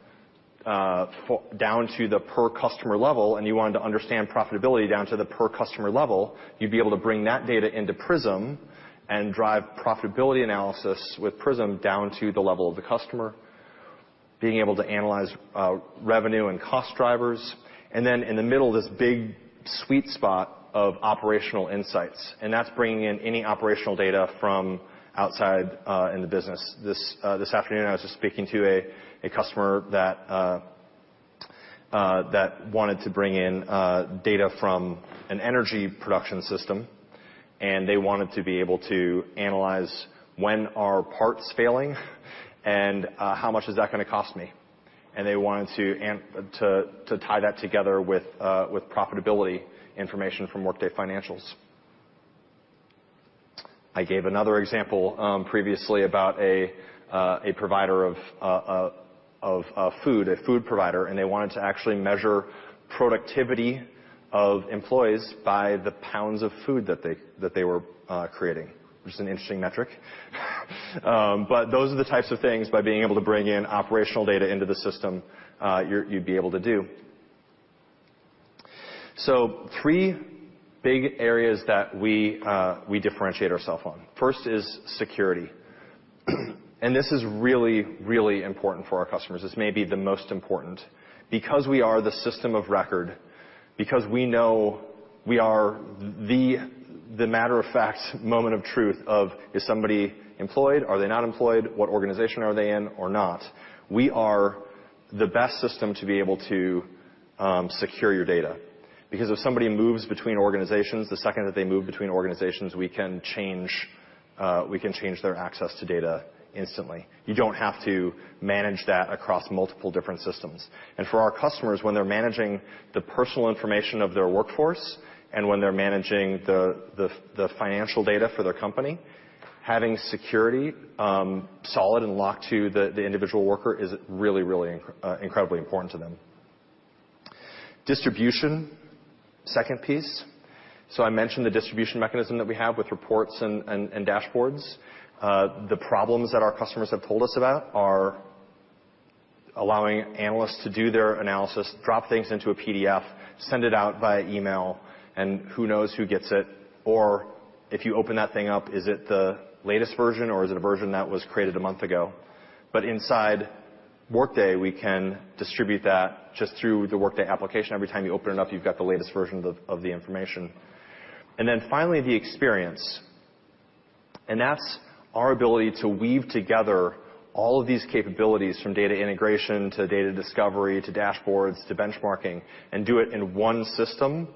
S21: down to the per customer level, and you wanted to understand profitability down to the per customer level, you'd be able to bring that data into Prism and drive profitability analysis with Prism down to the level of the customer, being able to analyze revenue and cost drivers. Then in the middle of this big sweet spot of operational insights. That's bringing in any operational data from outside in the business. This afternoon, I was just speaking to a customer that wanted to bring in data from an energy production system, and they wanted to be able to analyze when are parts failing and how much is that going to cost me. They wanted to tie that together with profitability information from Workday financials. I gave another example previously about a provider of food, a food provider, and they wanted to actually measure productivity of employees by the pounds of food that they were creating, which is an interesting metric. Those are the types of things by being able to bring in operational data into the system, you'd be able to do. Three big areas that we differentiate ourself on. First is security. This is really, really important for our customers. This may be the most important. Because we are the system of record, because we know we are the matter of fact moment of truth of is somebody employed, are they not employed, what organization are they in or not, we are the best system to be able to secure your data. Because if somebody moves between organizations, the second that they move between organizations, we can change their access to data instantly. You don't have to manage that across multiple different systems. For our customers, when they're managing the personal information of their workforce and when they're managing the financial data for their company, having security, solid and locked to the individual worker is really incredibly important to them. Distribution, second piece. I mentioned the distribution mechanism that we have with reports and dashboards. The problems that our customers have told us about are allowing analysts to do their analysis, drop things into a PDF, send it out via email, and who knows who gets it. If you open that thing up, is it the latest version or is it a version that was created a month ago? Inside Workday, we can distribute that just through the Workday application. Every time you open it up, you've got the latest version of the information. Then finally, the experience. That's our ability to weave together all of these capabilities, from data integration to data discovery, to dashboards, to benchmarking, and do it in one system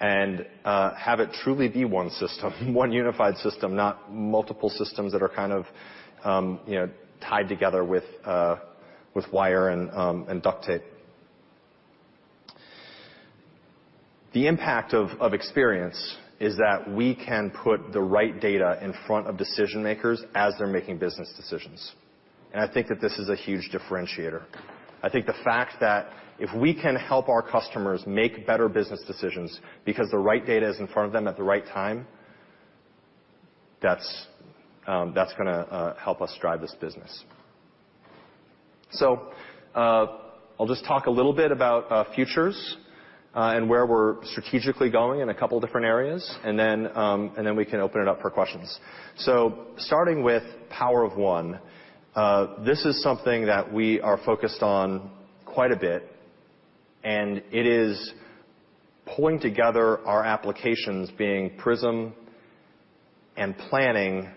S21: and have it truly be one system, one unified system, not multiple systems that are kind of tied together with wire and duct tape. The impact of experience is that we can put the right data in front of decision-makers as they're making business decisions. I think that this is a huge differentiator. I think the fact that if we can help our customers make better business decisions because the right data is in front of them at the right time, that's going to help us drive this business. I'll just talk a little bit about futures, and where we're strategically going in a couple different areas, and then we can open it up for questions. Starting with Power of One. This is something that we are focused on quite a bit, and it is pulling together our applications, being Prism and Planning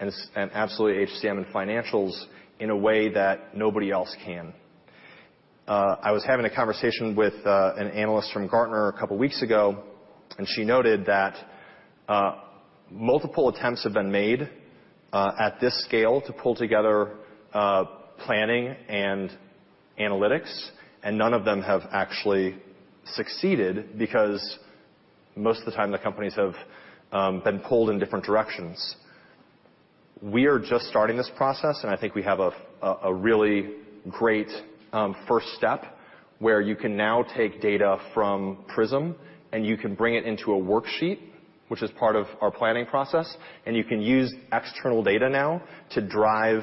S21: and absolutely HCM and Financials in a way that nobody else can. I was having a conversation with an analyst from Gartner a couple weeks ago, and she noted that multiple attempts have been made at this scale to pull together planning and analytics, and none of them have actually succeeded because most of the time the companies have been pulled in different directions. We are just starting this process, and I think we have a really great first step where you can now take data from Prism and you can bring it into a worksheet, which is part of our planning process, and you can use external data now to drive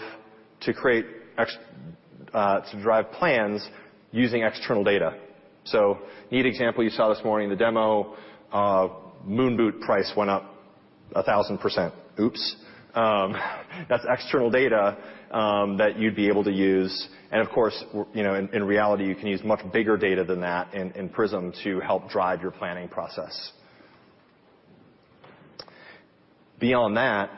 S21: plans using external data. Neat example you saw this morning in the demo, moon boot price went up 1,000%. Oops. That's external data that you'd be able to use. Of course, in reality, you can use much bigger data than that in Prism to help drive your planning process. Beyond that,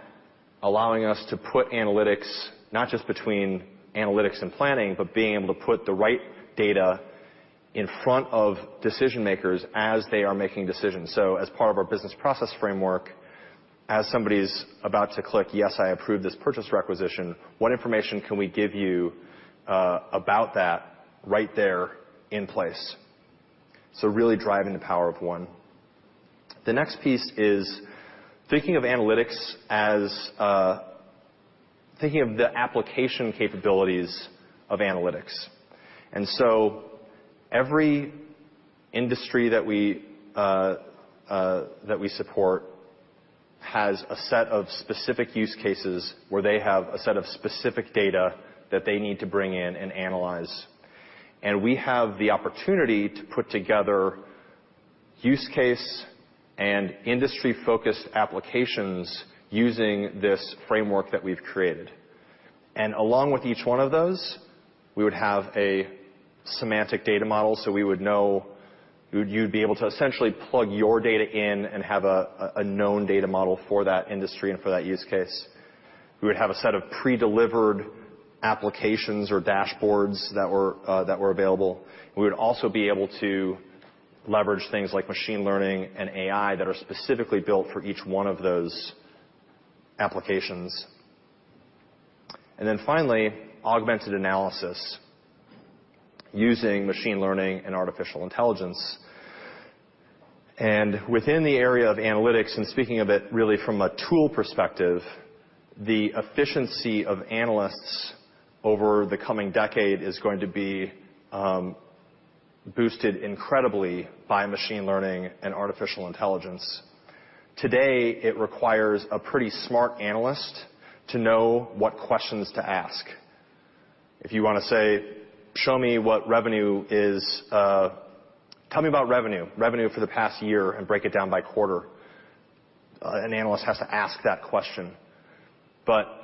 S21: allowing us to put analytics, not just between analytics and planning, but being able to put the right data in front of decision-makers as they are making decisions. As part of our business process framework, as somebody's about to click, "Yes, I approve this purchase requisition," what information can we give you about that right there in place? Really driving the Power of One. The next piece is thinking of analytics as thinking of the application capabilities of analytics. Every industry that we support has a set of specific use cases where they have a set of specific data that they need to bring in and analyze. We have the opportunity to put together use case and industry-focused applications using this framework that we've created. Along with each one of those, we would have a semantic data model, so you'd be able to essentially plug your data in and have a known data model for that industry and for that use case. We would have a set of pre-delivered applications or dashboards that were available. We would also be able to leverage things like machine learning and AI that are specifically built for each one of those applications. Finally, augmented analysis using machine learning and artificial intelligence. Within the area of analytics, and speaking of it really from a tool perspective, the efficiency of analysts over the coming decade is going to be boosted incredibly by machine learning and artificial intelligence. Today, it requires a pretty smart analyst to know what questions to ask. If you want to say, "Tell me about revenue for the past year, and break it down by quarter," an analyst has to ask that question.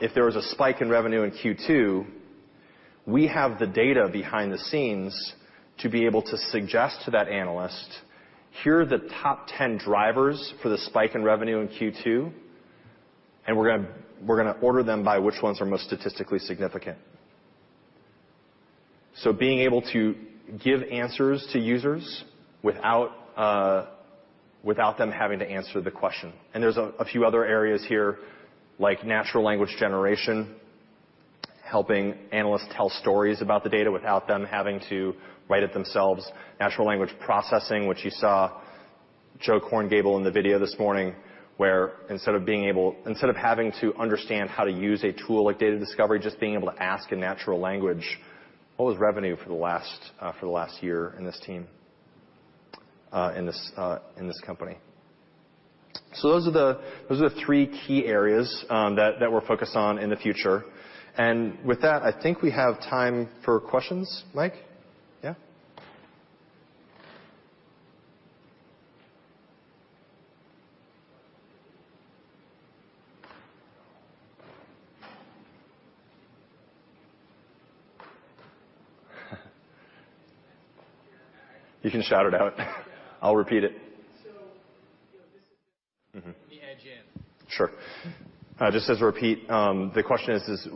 S21: If there was a spike in revenue in Q2, we have the data behind the scenes to be able to suggest to that analyst, "Here are the top 10 drivers for the spike in revenue in Q2, and we're going to order them by which ones are most statistically significant." Being able to give answers to users without them having to answer the question. There's a few other areas here, like natural language generation, helping analysts tell stories about the data without them having to write it themselves. Natural language processing, which you saw Joe Korngiebel in the video this morning, where instead of having to understand how to use a tool like data discovery, just being able to ask in natural language, "What was revenue for the last year in this team, in this company?" Those are the three key areas that we're focused on in the future. With that, I think we have time for questions. Mike? Yeah. You can shout it out. I'll repeat it.
S13: This is- Let me edge in.
S21: Sure. Just as a repeat, the question is,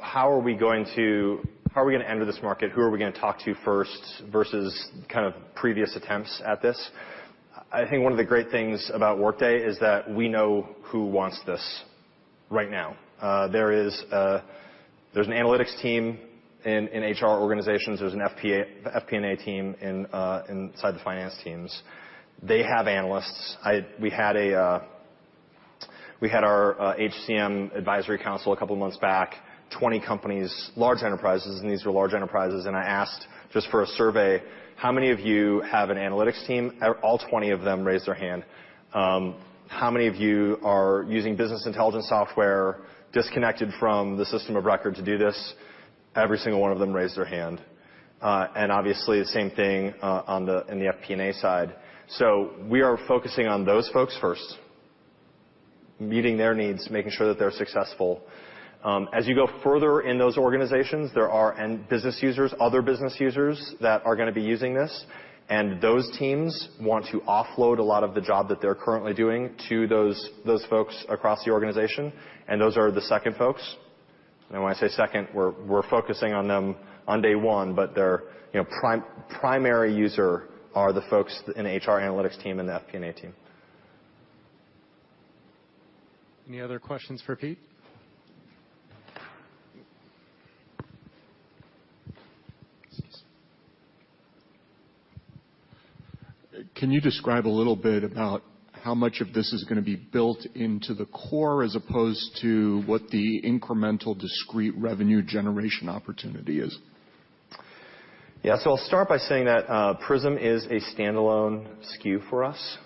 S21: how are we going to enter this market? Who are we going to talk to first versus previous attempts at this? I think one of the great things about Workday is that we know who wants this right now. There's an analytics team in HR organizations. There's an FP&A team inside the finance teams. They have analysts. We had our HCM advisory council a couple of months back, 20 companies, large enterprises, and these were large enterprises, and I asked just for a survey, "How many of you have an analytics team?" All 20 of them raised their hand. "How many of you are using business intelligence software disconnected from the system of record to do this?" Every single one of them raised their hand. Obviously, the same thing in the FP&A side. We are focusing on those folks first, meeting their needs, making sure that they're successful. As you go further in those organizations, there are business users, other business users that are going to be using this, and those teams want to offload a lot of the job that they're currently doing to those folks across the organization, and those are the second folks. When I say second, we're focusing on them on day one, but their primary user are the folks in the HR analytics team and the FP&A team.
S1: Any other questions for Pete?
S4: Can you describe a little bit about how much of this is going to be built into the core as opposed to what the incremental discrete revenue generation opportunity is?
S21: Yeah. I'll start by saying that Workday Prism Analytics is a standalone SKU for us.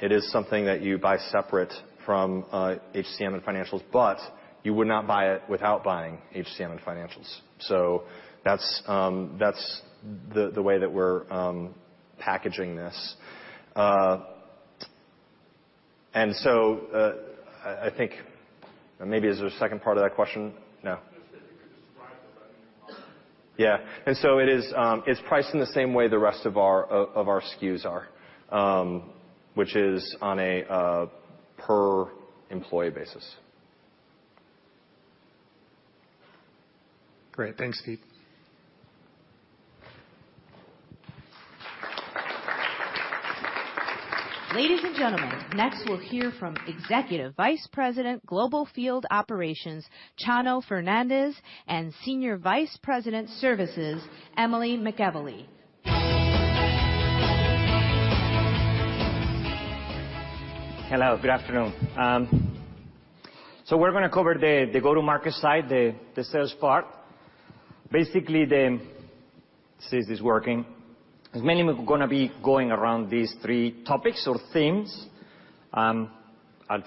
S21: It is something that you buy separate from HCM and Workday Financial Management, but you would not buy it without buying HCM and Workday Financial Management. That's the way that we're packaging this. I think, maybe is there a second part of that question? No.
S4: Just if you could describe the pricing in part.
S21: Yeah. It's priced in the same way the rest of our SKUs are, which is on a per-employee basis.
S4: Great. Thanks, Pete.
S8: Ladies and gentlemen, next we'll hear from Executive Vice President, Global Field Operations, Chano Fernandez, and Senior Vice President, Services, Emily McEvilly.
S22: Hello, good afternoon. We're going to cover the go-to-market side, the sales part. See if this is working. We're going to be going around these three topics or themes. I'll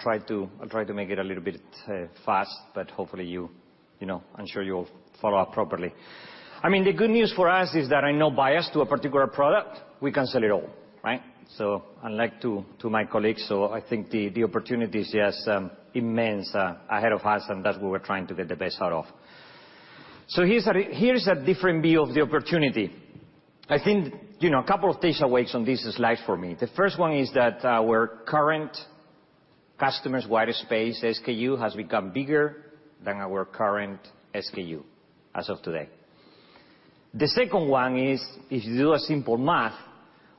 S22: try to make it a little bit fast, but hopefully I'm sure you'll follow up properly. I mean, the good news for us is that I'm not biased to a particular product. We can sell it all. Right? Unlike to my colleagues, I think the opportunity is just immense ahead of us, and that we were trying to get the best out of. Here's a different view of the opportunity. I think, a couple of takeaways on this slide for me. The first one is that our current customers wider space SKU has become bigger than our current SKU as of today. The second one is, if you do a simple math,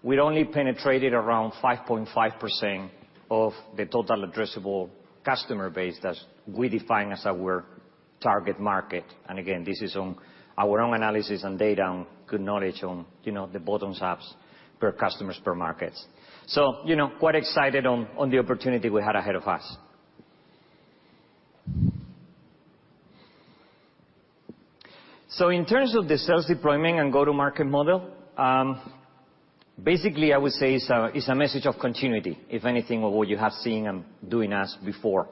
S22: we only penetrated around 5.5% of the total addressable customer base that we define as our target market. Again, this is on our own analysis and data and good knowledge on the bottoms ups per customers per markets. Quite excited on the opportunity we had ahead of us. In terms of the sales deployment and go-to-market model. Basically, I would say it's a message of continuity, if anything, of what you have seen and doing us before.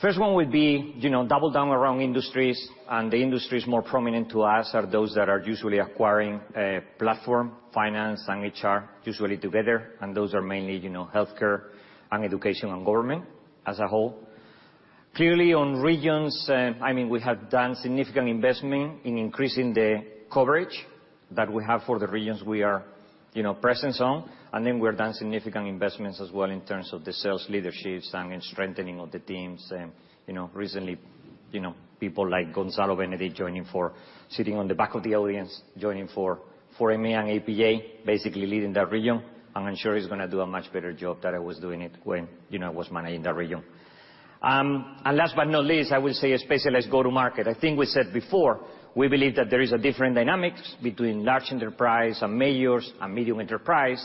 S22: First one will be double down around industries, and the industries more prominent to us are those that are usually acquiring a platform, finance and HR, usually together, and those are mainly healthcare and education and government as a whole. Clearly on regions, we have done significant investment in increasing the coverage that we have for the regions we are presence on. Then we're done significant investments as well in terms of the sales leaderships and strengthening of the teams. Recently, people like Gonzalo Benedit sitting on the back of the audience, joining for EMEA and APAC, basically leading that region. I'm sure he's going to do a much better job than I was doing it when I was managing that region. Last but not least, I will say, especially as go-to-market. I think we said before, we believe that there is a different dynamics between large enterprise and majors and medium enterprise,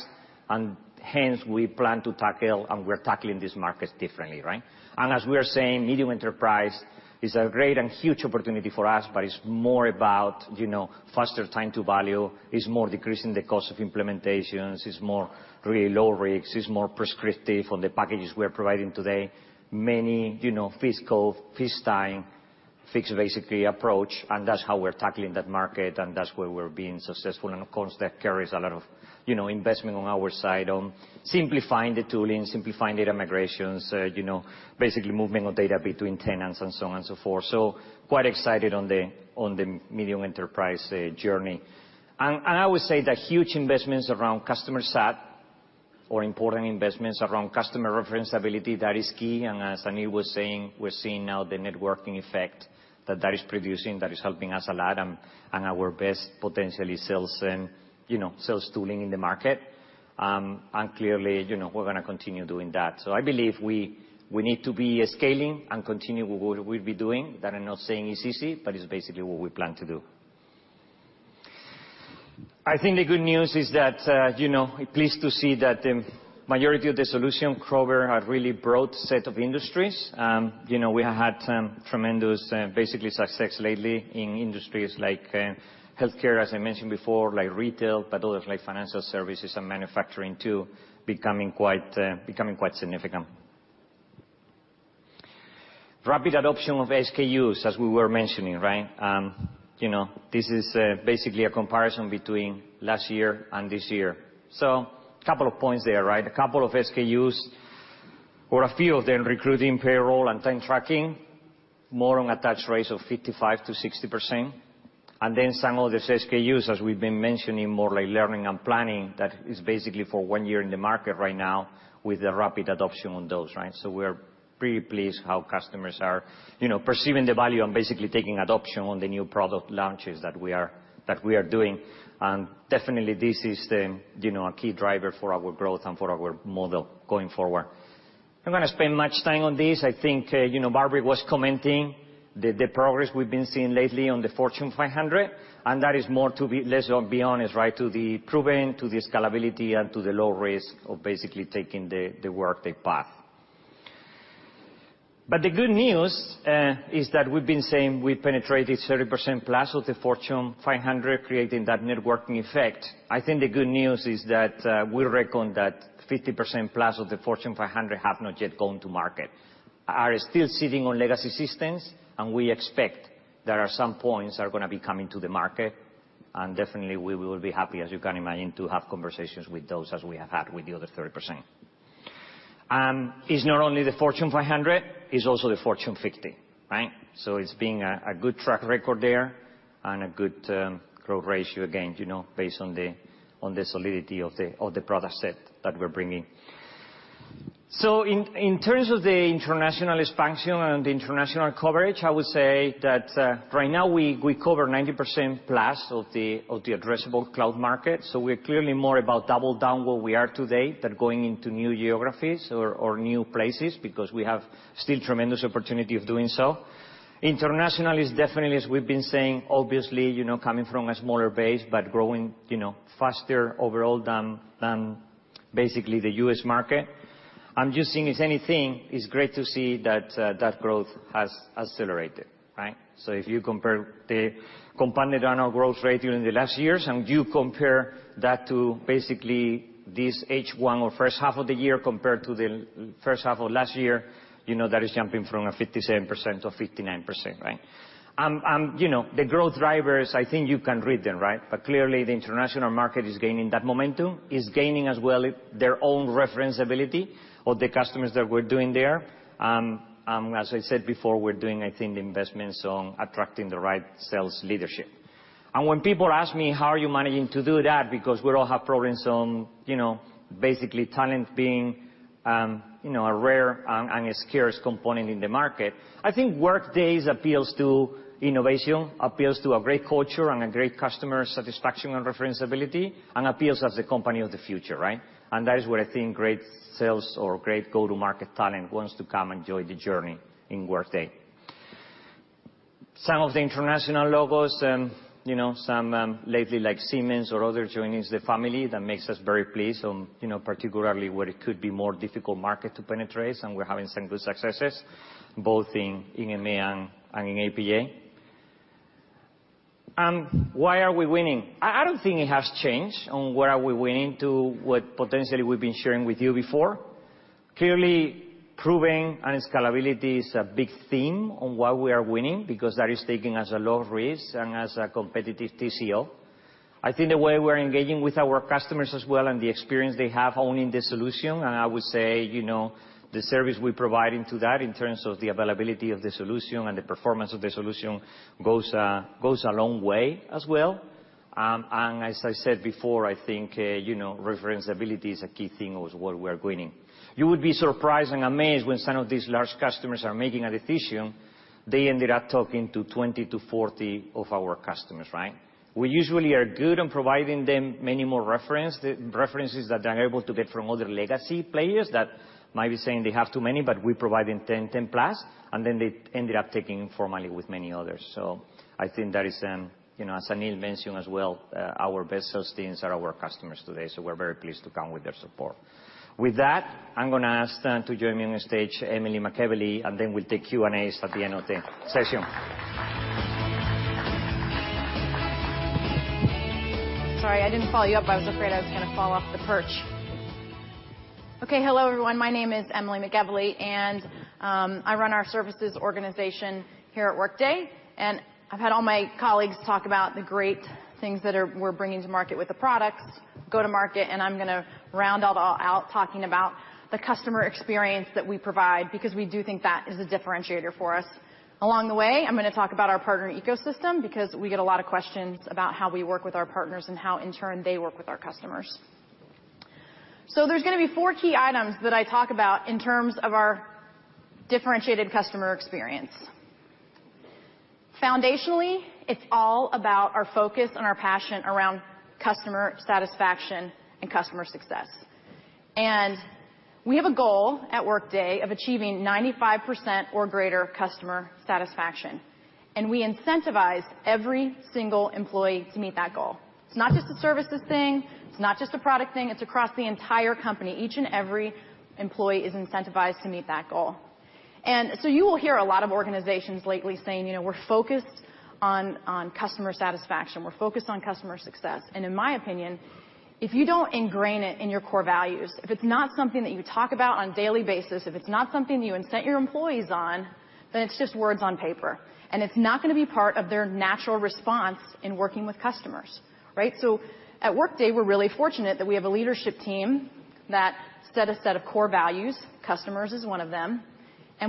S22: hence, we plan to tackle, we're tackling this market differently. As we are saying, medium enterprise is a great and huge opportunity for us, it's more about faster time to value, is more decreasing the cost of implementations, is more really low risks, is more prescriptive on the packages we're providing today. Many fixed time, fixed basically approach, that's how we're tackling that market, that's where we're being successful. Of course, that carries a lot of investment on our side on simplifying the tooling, simplifying data migrations, basically movement of data between tenants and so on and so forth. Quite excited on the medium enterprise journey. I would say that huge investments around customer sat or important investments around customer reference ability, that is key. As Aneel was saying, we're seeing now the networking effect that that is producing, that is helping us a lot and our best potentially sales and sales tooling in the market. Clearly, we're going to continue doing that. I believe we need to be scaling and continue what we've been doing. That I'm not saying it's easy, it's basically what we plan to do. I think the good news is that pleased to see that majority of the solution cover a really broad set of industries. We have had tremendous success lately in industries like healthcare, as I mentioned before, like retail, others like financial services and manufacturing too, becoming quite significant. Rapid adoption of SKUs, as we were mentioning. This is basically a comparison between last year and this year. A couple of points there. A couple of SKUs or a few of them recruiting payroll and time tracking, more on attach rates of 55%-60%. Then some of the SKUs, as we've been mentioning, more like learning and planning, that is basically for one year in the market right now with the rapid adoption on those. We're pretty pleased how customers are perceiving the value and basically taking adoption on the new product launches that we are doing. Definitely, this is a key driver for our growth and for our model going forward. I'm not going to spend much time on this. I think Barbara was commenting the progress we've been seeing lately on the Fortune 500, that is more to be less of, be honest, to the proven, to the scalability, and to the low risk of basically taking the Workday path. The good news is that we've been saying we penetrated 30%+ of the Fortune 500, creating that networking effect. I think the good news is that we reckon that 50%+ of the Fortune 500 have not yet gone to market, are still sitting on legacy systems, we expect there are some points that are going to be coming to the market, definitely we will be happy, as you can imagine, to have conversations with those as we have had with the other 30%. It's not only the Fortune 500, it's also the Fortune 50. It's been a good track record there and a good growth ratio again, based on the solidity of the product set that we're bringing. In terms of the international expansion and the international coverage, I would say that right now we cover 90%+ of the addressable cloud market. We're clearly more about double down where we are today than going into new geographies or new places because we have still tremendous opportunity of doing so. International is definitely, as we've been saying, obviously, coming from a smaller base, but growing faster overall than basically the U.S. market. I'm just seeing if anything, it's great to see that that growth has accelerated. If you compare the compounded annual growth rate during the last years, and you compare that to basically this H1 or first half of the year compared to the first half of last year, that is jumping from a 57%-59%. The growth drivers, I think you can read them. Clearly the international market is gaining that momentum. It's gaining as well their own referencability of the customers that we're doing there. As I said before, we're doing, I think, the investments on attracting the right sales leadership. When people ask me, "How are you managing to do that?" Because we all have problems on basically talent being a rare and a scarce component in the market. I think Workday appeals to innovation, appeals to a great culture and a great customer satisfaction and referencability, and appeals as the company of the future. That is where I think great sales or great go-to-market talent wants to come and join the journey in Workday. Some of the international logos, some lately like Siemens or others joining the family, that makes us very pleased on particularly where it could be more difficult market to penetrate, and we're having some good successes, both in EMEA and in APAC. Why are we winning? I don't think it has changed on where are we winning to what potentially we've been sharing with you before. Clearly, proving and scalability is a big theme on why we are winning, because that is taking us a low risk and has a competitive TCO. I think the way we're engaging with our customers as well and the experience they have owning the solution, and I would say, the service we provide into that in terms of the availability of the solution and the performance of the solution goes a long way as well. As I said before, I think, referencability is a key thing of what we are winning. You would be surprised and amazed when some of these large customers are making a decision, they ended up talking to 20-40 of our customers, right? We usually are good on providing them many more references that they're able to get from other legacy players that might be saying they have too many, but we provide them 10+, then they ended up taking formally with many others. I think that is, as Aneel mentioned as well, our best sales teams are our customers today, so we're very pleased to count with their support. With that, I'm going to ask then to join me on stage, Emily McEvilly, then we'll take Q&As at the end of the session.
S23: Sorry, I didn't follow you up. I was afraid I was going to fall off the perch. Okay. Hello, everyone. My name is Emily McEvilly, and I run our services organization here at Workday. I've had all my colleagues talk about the great things that we're bringing to market with the products, go-to-market, and I'm going to round it all out talking about the customer experience that we provide because we do think that is a differentiator for us. Along the way, I'm going to talk about our partner ecosystem because we get a lot of questions about how we work with our partners and how, in turn, they work with our customers. There's going to be four key items that I talk about in terms of our differentiated customer experience. Foundationally, it's all about our focus and our passion around customer satisfaction and customer success. We have a goal at Workday of achieving 95% or greater customer satisfaction, and we incentivize every single employee to meet that goal. It's not just a services thing, it's not just a product thing, it's across the entire company. Each and every employee is incentivized to meet that goal. You will hear a lot of organizations lately saying, "We're focused on customer satisfaction. We're focused on customer success." In my opinion, if you don't ingrain it in your core values, if it's not something that you talk about on a daily basis, if it's not something you incent your employees on, then it's just words on paper. It's not going to be part of their natural response in working with customers. Right? At Workday, we're really fortunate that we have a leadership team that set a set of core values, Customers is one of them.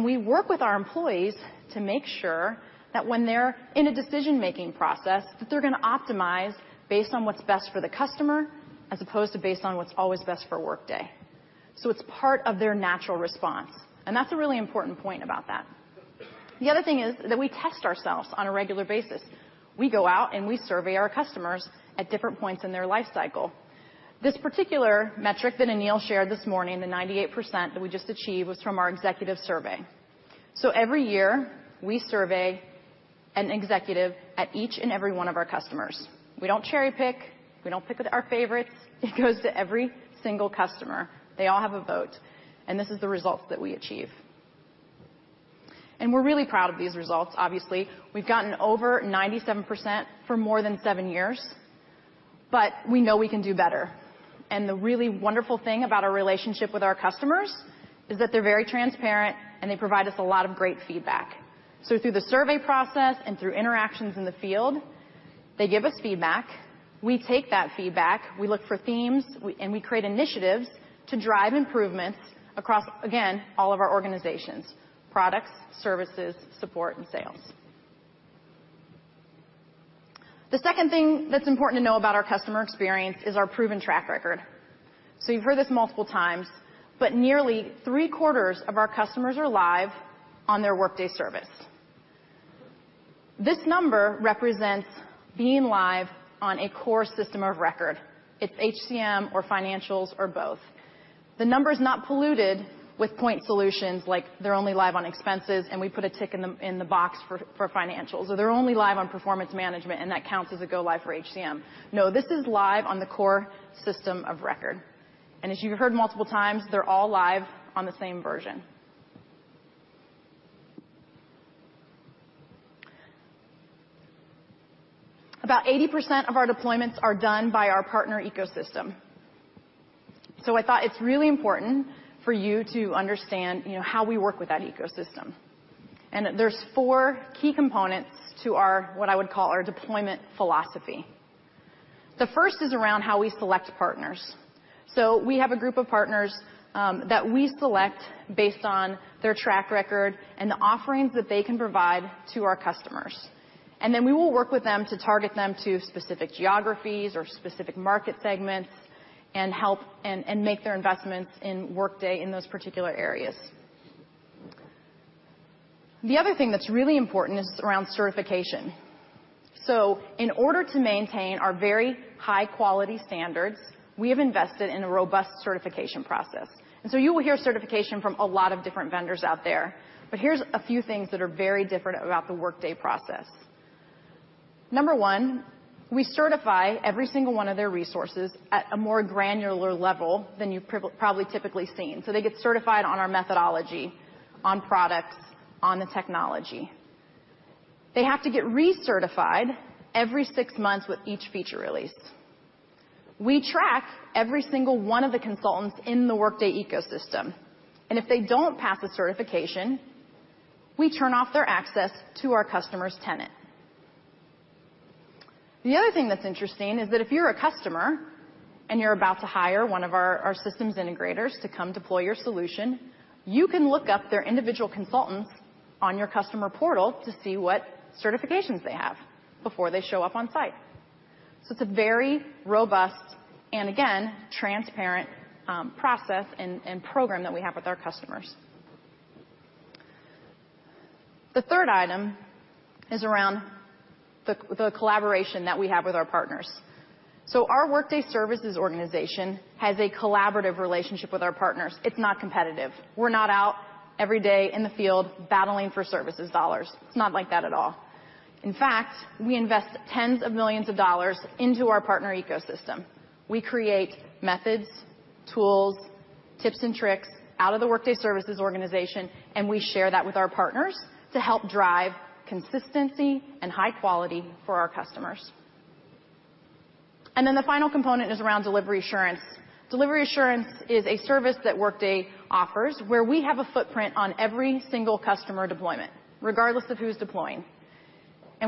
S23: We work with our employees to make sure that when they're in a decision-making process, that they're going to optimize based on what's best for the customer as opposed to based on what's always best for Workday. It's part of their natural response. That's a really important point about that. The other thing is that we test ourselves on a regular basis. We go out, and we survey our customers at different points in their life cycle. This particular metric that Aneel shared this morning, the 98% that we just achieved, was from our executive survey. Every year, we survey an executive at each and every one of our customers. We don't cherry-pick, we don't pick with our favorites. It goes to every single customer. They all have a vote, and this is the results that we achieve. We're really proud of these results, obviously. We've gotten over 97% for more than seven years, but we know we can do better. The really wonderful thing about our relationship with our customers is that they're very transparent, and they provide us a lot of great feedback. Through the survey process and through interactions in the field, they give us feedback. We take that feedback, we look for themes, and we create initiatives to drive improvements across, again, all of our organizations, products, services, support, and sales. The second thing that's important to know about our customer experience is our proven track record. You've heard this multiple times, but nearly three-quarters of our customers are live on their Workday service. This number represents being live on a core system of record. It's HCM or financials or both. The number's not polluted with point solutions like they're only live on expenses, and we put a tick in the box for financials. Or they're only live on performance management, and that counts as a go-live for HCM. No, this is live on the core system of record. As you heard multiple times, they're all live on the same version. About 80% of our deployments are done by our partner ecosystem. I thought it's really important for you to understand how we work with that ecosystem. There's four key components to our, what I would call our deployment philosophy. The first is around how we select partners. We have a group of partners that we select based on their track record and the offerings that they can provide to our customers. Then we will work with them to target them to specific geographies or specific market segments and help and make their investments in Workday in those particular areas. The other thing that's really important is around certification. In order to maintain our very high-quality standards, we have invested in a robust certification process. You will hear certification from a lot of different vendors out there. Here's a few things that are very different about the Workday process. Number one. We certify every single one of their resources at a more granular level than you've probably typically seen. They get certified on our methodology, on products, on the technology. They have to get recertified every six months with each feature release. We track every single one of the consultants in the Workday ecosystem, and if they don't pass a certification, we turn off their access to our customer's tenant. The other thing that's interesting is that if you're a customer and you're about to hire one of our systems integrators to come deploy your solution, you can look up their individual consultants on your customer portal to see what certifications they have before they show up on site. It's a very robust, and again, transparent process and program that we have with our customers. The third item is around the collaboration that we have with our partners. Our Workday Services organization has a collaborative relationship with our partners. It's not competitive. We're not out every day in the field battling for services dollars. It's not like that at all. In fact, we invest tens of millions of dollars into our partner ecosystem. We create methods, tools, tips and tricks out of the Workday Services organization, and we share that with our partners to help drive consistency and high quality for our customers. The final component is around Delivery Assurance. Delivery Assurance is a service that Workday offers where we have a footprint on every single customer deployment, regardless of who's deploying.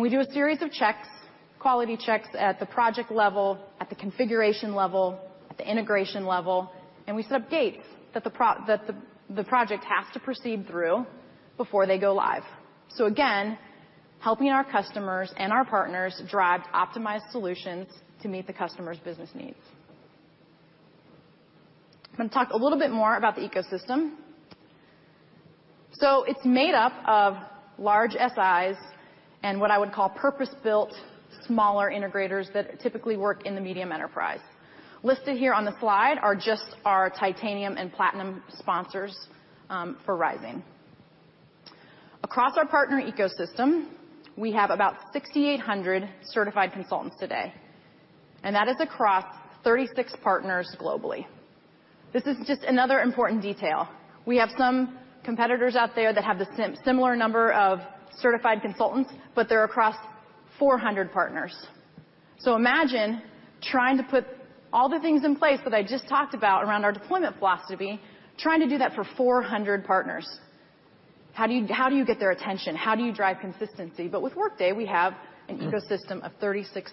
S23: We do a series of checks, quality checks at the project level, at the configuration level, at the integration level, and we set up gates that the project has to proceed through before they go live. Again, helping our customers and our partners drive optimized solutions to meet the customer's business needs. I'm going to talk a little bit more about the ecosystem. It's made up of large SIs and what I would call purpose-built smaller integrators that typically work in the medium enterprise. Listed here on the slide are just our titanium and platinum sponsors for Workday Rising. Across our partner ecosystem, we have about 6,800 certified consultants today, and that is across 36 partners globally. This is just another important detail. We have some competitors out there that have the similar number of certified consultants, but they're across 400 partners. Imagine trying to put all the things in place that I just talked about around our deployment philosophy, trying to do that for 400 partners. How do you get their attention? How do you drive consistency? With Workday, we have an ecosystem of 36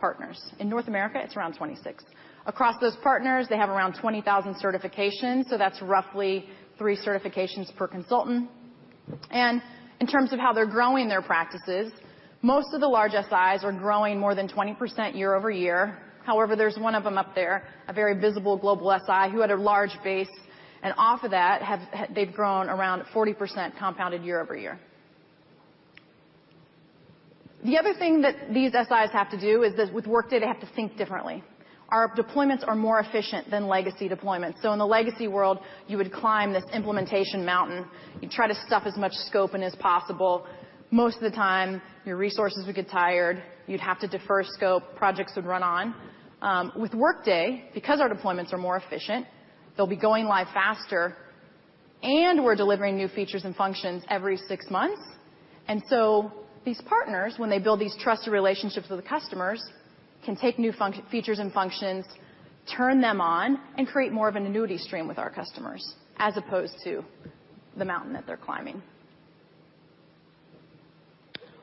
S23: partners. In North America, it's around 26. Across those partners, they have around 20,000 certifications, so that's roughly three certifications per consultant. In terms of how they're growing their practices, most of the large SIs are growing more than 20% year-over-year. However, there's one of them up there, a very visible global SI, who had a large base, and off of that, they've grown around 40% compounded year-over-year. The other thing that these SIs have to do is that with Workday, they have to think differently. Our deployments are more efficient than legacy deployments. In the legacy world, you would climb this implementation mountain. You'd try to stuff as much scope in as possible. Most of the time, your resources would get tired. You'd have to defer scope. Projects would run on. With Workday, because our deployments are more efficient, they'll be going live faster, and we're delivering new features and functions every six months. These partners, when they build these trusted relationships with the customers, can take new features and functions, turn them on, and create more of an annuity stream with our customers, as opposed to the mountain that they're climbing.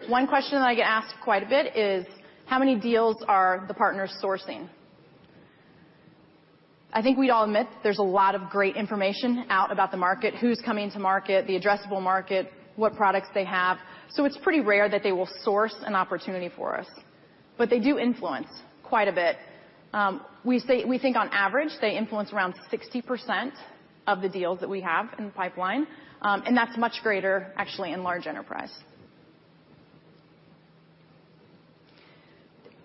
S23: One question that I get asked quite a bit is, how many deals are the partners sourcing? I think we'd all admit there's a lot of great information out about the market, who's coming to market, the addressable market, what products they have. It's pretty rare that they will source an opportunity for us. They do influence quite a bit. We think on average, they influence around 60% of the deals that we have in the pipeline, and that's much greater, actually, in large enterprise.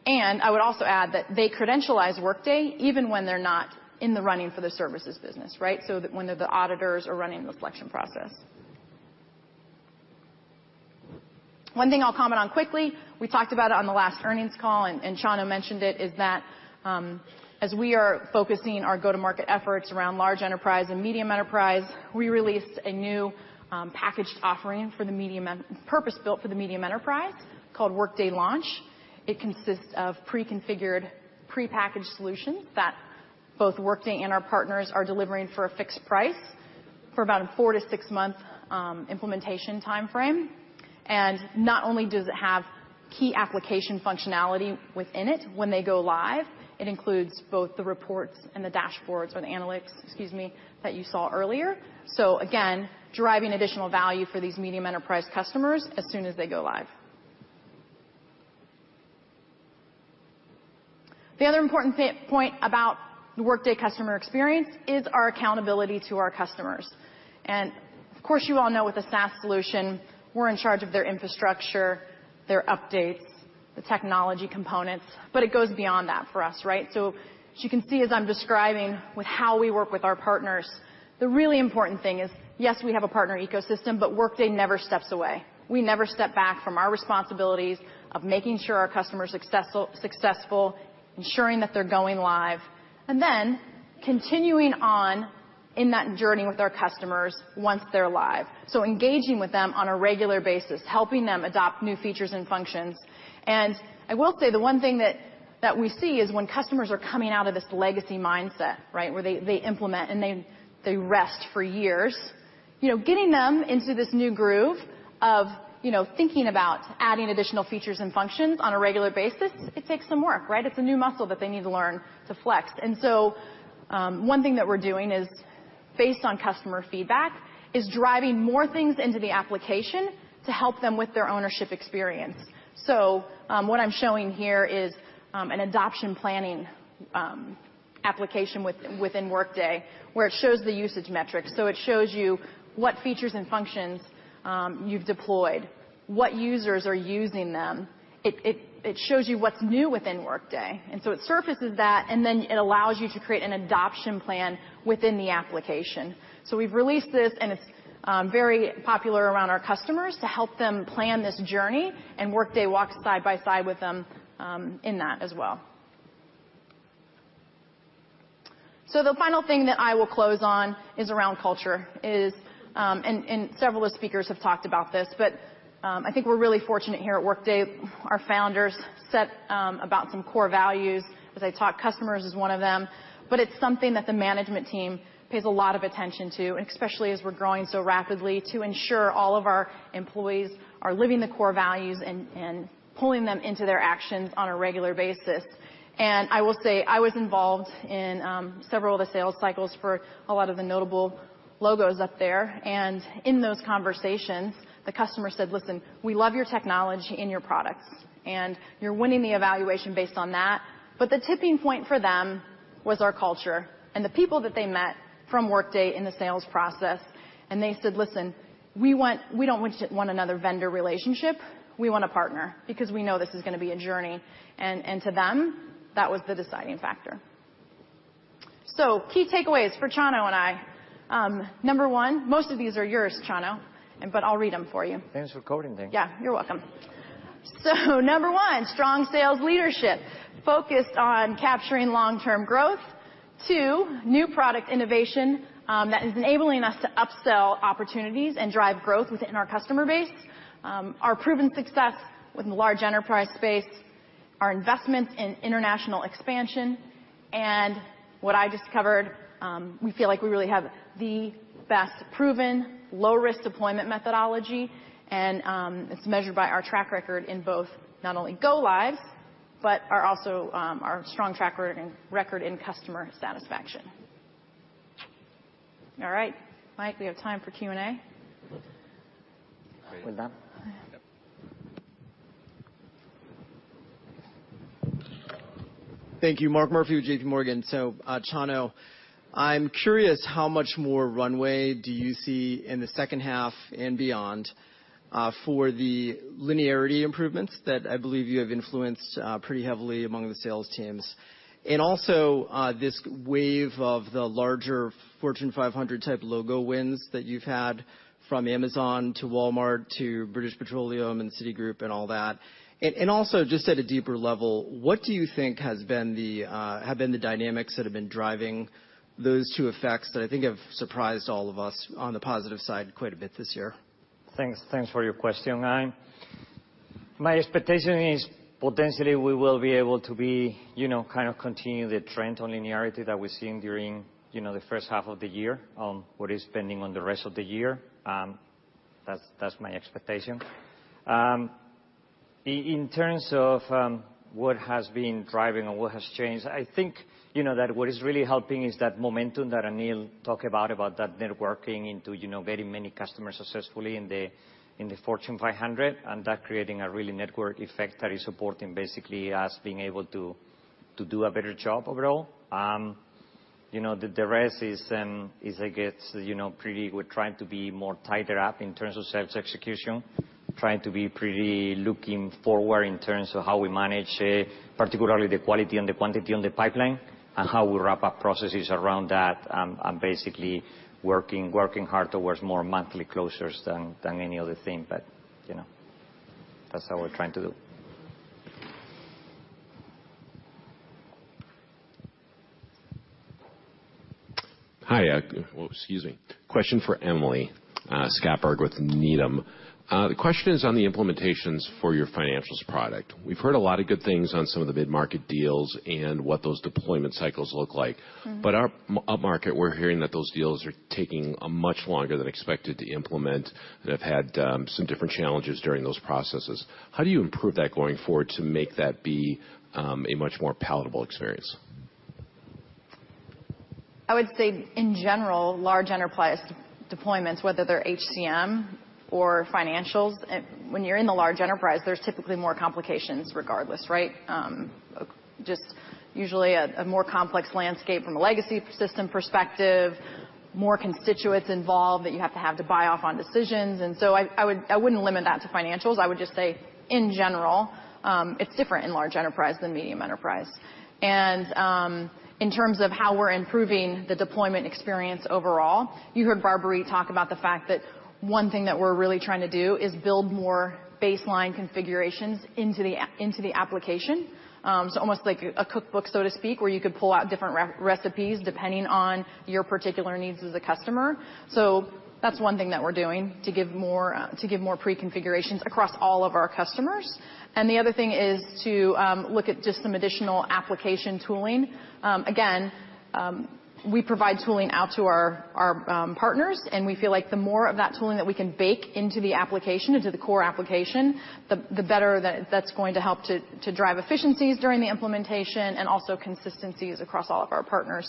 S23: I would also add that they credentialize Workday even when they're not in the running for the services business, right? When the auditors are running the selection process. One thing I'll comment on quickly, we talked about it on the last earnings call, and Shawna mentioned it, is that as we are focusing our go-to-market efforts around large enterprise and medium enterprise, we released a new packaged offering purpose-built for the medium enterprise called Workday Launch. It consists of pre-configured, pre-packaged solutions that both Workday and our partners are delivering for a fixed price for about a four to six-month implementation timeframe. Not only does it have key application functionality within it when they go live, it includes both the reports and the dashboards or the analytics, excuse me, that you saw earlier. Again, driving additional value for these medium enterprise customers as soon as they go live. The other important point about the Workday customer experience is our accountability to our customers. Of course, you all know with the SaaS solution, we're in charge of their infrastructure, their updates, the technology components. It goes beyond that for us, right? As you can see, as I'm describing with how we work with our partners, the really important thing is, yes, we have a partner ecosystem, but Workday never steps away. We never step back from our responsibilities of making sure our customers are successful, ensuring that they're going live, and then continuing on in that journey with our customers once they're live. Engaging with them on a regular basis, helping them adopt new features and functions. I will say the one thing that we see is when customers are coming out of this legacy mindset, where they implement and they rest for years. Getting them into this new groove of thinking about adding additional features and functions on a regular basis, it takes some work, right? It's a new muscle that they need to learn to flex. One thing that we're doing is based on customer feedback, is driving more things into the application to help them with their ownership experience. What I'm showing here is an adoption planning application within Workday, where it shows the usage metrics. It shows you what features and functions you've deployed, what users are using them. It shows you what's new within Workday. It surfaces that, and then it allows you to create an adoption plan within the application. We've released this, and it's very popular around our customers to help them plan this journey, and Workday walks side by side with them in that as well. The final thing that I will close on is around culture. Several of the speakers have talked about this. I think we're really fortunate here at Workday, our founders set about some core values. As I taught customers is one of them. It's something that the management team pays a lot of attention to, and especially as we're growing so rapidly, to ensure all of our employees are living the core values and pulling them into their actions on a regular basis. I will say, I was involved in several of the sales cycles for a lot of the notable logos up there. In those conversations, the customer said, "Listen, we love your technology and your products. You're winning the evaluation based on that." The tipping point for them was our culture and the people that they met from Workday in the sales process. They said, "Listen, we don't want another vendor relationship. We want a partner because we know this is going to be a journey." To them, that was the deciding factor. Key takeaways for Chano and I. Number one, most of these are yours, Chano, but I'll read them for you.
S22: Thanks for calling me.
S23: Yeah, you're welcome. Number one, strong sales leadership focused on capturing long-term growth. Two, new product innovation that is enabling us to upsell opportunities and drive growth within our customer base. Our proven success within the large enterprise space, our investments in international expansion, and what I just covered, we feel like we really have the best proven low-risk deployment methodology. It's measured by our track record in both not only go lives, but also our strong track record in customer satisfaction. All right. Mike, we have time for Q&A.
S22: We're done?
S23: Yeah.
S22: Yep.
S13: Thank you. Mark Murphy with JPMorgan. Chano, I'm curious, how much more runway do you see in the second half and beyond for the linearity improvements that I believe you have influenced pretty heavily among the sales teams? Also, this wave of the larger Fortune 500 type logo wins that you've had from Amazon to Walmart to British Petroleum and Citigroup and all that. Also, just at a deeper level, what do you think have been the dynamics that have been driving those two effects that I think have surprised all of us on the positive side quite a bit this year?
S22: Thanks for your question. My expectation is potentially we will be able to continue the trend on linearity that we're seeing during the first half of the year what is spending on the rest of the year. That's my expectation. In terms of what has been driving or what has changed, I think that what is really helping is that momentum that Aneel talked about that networking into very many customers successfully in the Fortune 500, and that creating a really network effect that is supporting basically us being able to do a better job overall. The rest is, I guess, we're trying to be more tighter up in terms of sales execution, trying to be pretty looking forward in terms of how we manage, particularly the quality and the quantity on the pipeline and how we wrap up processes around that, and basically working hard towards more monthly closures than any other thing. That's how we're trying to do.
S24: Hi. Whoa, excuse me. Question for Emily. Scott Berg with Needham. The question is on the implementations for your financials product. We've heard a lot of good things on some of the mid-market deals and what those deployment cycles look like. Our upmarket, we're hearing that those deals are taking much longer than expected to implement and have had some different challenges during those processes. How do you improve that going forward to make that be a much more palatable experience?
S23: I would say in general, large enterprise deployments, whether they're HCM or financials, when you're in the large enterprise, there's typically more complications regardless, right? Just usually a more complex landscape from a legacy system perspective. More constituents involved that you have to have to buy off on decisions. I wouldn't limit that to financials. I would just say, in general, it's different in large enterprise than medium enterprise. In terms of how we're improving the deployment experience overall, you heard Barbry talk about the fact that one thing that we're really trying to do is build more baseline configurations into the application. Almost like a cookbook, so to speak, where you could pull out different recipes depending on your particular needs as a customer. That's one thing that we're doing to give more pre-configurations across all of our customers. The other thing is to look at just some additional application tooling. Again, we provide tooling out to our partners, and we feel like the more of that tooling that we can bake into the application, into the core application, the better that's going to help to drive efficiencies during the implementation and also consistencies across all of our partners.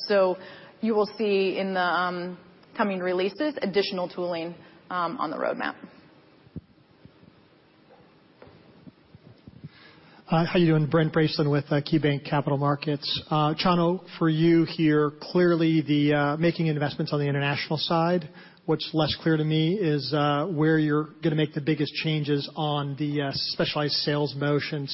S23: You will see in the coming releases, additional tooling on the roadmap.
S25: Hi, how you doing? Brent Bracelin with KeyBanc Capital Markets. Chano, for you here, clearly, the making investments on the international side. What's less clear to me is where you're going to make the biggest changes on the specialized sales motion.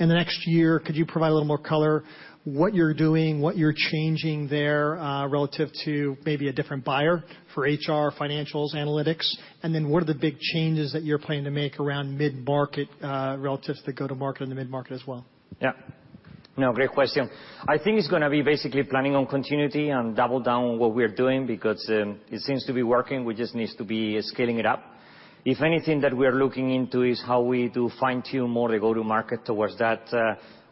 S25: In the next year, could you provide a little more color, what you're doing, what you're changing there, relative to maybe a different buyer for HR, financials, analytics? What are the big changes that you're planning to make around mid-market, relative to go-to-market in the mid-market as well?
S22: Yeah. No, great question. I think it's going to be basically planning on continuity and double down on what we're doing because it seems to be working. We just needs to be scaling it up. If anything that we're looking into is how we do fine-tune more the go-to-market towards that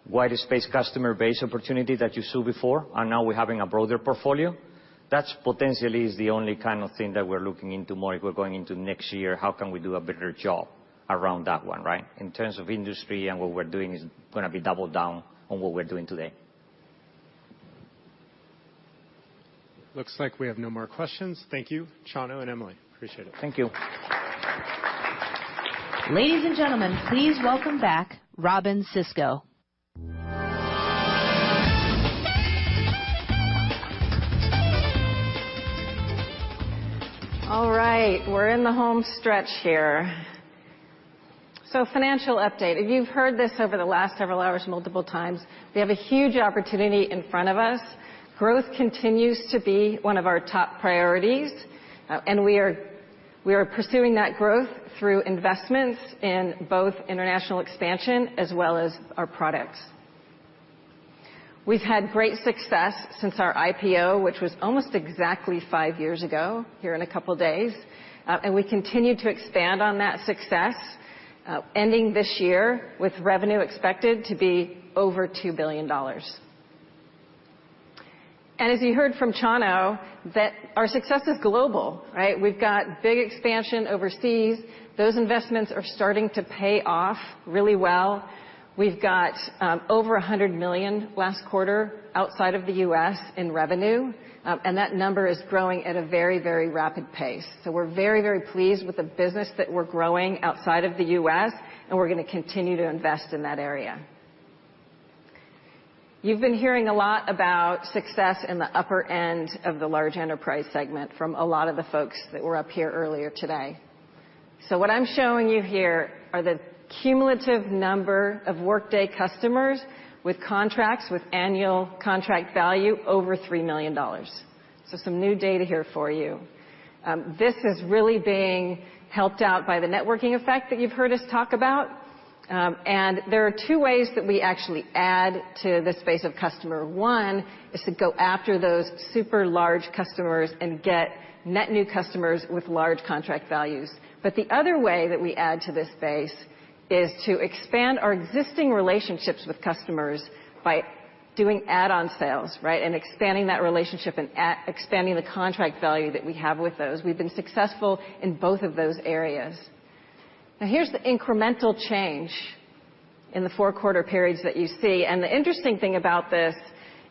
S22: wider space customer base opportunity that you saw before, and now we're having a broader portfolio. That potentially is the only kind of thing that we're looking into more if we're going into next year. How can we do a better job around that one, right? In terms of industry and what we're doing is going to be double down on what we're doing today.
S13: Looks like we have no more questions. Thank you, Chano and Emily. Appreciate it.
S22: Thank you.
S8: Ladies and gentlemen, please welcome back Robynne Sisco.
S1: All right. We're in the home stretch here. Financial update. If you've heard this over the last several hours, multiple times, we have a huge opportunity in front of us. Growth continues to be one of our top priorities. We are pursuing that growth through investments in both international expansion as well as our products. We've had great success since our IPO, which was almost exactly five years ago, here in a couple of days. We continue to expand on that success, ending this year with revenue expected to be over $2 billion. As you heard from Chano that our success is global, right? We've got big expansion overseas. Those investments are starting to pay off really well. We've got over $100 million last quarter outside of the U.S. in revenue. That number is growing at a very, very rapid pace.
S23: We're very, very pleased with the business that we're growing outside of the U.S., we're going to continue to invest in that area. You've been hearing a lot about success in the upper end of the large enterprise segment from a lot of the folks that were up here earlier today. What I'm showing you here are the cumulative number of Workday customers with contracts with annual contract value over $3 million. Some new data here for you. This is really being helped out by the networking effect that you've heard us talk about. There are two ways that we actually add to this base of customer. One is to go after those super large customers and get net new customers with large contract values. The other way that we add to this base is to expand our existing relationships with customers by doing add-on sales, right? Expanding that relationship and expanding the contract value that we have with those. We've been successful in both of those areas. Here's the incremental change in the four-quarter periods that you see. The interesting thing about this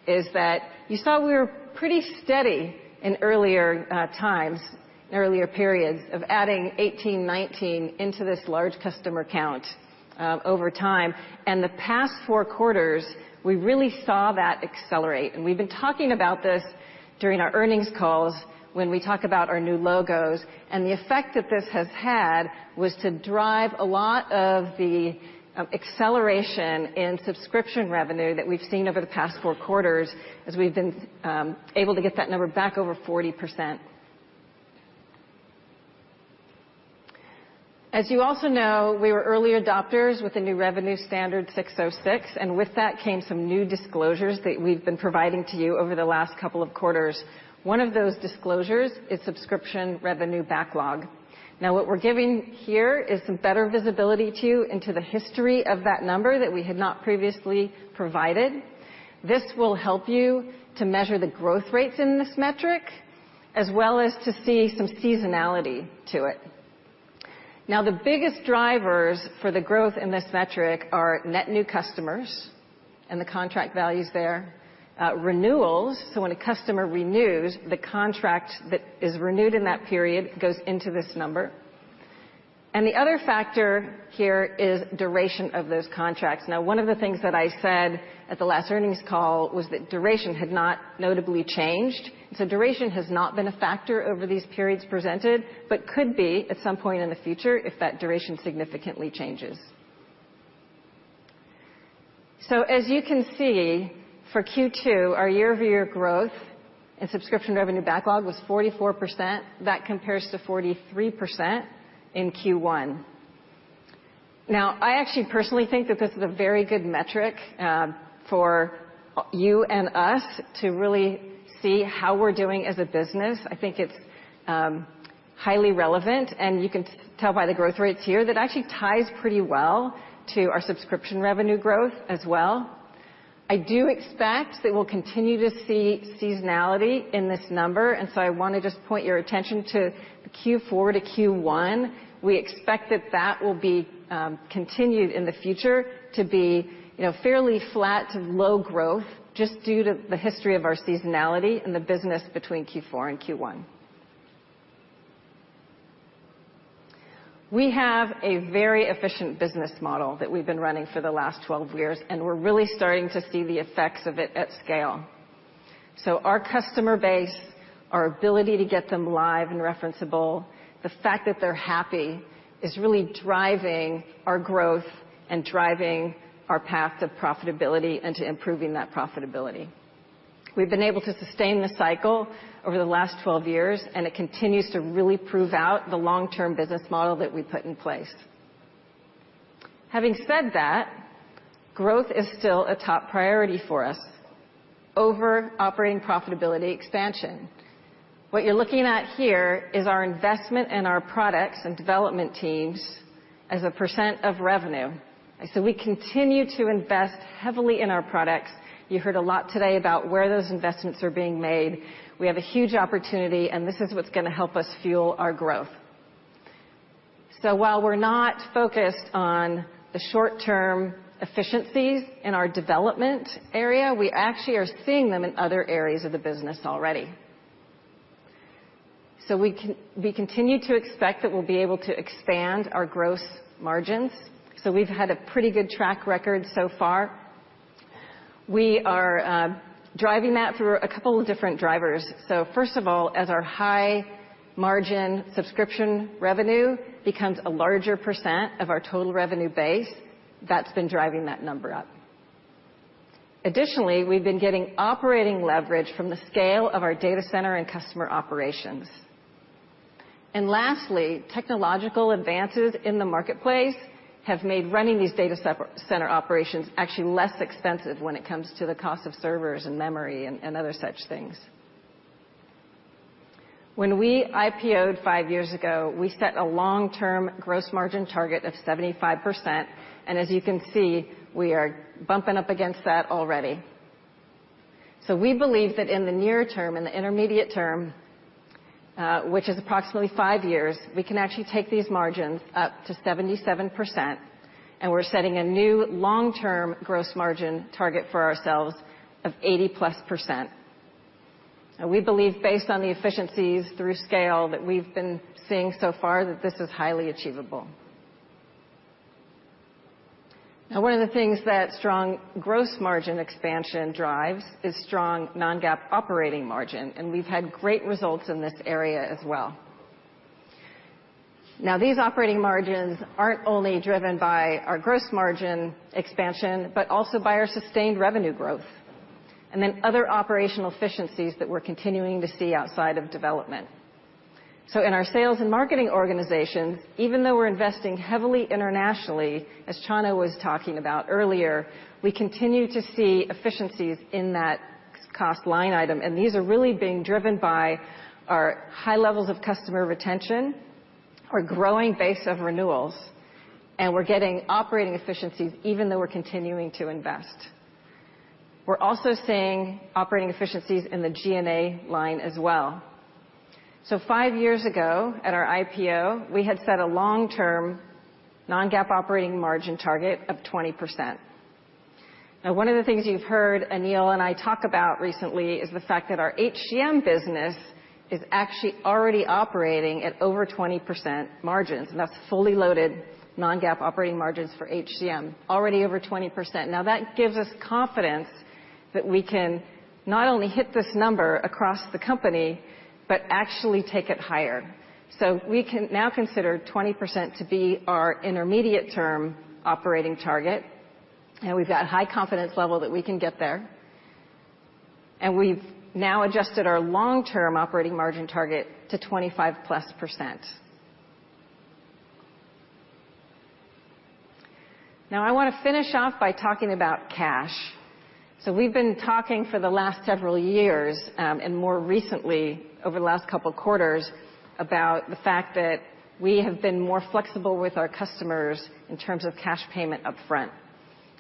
S23: is that you saw we were pretty steady in earlier times, earlier periods, of adding 18, 19 into this large customer count over time. The past four quarters, we really saw that accelerate. We've been talking about this during our earnings calls when we talk about our new logos. The effect that this has had was to drive a lot of the acceleration in subscription revenue that we've seen over the past four quarters, as we've been able to get that number back over 40%. As you also know, we were early adopters with the new ASC 606, and with that came some new disclosures that we've been providing to you over the last couple of quarters. One of those disclosures is subscription revenue backlog. What we're giving here is some better visibility to you into the history of that number that we had not previously provided. This will help you to measure the growth rates in this metric, as well as to see some seasonality to it. The biggest drivers for the growth in this metric are net new customers and the contract values there. Renewals, when a customer renews, the contract that is renewed in that period goes into this number.
S1: The other factor here is duration of those contracts. One of the things that I said at the last earnings call was that duration had not notably changed. Duration has not been a factor over these periods presented, but could be at some point in the future if that duration significantly changes. As you can see, for Q2, our year-over-year growth and subscription revenue backlog was 44%. That compares to 43% in Q1. I actually personally think that this is a very good metric for you and us to really see how we're doing as a business. I think it's highly relevant, and you can tell by the growth rates here that actually ties pretty well to our subscription revenue growth as well. I do expect that we'll continue to see seasonality in this number, I want to just point your attention to Q4 to Q1. We expect that that will be continued in the future to be fairly flat to low growth just due to the history of our seasonality and the business between Q4 and Q1. We have a very efficient business model that we've been running for the last 12 years, we're really starting to see the effects of it at scale. Our customer base, our ability to get them live and referenceable, the fact that they're happy, is really driving our growth and driving our path to profitability and to improving that profitability. We've been able to sustain this cycle over the last 12 years, and it continues to really prove out the long-term business model that we put in place. Having said that, growth is still a top priority for us over operating profitability expansion. What you're looking at here is our investment in our products and development teams as a percent of revenue. We continue to invest heavily in our products. You heard a lot today about where those investments are being made. We have a huge opportunity, this is what's going to help us fuel our growth. While we're not focused on the short-term efficiencies in our development area, we actually are seeing them in other areas of the business already. We continue to expect that we'll be able to expand our gross margins. We've had a pretty good track record so far. We are driving that through a couple of different drivers. First of all, as our high-margin subscription revenue becomes a larger percent of our total revenue base, that's been driving that number up. Additionally, we've been getting operating leverage from the scale of our data center and customer operations. Lastly, technological advances in the marketplace have made running these data center operations actually less expensive when it comes to the cost of servers and memory and other such things. When we IPO'd 5 years ago, we set a long-term gross margin target of 75%, as you can see, we are bumping up against that already. We believe that in the near term, in the intermediate term, which is approximately 5 years, we can actually take these margins up to 77%, we're setting a new long-term gross margin target for ourselves of 80-plus %. We believe based on the efficiencies through scale that we've been seeing so far, that this is highly achievable. One of the things that strong gross margin expansion drives is strong non-GAAP operating margin, and we've had great results in this area as well. These operating margins aren't only driven by our gross margin expansion, but also by our sustained revenue growth, and other operational efficiencies that we're continuing to see outside of development. In our sales and marketing organization, even though we're investing heavily internationally, as Chano was talking about earlier, we continue to see efficiencies in that cost line item, and these are really being driven by our high levels of customer retention, our growing base of renewals, and we're getting operating efficiencies even though we're continuing to invest. We're also seeing operating efficiencies in the G&A line as well. Five years ago, at our IPO, we had set a long-term non-GAAP operating margin target of 20%. One of the things you've heard Aneel and I talk about recently is the fact that our HCM business is actually already operating at over 20% margins. That's fully loaded non-GAAP operating margins for HCM, already over 20%. That gives us confidence that we can not only hit this number across the company, but actually take it higher. We can now consider 20% to be our intermediate term operating target, and we've got high confidence level that we can get there. We've now adjusted our long-term operating margin target to 25-plus %. I want to finish off by talking about cash. We've been talking for the last several years, and more recently over the last couple quarters, about the fact that we have been more flexible with our customers in terms of cash payment upfront.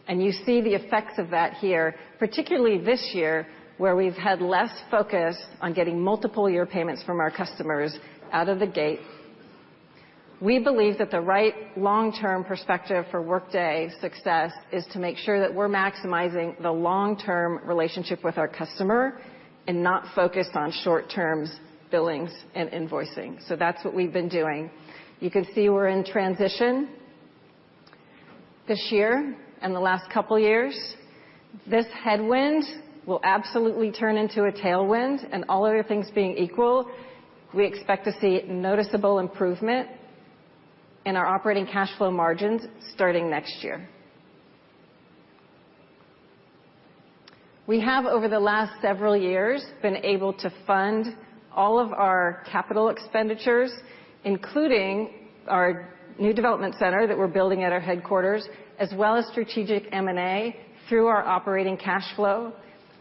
S1: You see the effects of that here, particularly this year, where we've had less focus on getting multiple year payments from our customers out of the gate. We believe that the right long-term perspective for Workday success is to make sure that we're maximizing the long-term relationship with our customer and not focused on short-terms billings and invoicing. That's what we've been doing. You can see we're in transition this year and the last couple of years, this headwind will absolutely turn into a tailwind, all other things being equal, we expect to see noticeable improvement in our operating cash flow margins starting next year. We have, over the last several years, been able to fund all of our capital expenditures, including our new development center that we're building at our headquarters, as well as strategic M&A through our operating cash flow,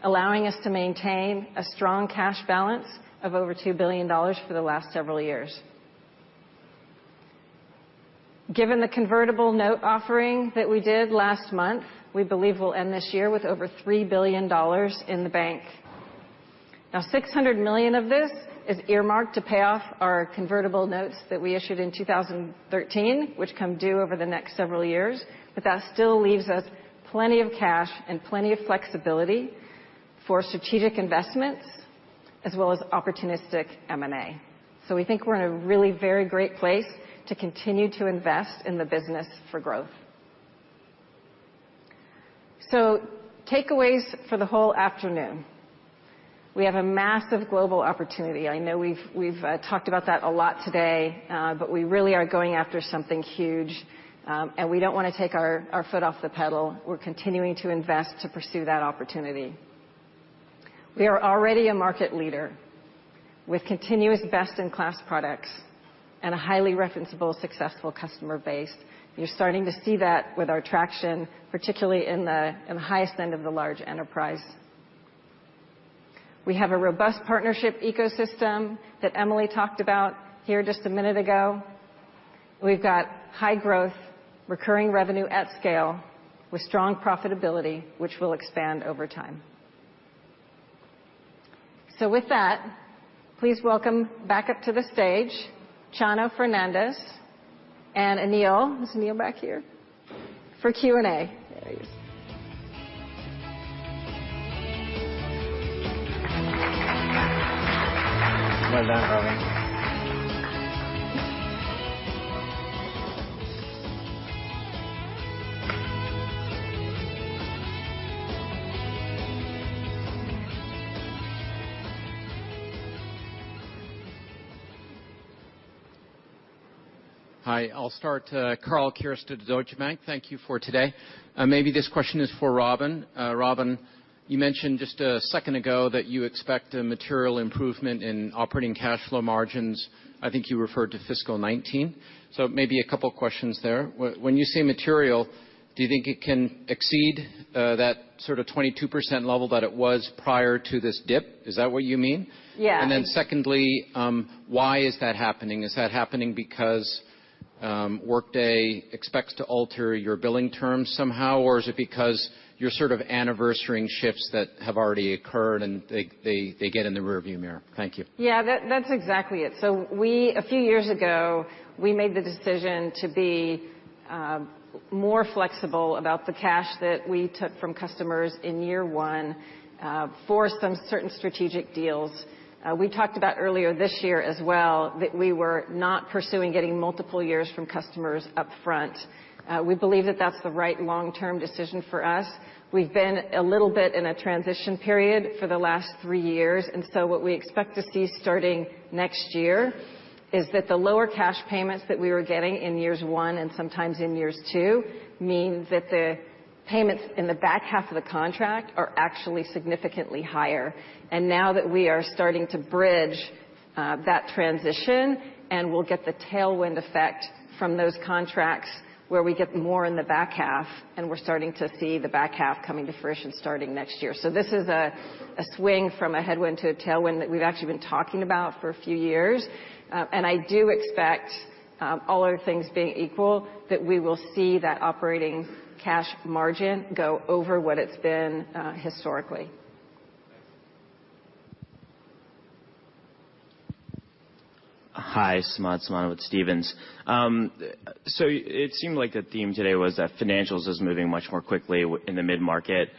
S1: allowing us to maintain a strong cash balance of over $2 billion for the last several years. Given the convertible note offering that we did last month, we believe we'll end this year with over $3 billion in the bank. $600 million of this is earmarked to pay off our convertible notes that we issued in 2013, which come due over the next several years, that still leaves us plenty of cash and plenty of flexibility for strategic investments as well as opportunistic M&A. We think we're in a really very great place to continue to invest in the business for growth. Takeaways for the whole afternoon. We have a massive global opportunity. I know we've talked about that a lot today, we really are going after something huge, we don't want to take our foot off the pedal. We're continuing to invest to pursue that opportunity. We are already a market leader with continuous best-in-class products and a highly referenceable, successful customer base. You're starting to see that with our traction, particularly in the highest end of the large enterprise. We have a robust partnership ecosystem that Emily talked about here just a minute ago. We've got high growth, recurring revenue at scale with strong profitability, which will expand over time. With that, please welcome back up to the stage Chano Fernandez and Aneel. Is Aneel back here? For Q&A. There he is.
S2: Well done, Robyn.
S26: Hi, I'll start. Karl Keirstead, Deutsche Bank. Thank you for today. Maybe this question is for Robyn. Robyn, you mentioned just a second ago that you expect a material improvement in operating cash flow margins. I think you referred to fiscal 2019. Maybe a couple questions there. When you say material, do you think it can exceed that sort of 22% level that it was prior to this dip? Is that what you mean?
S1: Yeah.
S26: Secondly, why is that happening? Is that happening because Workday expects to alter your billing terms somehow? Is it because you're sort of anniversarying shifts that have already occurred, and they get in the rear view mirror? Thank you.
S1: Yeah, that's exactly it. A few years ago, we made the decision to be more flexible about the cash that we took from customers in year one for some certain strategic deals. We talked about earlier this year as well that we were not pursuing getting multiple years from customers up front. We believe that that's the right long-term decision for us. We've been a little bit in a transition period for the last three years, what we expect to see starting next year is that the lower cash payments that we were getting in years one and sometimes in years two mean that the payments in the back half of the contract are actually significantly higher. Now that we are starting to bridge that transition and we'll get the tailwind effect from those contracts, where we get more in the back half, and we're starting to see the back half coming to fruition starting next year. This is a swing from a headwind to a tailwind that we've actually been talking about for a few years. I do expect, all other things being equal, that we will see that operating cash margin go over what it's been historically.
S26: Thanks.
S27: Hi. Saket Samana with Stephens. It seemed like the theme today was that financials is moving much more quickly in the mid-market.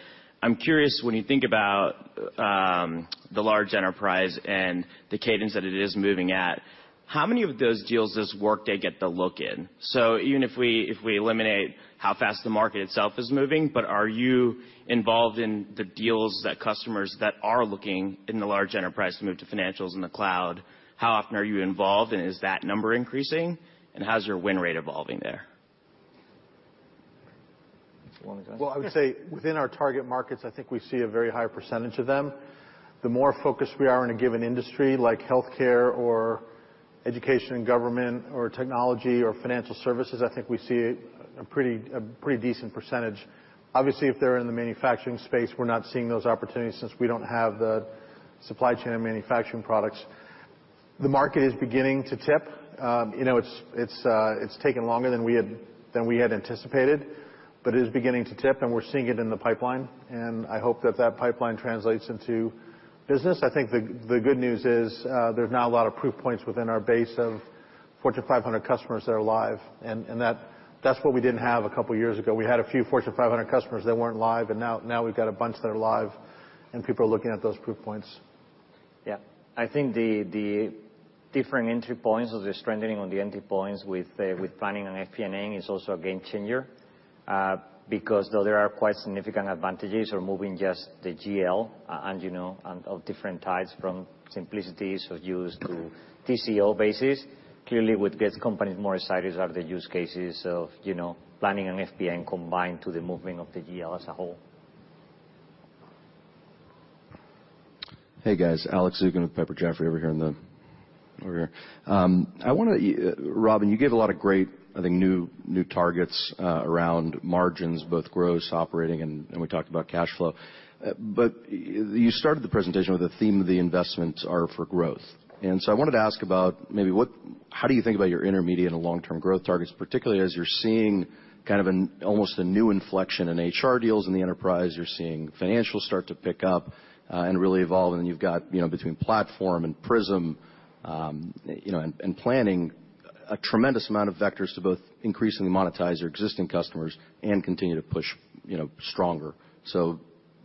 S27: I'm curious, when you think about the large enterprise and the cadence that it is moving at, how many of those deals does Workday get to look in? Even if we eliminate how fast the market itself is moving, are you involved in the deals that customers that are looking in the large enterprise to move to financials in the cloud, how often are you involved, and is that number increasing? How's your win rate evolving there?
S2: Do you want me to go?
S1: Yeah.
S2: Well, I would say within our target markets, I think we see a very high percentage of them. The more focused we are in a given industry like healthcare or Education and Government or technology or financial services, I think we see a pretty decent percentage. Obviously, if they're in the manufacturing space, we're not seeing those opportunities since we don't have the supply chain and manufacturing products. The market is beginning to tip. It's taken longer than we had anticipated, but it is beginning to tip, and we're seeing it in the pipeline, and I hope that that pipeline translates into business. I think the good news is, there's now a lot of proof points within our base of Fortune 500 customers that are live, and that's what we didn't have a couple of years ago. We had a few Fortune 500 customers that weren't live, now we've got a bunch that are live, and people are looking at those proof points.
S22: Yeah. I think the different entry points or the strengthening on the entry points with planning and FP&A is also a game changer, because though there are quite significant advantages or moving just the GL, and of different types from simplicity. So use to TCO basis. Clearly, what gets companies more excited are the use cases of planning and FPM combined to the movement of the GL as a whole.
S7: Hey, guys. Alex Zukin with Piper Jaffray over here. Robyn, you gave a lot of great, I think, new targets around margins, both gross operating, and we talked about cash flow. You started the presentation with a theme of the investments are for growth. I wanted to ask about maybe how do you think about your intermediate and long-term growth targets, particularly as you're seeing kind of almost a new inflection in HR deals in the enterprise. You're seeing financials start to pick up, and really evolve. Then you've got, between platform and Prism, and planning a tremendous amount of vectors to both increasingly monetize your existing customers and continue to push stronger.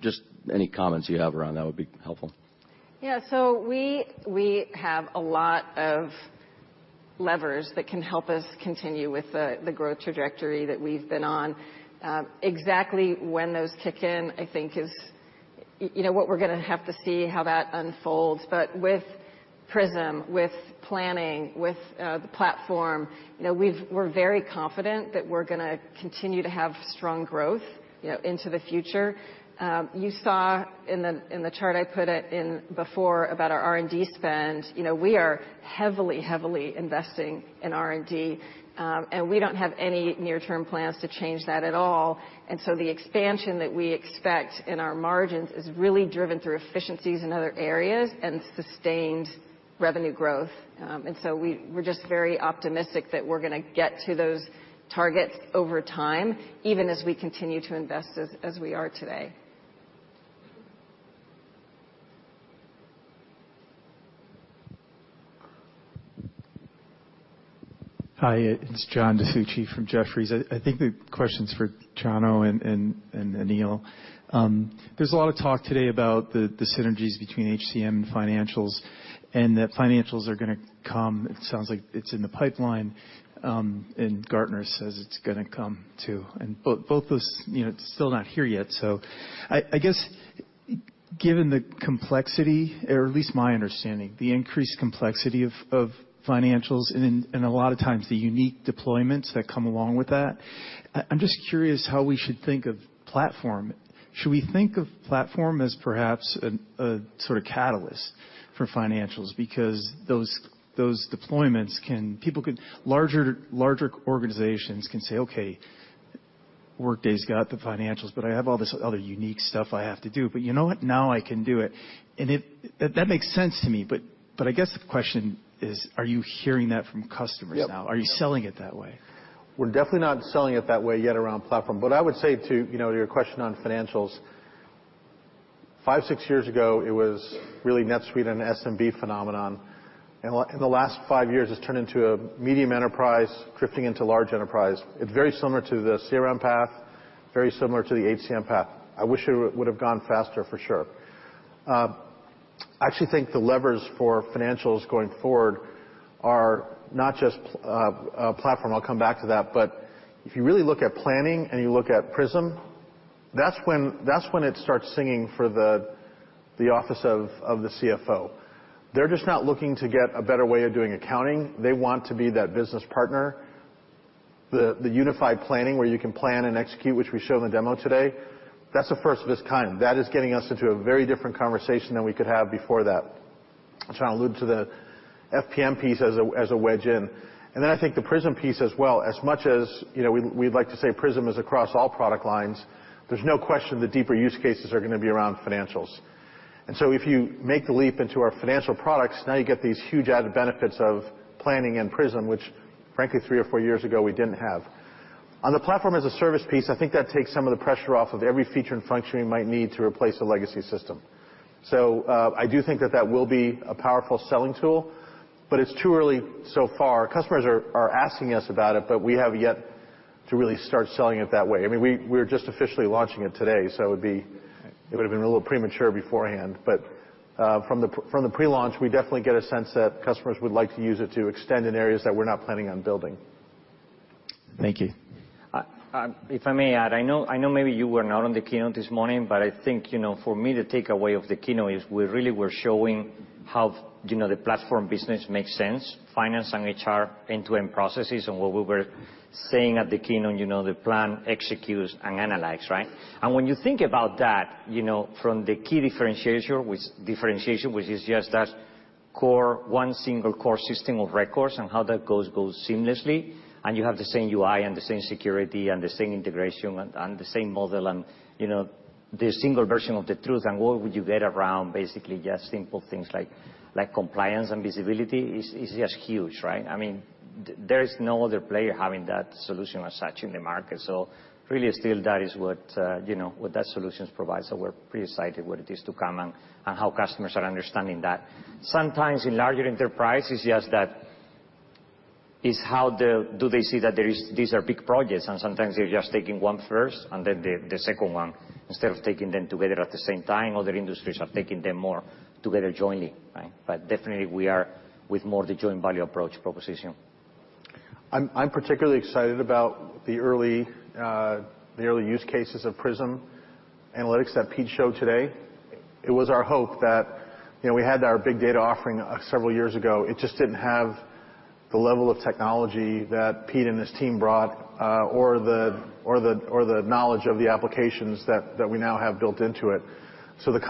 S7: Just any comments you have around that would be helpful.
S1: We have a lot of levers that can help us continue with the growth trajectory that we've been on. Exactly when those kick in, I think is what we're going to have to see how that unfolds. With Prism, with planning, with the platform, we're very confident that we're going to continue to have strong growth into the future. You saw in the chart I put it in before about our R&D spend. We are heavily investing in R&D. We don't have any near-term plans to change that at all. The expansion that we expect in our margins is really driven through efficiencies in other areas and sustained revenue growth. We're just very optimistic that we're going to get to those targets over time, even as we continue to invest as we are today.
S5: Hi. It's John DiFucci from Jefferies. I think the question's for Chano and Aneel. There's a lot of talk today about the synergies between HCM and financials, and that financials are going to come. It sounds like it's in the pipeline, and Gartner says it's going to come, too. Both those, it's still not here yet. I guess given the complexity or at least my understanding, the increased complexity of financials and a lot of times the unique deployments that come along with that, I'm just curious how we should think of platform. Should we think of platform as perhaps a sort of catalyst for financials? Larger organizations can say, "Okay, Workday's got the financials, but I have all this other unique stuff I have to do. You know what? Now I can do it." That makes sense to me. I guess the question is, are you hearing that from customers now?
S2: Yep.
S5: Are you selling it that way?
S2: We're definitely not selling it that way yet around platform. I would say to your question on financials, five, six years ago, it was really NetSuite and SMB phenomenon. In the last five years, it's turned into a medium enterprise drifting into large enterprise. It's very similar to the CRM path, very similar to the HCM path. I wish it would've gone faster for sure. I actually think the levers for financials going forward are not just a platform. I'll come back to that. If you really look at planning and you look at Prism, that's when it starts singing for the office of the CFO. They're just not looking to get a better way of doing accounting. They want to be that business partner. The unified planning where you can plan and execute, which we show in the demo today, that's the first of its kind. That is getting us into a very different conversation than we could have before that. Chano allude to the FPM piece as a wedge in. I think the Prism piece as well. As much as we'd like to say Prism is across all product lines, there's no question the deeper use cases are going to be around financials. If you make the leap into our financial products, now you get these huge added benefits of planning and Prism, which frankly, three or four years ago, we didn't have. On the platform as a service piece, I think that takes some of the pressure off of every feature and function you might need to replace a legacy system. I do think that that will be a powerful selling tool, but it's too early so far. Customers are asking us about it, we have yet to really start selling it that way. I mean, we're just officially launching it today, it would've been a little premature beforehand. From the pre-launch, we definitely get a sense that customers would like to use it to extend in areas that we're not planning on building.
S5: Thank you.
S22: If I may add, I know maybe you were not on the keynote this morning, I think for me to take away of the keynote is we really were showing how the platform business makes sense, Finance and HR end-to-end processes, and what we were saying at the keynote, the plan executes and analyze, right? When you think about that from the key differentiation, which is just that one single core system of records and how that goes seamlessly, and you have the same UI and the same security and the same integration and the same model. The single version of the truth, what would you get around basically just simple things like compliance and visibility is just huge, right? There is no other player having that solution as such in the market. Really still that is what that solutions provide. We're pretty excited what it is to come and how customers are understanding that. Sometimes in larger enterprise, it's just that. How do they see that these are big projects, and sometimes they're just taking one first and then the second one instead of taking them together at the same time. Other industries are taking them more together jointly, right? Definitely, we are with more the joint value approach proposition.
S2: I'm particularly excited about the early use cases of Prism Analytics that Pete showed today. It was our hope that we had our big data offering several years ago. It just didn't have the level of technology that Pete and his team brought or the knowledge of the applications that we now have built into it. The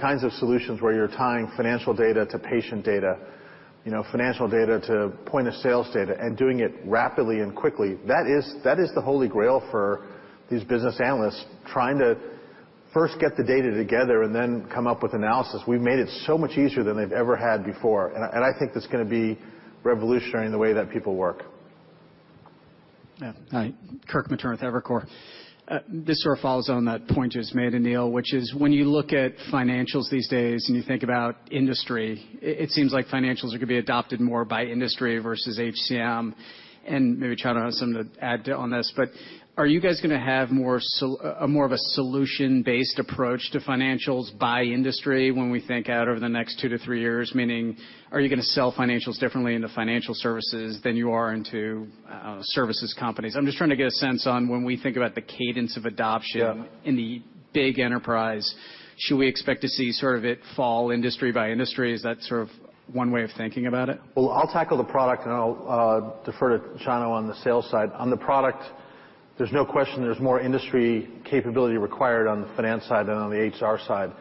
S2: kinds of solutions where you're tying financial data to patient data, financial data to point-of-sales data, and doing it rapidly and quickly, that is the holy grail for these business analysts trying to first get the data together and then come up with analysis. We've made it so much easier than they've ever had before, and I think that's going to be revolutionary in the way that people work.
S18: Yeah. Hi. Kirk Materne with Evercore. This sort of follows on that point just made, Aneel, which is when you look at financials these days and you think about industry, it seems like financials are going to be adopted more by industry versus HCM. Maybe Chano has something to add to on this, but are you guys going to have more of a solution-based approach to financials by industry when we think out over the next two to three years? Meaning, are you going to sell financials differently in the financial services than you are into services companies? I'm just trying to get a sense on when we think about the cadence of adoption.
S2: Yeah
S18: in the big enterprise, should we expect to see sort of it fall industry by industry? Is that sort of one way of thinking about it?
S2: Well, I'll tackle the product, and I'll defer to Chano on the sales side. On the product, there's no question there's more industry capability required on the finance side than on the HR side.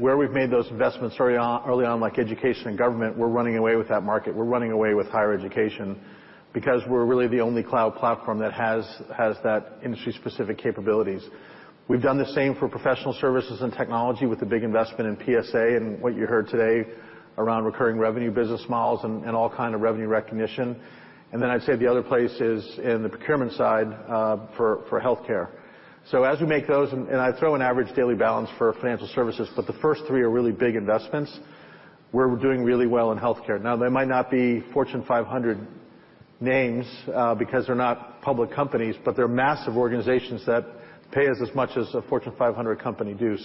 S2: Where we've made those investments very early on, like Education and Government, we're running away with that market. We're running away with higher education because we're really the only cloud platform that has that industry-specific capabilities. We've done the same for professional services and technology with the big investment in PSA and what you heard today around recurring revenue business models and all kind of revenue recognition. Then I'd say the other place is in the procurement side for healthcare. As we make those, and I'd throw in average daily balance for financial services, but the first three are really big investments, where we're doing really well in healthcare. Now, they might not be Fortune 500 names because they're not public companies, but they're massive organizations that pay us as much as a Fortune 500 company do.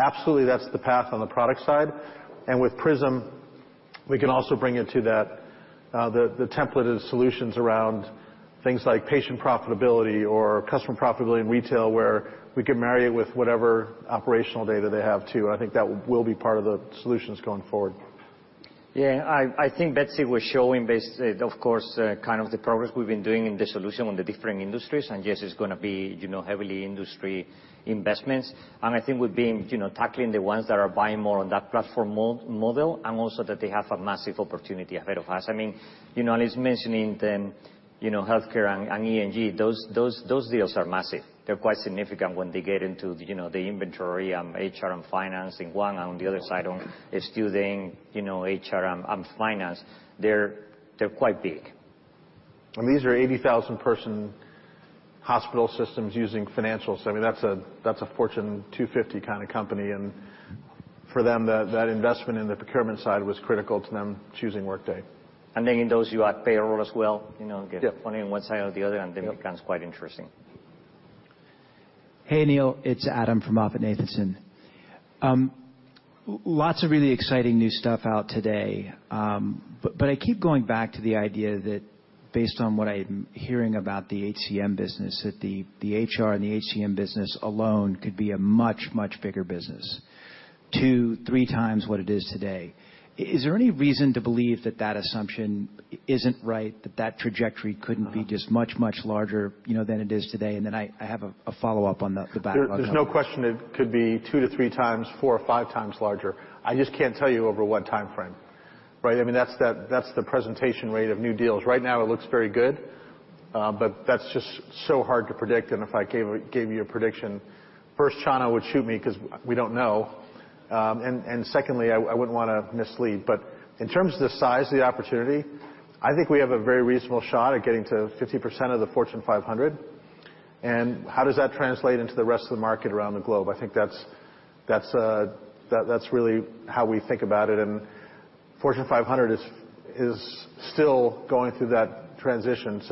S2: Absolutely, that's the path on the product side. With Prism, we can also bring into that the templated solutions around things like patient profitability or customer profitability in retail, where we could marry it with whatever operational data they have, too. I think that will be part of the solutions going forward.
S22: Yeah. I think Betsy was showing, of course, kind of the progress we've been doing in the solution on the different industries, and yes, it's going to be heavily industry investments. I think we've been tackling the ones that are buying more on that platform model, and also that they have a massive opportunity ahead of us. Aneel is mentioning them, healthcare and Ed and Gov. Those deals are massive. They're quite significant when they get into the inventory on HR and finance in one. On the other side on a student, HCM and finance. They're quite big.
S2: These are 80,000-person hospital systems using financials. That's a Fortune 250 kind of company, and for them, that investment in the procurement side was critical to them choosing Workday.
S22: In those, you add payroll as well.
S2: Yeah.
S22: Get 20 on one side or the other.
S2: Yep
S22: It becomes quite interesting.
S10: Hey, Aneel. It's Adam from MoffettNathanson. Lots of really exciting new stuff out today. I keep going back to the idea that based on what I'm hearing about the HCM business, that the HR and the HCM business alone could be a much, much bigger business, two, three times what it is today. Is there any reason to believe that that assumption isn't right, that trajectory couldn't be just much, much larger than it is today? I have a follow-up on the back.
S2: There's no question it could be two to three times, four or five times larger. I just can't tell you over what timeframe, right? That's the presentation rate of new deals. Right now, it looks very good. That's just so hard to predict, and if I gave you a prediction, first, Chano would shoot me because we don't know. Secondly, I wouldn't want to mislead. In terms of the size of the opportunity, I think we have a very reasonable shot at getting to 50% of the Fortune 500. How does that translate into the rest of the market around the globe? I think that's really how we think about it, and Fortune 500 is still going through that transition.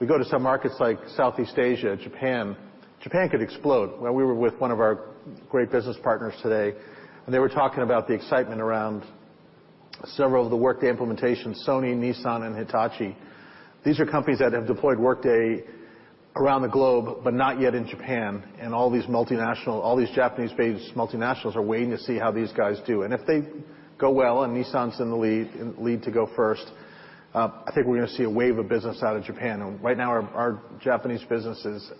S2: We go to some markets like Southeast Asia, Japan. Japan could explode. We were with one of our great business partners today, and they were talking about the excitement around several of the Workday implementations, Sony, Nissan and Hitachi. These are companies that have deployed Workday around the globe, but not yet in Japan, and all these Japanese-based multinationals are waiting to see how these guys do. If they go well, and Nissan's in the lead to go first, I think we're going to see a wave of business out of Japan. Right now, our Japanese business is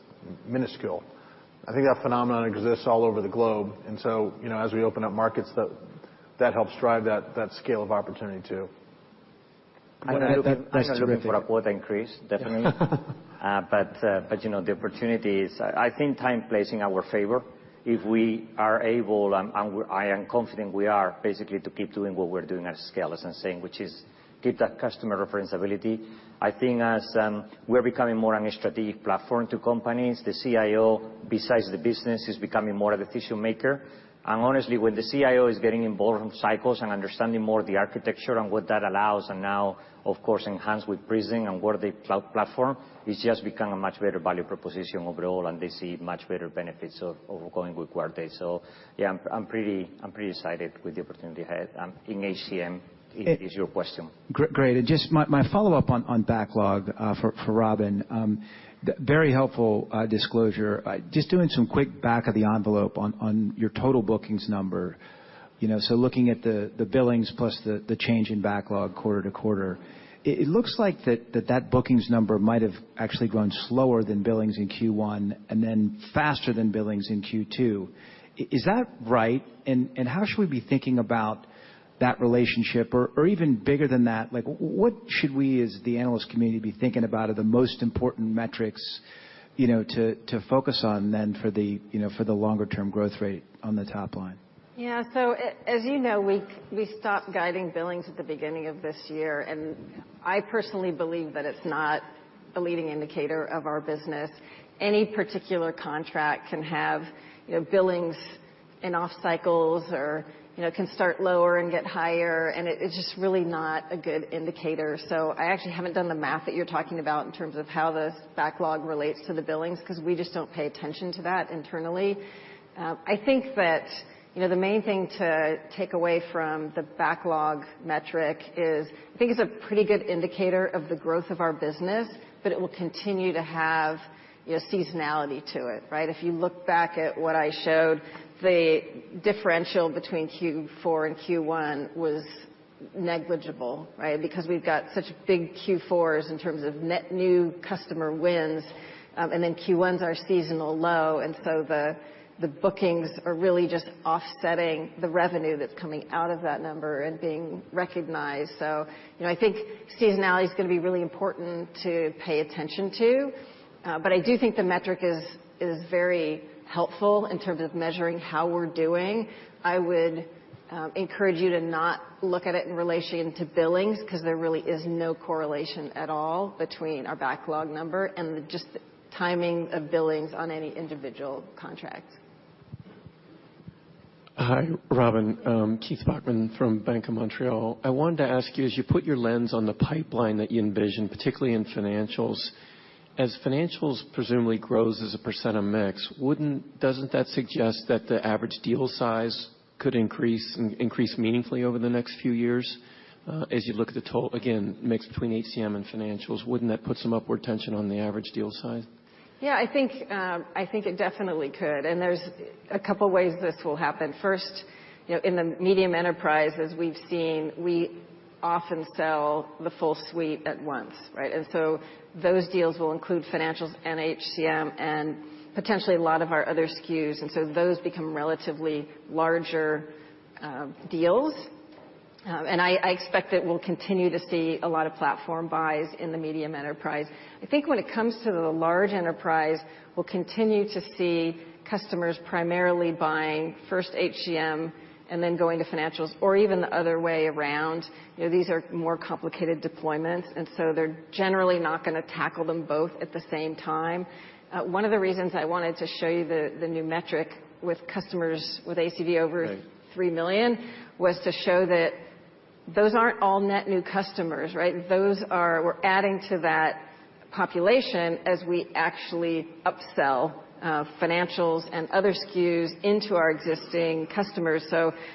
S2: minuscule. I think that phenomenon exists all over the globe. As we open up markets, that helps drive that scale of opportunity, too.
S22: I'm not looking for a quota increase, definitely. The opportunity is, I think, time plays in our favor. If we are able, and I am confident we are, basically to keep doing what we're doing at scale, as I'm saying, which is keep that customer reference ability. I think as we're becoming more on a strategic platform to companies, the CIO, besides the business, is becoming more of a decision-maker. Honestly, when the CIO is getting involved in cycles and understanding more of the architecture and what that allows, and now, of course, enhanced with Prism and Workday platform, it's just become a much better value proposition overall, and they see much better benefits of going with Workday. Yeah, I'm pretty excited with the opportunity ahead in HCM, is your question.
S10: Great. Just my follow-up on backlog for Robyn. Very helpful disclosure. Looking at the billings plus the change in backlog quarter to quarter, it looks like that bookings number might have actually grown slower than billings in Q1, faster than billings in Q2. Is that right? How should we be thinking about that relationship? Even bigger than that, what should we, as the analyst community, be thinking about are the most important metrics to focus on then for the longer-term growth rate on the top line?
S1: Yeah. As you know, we stopped guiding billings at the beginning of this year, I personally believe that it's not a leading indicator of our business. Any particular contract can have billings in off cycles or can start lower and get higher, it's just really not a good indicator. I actually haven't done the math that you're talking about in terms of how the backlog relates to the billings, because we just don't pay attention to that internally. I think that the main thing to take away from the backlog metric is, I think it's a pretty good indicator of the growth of our business, but it will continue to have seasonality to it. If you look back at what I showed, the differential between Q4 and Q1 was negligible. We've got such big Q4s in terms of net new customer wins. Q1s are seasonal low, the bookings are really just offsetting the revenue that's coming out of that number and being recognized. I think seasonality is going to be really important to pay attention to. I do think the metric is very helpful in terms of measuring how we're doing. I would encourage you to not look at it in relation to billings, there really is no correlation at all between our backlog number and just the timing of billings on any individual contract.
S11: Hi, Robyn. Keith Bachman from Bank of Montreal. I wanted to ask you, as you put your lens on the pipeline that you envision, particularly in financials, as financials presumably grows as a % of mix, doesn't that suggest that the average deal size could increase meaningfully over the next few years? As you look at the total, again, mix between HCM and financials, wouldn't that put some upward tension on the average deal size?
S1: Yeah, I think it definitely could. There's a couple ways this will happen. First, in the medium enterprise, as we've seen, we often sell the full suite at once. Those deals will include financials and HCM and potentially a lot of our other SKUs. Those become relatively larger deals. I expect that we'll continue to see a lot of platform buys in the medium enterprise. I think when it comes to the large enterprise, we'll continue to see customers primarily buying first HCM and then going to financials or even the other way around. These are more complicated deployments, and so they're generally not going to tackle them both at the same time. One of the reasons I wanted to show you the new metric with customers with ACV over-
S11: Right
S1: $3 million was to show that those aren't all net new customers. We're adding to that population as we actually upsell financials and other SKUs into our existing customers.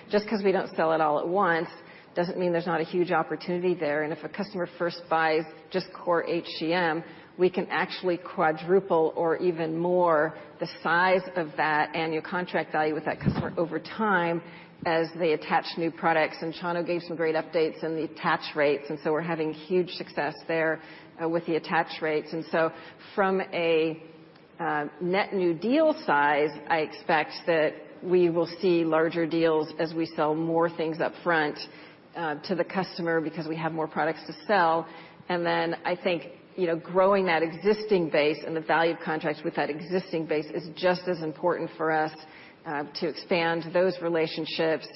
S1: Just because we don't sell it all at once doesn't mean there's not a huge opportunity there. If a customer first buys just core HCM, we can actually quadruple or even more the size of that annual contract value with that customer over time as they attach new products. Chano gave some great updates on the attach rates, and so we're having huge success there with the attach rates. From a net new deal size, I expect that we will see larger deals as we sell more things upfront to the customer because we have more products to sell. I think growing that existing base and the value of contracts with that existing base is just as important for us to expand those relationships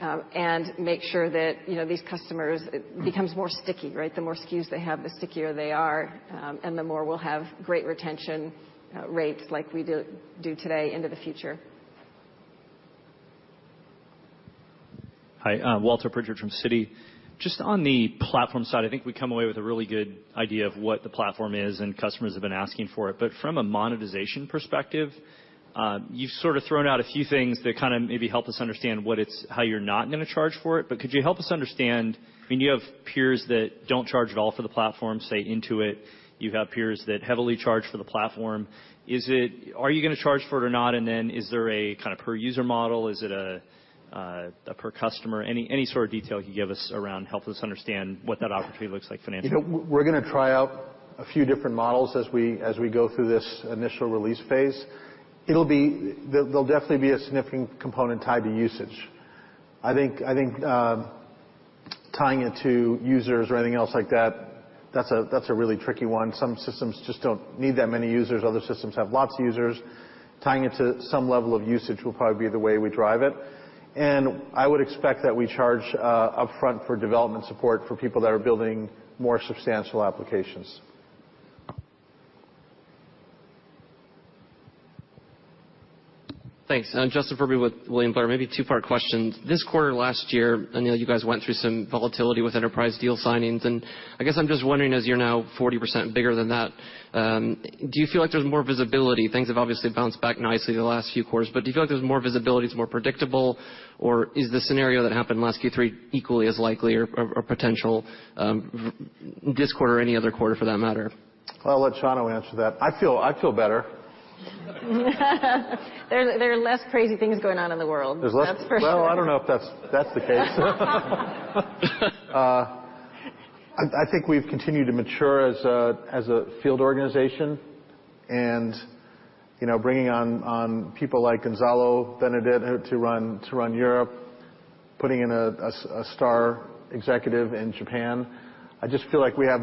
S1: and make sure that these customers becomes more sticky. The more SKUs they have, the stickier they are, and the more we'll have great retention rates like we do today into the future.
S14: Hi, Walter Pritchard from Citi. Just on the platform side, I think we come away with a really good idea of what the platform is, and customers have been asking for it. From a monetization perspective, you've sort of thrown out a few things that maybe help us understand how you're not going to charge for it. Could you help us understand, you have peers that don't charge at all for the platform, say Intuit. You have peers that heavily charge for the platform. Are you going to charge for it or not? Is there a per user model? Is it a per customer? Any sort of detail you could give us, help us understand what that opportunity looks like financially.
S2: We're going to try out a few different models as we go through this initial release phase. There'll definitely be a significant component tied to usage. I think tying it to users or anything else like that's a really tricky one. Some systems just don't need that many users. Other systems have lots of users. Tying it to some level of usage will probably be the way we drive it. I would expect that we charge upfront for development support for people that are building more substantial applications.
S6: Thanks. Justin Ferbey with William Blair. Maybe two-part question. This quarter last year, I know you guys went through some volatility with enterprise deal signings. I guess I'm just wondering, as you're now 40% bigger than that, do you feel like there's more visibility? Things have obviously bounced back nicely the last few quarters, do you feel like there's more visibility, it's more predictable? Is the scenario that happened last Q3 equally as likely or potential this quarter or any other quarter, for that matter?
S2: I'll let Chano answer that. I feel better.
S1: There are less crazy things going on in the world.
S2: There's less-
S28: That's for sure.
S2: Well, I don't know if that's the case. I think we've continued to mature as a field organization and bringing on people like Gonzalo Benedit to run Europe, putting in a star executive in Japan. I just feel like we have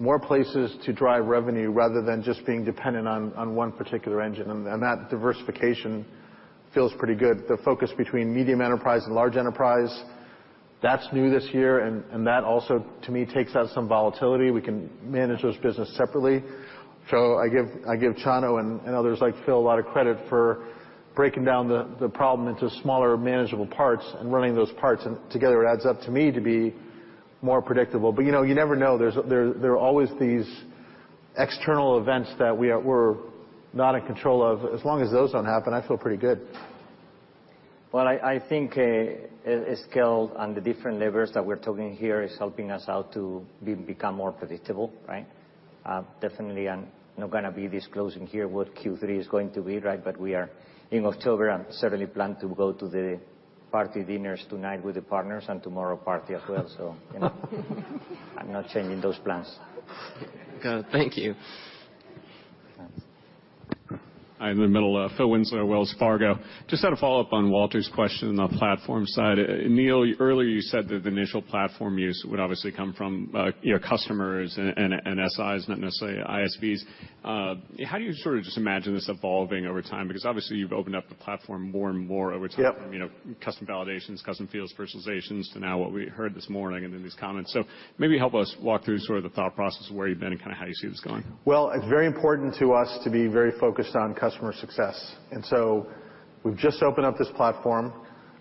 S2: more places to drive revenue rather than just being dependent on one particular engine, and that diversification feels pretty good. The focus between medium enterprise and large enterprise, that's new this year, and that also, to me, takes out some volatility. We can manage those business separately. I give Chano and others like Phil a lot of credit for breaking down the problem into smaller, manageable parts and running those parts, and together it adds up to me to be more predictable. You never know. There are always these external events that we're not in control of. As long as those don't happen, I feel pretty good.
S22: Well, I think scale and the different levers that we're talking here is helping us out to become more predictable, right? Definitely I'm not going to be disclosing here what Q3 is going to be, right? We are in October. I certainly plan to go to the party dinners tonight with the partners and tomorrow party as well. You know. I'm not changing those plans.
S6: Got it. Thank you.
S2: Thanks.
S12: Hi, in the middle. Phil Winslow, Wells Fargo. Just had a follow-up on Walter's question on the platform side. Aneel, earlier you said that the initial platform use would obviously come from your customers and SIs, not necessarily ISVs. How do you sort of just imagine this evolving over time? Obviously you've opened up the platform more and more over time
S2: Yep
S12: from custom validations, custom fields, personalizations to now what we heard this morning and in these comments. Maybe help us walk through sort of the thought process of where you've been and kind of how you see this going.
S2: Well, it's very important to us to be very focused on customer success. We've just opened up this platform.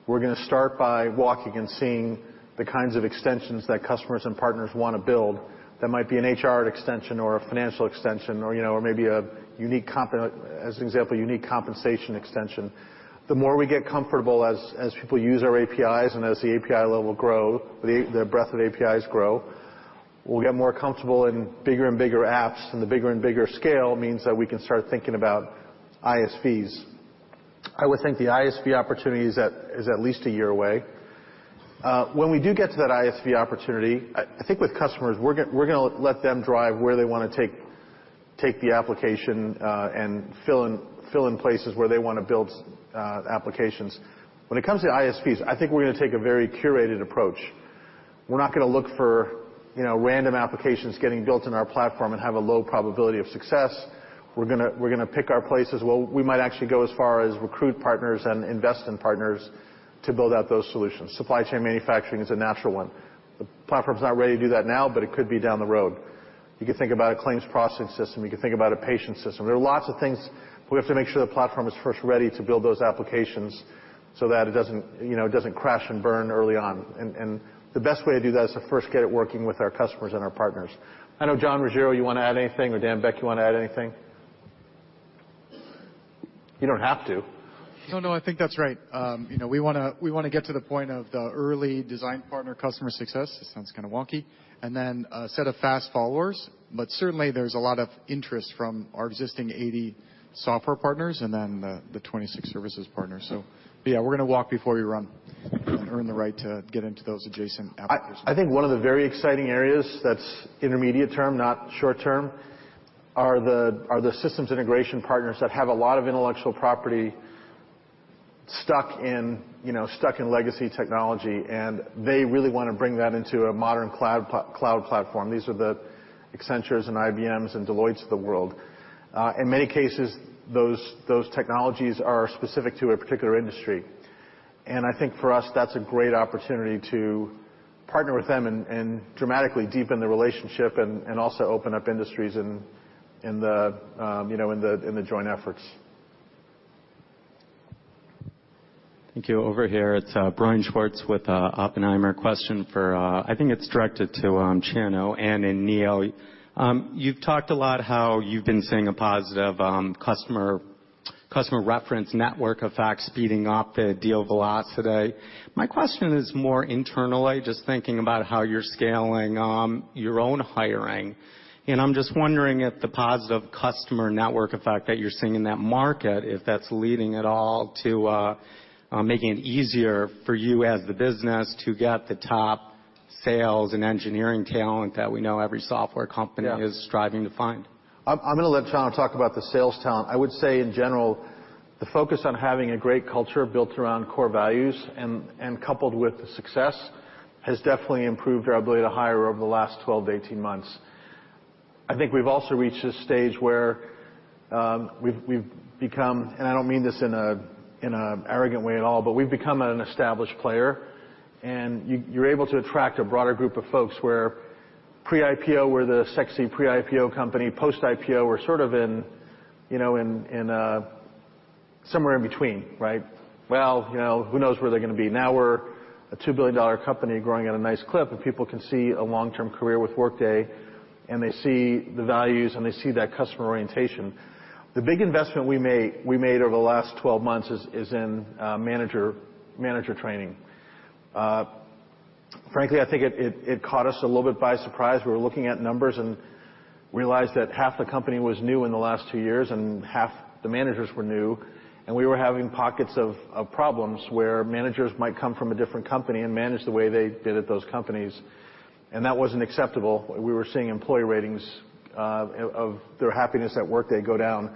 S2: We're going to start by walking and seeing the kinds of extensions that customers and partners want to build. That might be an HR extension or a financial extension or maybe, as an example, a unique compensation extension. The more we get comfortable as people use our APIs and as the API level grow, the breadth of APIs grow, we'll get more comfortable in bigger and bigger apps, and the bigger and bigger scale means that we can start thinking about ISVs. I would think the ISV opportunity is at least a year away. When we do get to that ISV opportunity, I think with customers, we're going to let them drive where they want to take the application, and fill in places where they want to build applications. When it comes to ISVs, I think we're going to take a very curated approach. We're not going to look for random applications getting built in our platform and have a low probability of success. We're going to pick our places. Well, we might actually go as far as recruit partners and invest in partners to build out those solutions. Supply chain manufacturing is a natural one. The platform's not ready to do that now, but it could be down the road. You could think about a claims processing system. You could think about a patient system. There are lots of things, but we have to make sure the platform is first ready to build those applications so that it doesn't crash and burn early on. The best way to do that is to first get it working with our customers and our partners. I know, Jon Ruggiero, you want to add anything or Dan Beck, you want to add anything? You don't have to.
S15: No, no, I think that's right. We want to get to the point of the early design partner customer success. It sounds kind of wonky. Then a set of fast followers, but certainly there's a lot of interest from our existing 80 software partners and then the 26 services partners. Yeah, we're going to walk before we run and earn the right to get into those adjacent applications.
S2: I think one of the very exciting areas that's intermediate term, not short term, are the systems integration partners that have a lot of intellectual property stuck in legacy technology, and they really want to bring that into a modern cloud platform. These are the Accentures and IBMs and Deloittes of the world. In many cases, those technologies are specific to a particular industry. I think for us, that's a great opportunity to partner with them and dramatically deepen the relationship and also open up industries in the joint efforts.
S28: Thank you. Over here, it's Brian Schwartz with Oppenheimer. Question for, I think it's directed to Chano and then Aneel. You've talked a lot how you've been seeing a positive customer reference network effect speeding up the deal velocity. My question is more internally, just thinking about how you're scaling your own hiring. I'm just wondering if the positive customer network effect that you're seeing in that market, if that's leading at all to making it easier for you as the business to get the top sales and engineering talent that we know every software company
S2: Yeah
S28: is striving to find.
S2: I'm going to let Chano talk about the sales talent. I would say, in general, the focus on having a great culture built around core values and coupled with the success, has definitely improved our ability to hire over the last 12 to 18 months. I think we've also reached a stage where we've become, and I don't mean this in an arrogant way at all, but we've become an established player, and you're able to attract a broader group of folks where pre-IPO, we're the sexy pre-IPO company. Post-IPO, we're sort of in somewhere in between, right? Well, who knows where they're going to be? Now we're a $2 billion company growing at a nice clip, and people can see a long-term career with Workday, and they see the values and they see that customer orientation. The big investment we made over the last 12 months is in manager training. Frankly, I think it caught us a little bit by surprise. We were looking at numbers and realized that half the company was new in the last two years, and half the managers were new, and we were having pockets of problems where managers might come from a different company and manage the way they did at those companies, and that wasn't acceptable. We were seeing employee ratings of their happiness at Workday go down.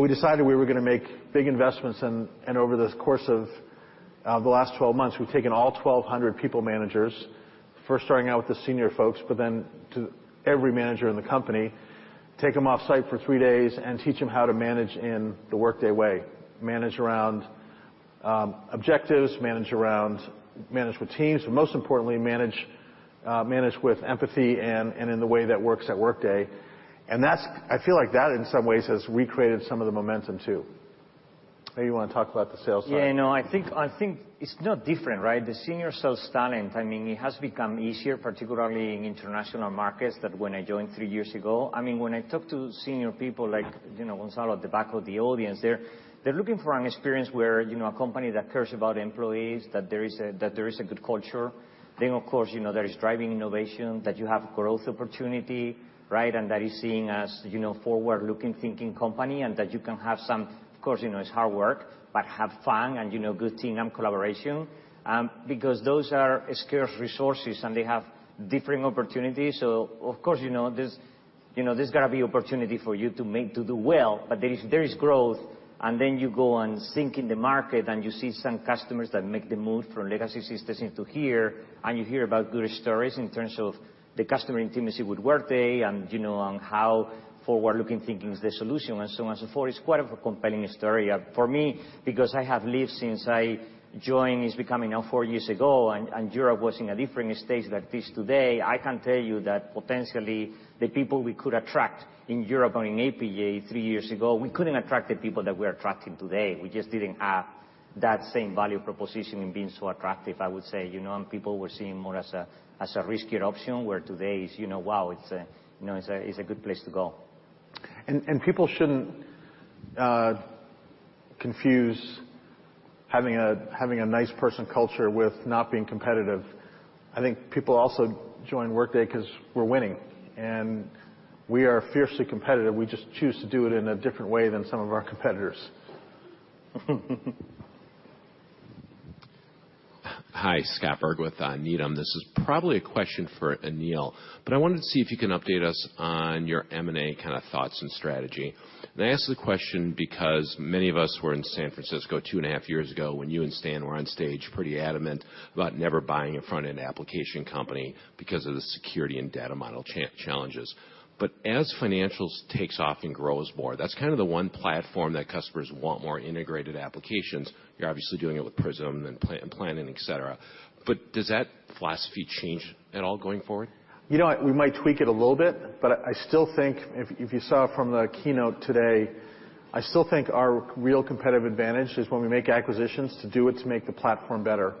S2: We decided we were going to make big investments over the course of the last 12 months, we've taken all 1,200 people managers, first starting out with the senior folks, but then to every manager in the company, take them offsite for three days and teach them how to manage in the Workday way, manage around objectives, manage with teams, but most importantly, manage with empathy and in the way that works at Workday. I feel like that, in some ways, has recreated some of the momentum, too. Maybe you want to talk about the sales side.
S22: Yeah, no. I think it's not different, right? The senior sales talent, it has become easier, particularly in international markets, that when I joined three years ago. When I talk to senior people like Gonzalo at the back of the audience, they're looking for an experience where a company that cares about employees, that there is a good culture. Of course, there is driving innovation, that you have growth opportunity, right? That is seen as forward-looking thinking company, and that you can have Of course, it's hard work, but have fun and good team and collaboration. Those are scarce resources, and they have differing opportunities. Of course, there's got to be opportunity for you to do well. There is growth, and then you go and sink in the market, and you see some customers that make the move from legacy systems into here, and you hear about good stories in terms of the customer intimacy with Workday, and on how forward-looking thinking is the solution, and so on and so forth. It is quite of a compelling story. For me, because I have lived since I joined, it's becoming now four years ago, and Europe was in a different stage than it is today. I can tell you that potentially, the people we could attract in Europe or in APAC three years ago, we couldn't attract the people that we are attracting today. We just didn't have that same value proposition in being so attractive, I would say. People were seeing more as a riskier option, where today it's, "Wow, it's a good place to go.
S2: People shouldn't confuse having a nice person culture with not being competitive. I think people also join Workday because we're winning, and we are fiercely competitive. We just choose to do it in a different way than some of our competitors.
S24: Hi, Scott Berg with Needham. This is probably a question for Aneel, but I wanted to see if you can update us on your M&A kind of thoughts and strategy. I ask the question because many of us were in San Francisco two and a half years ago when you and Stan were on stage pretty adamant about never buying a front-end application company because of the security and data model challenges. As Financials takes off and grows more, that's kind of the one platform that customers want more integrated applications. You're obviously doing it with Prism and Planning, et cetera. Does that philosophy change at all going forward?
S2: You know what? We might tweak it a little bit, I still think if you saw from the keynote today, I still think our real competitive advantage is when we make acquisitions to do it, to make the platform better.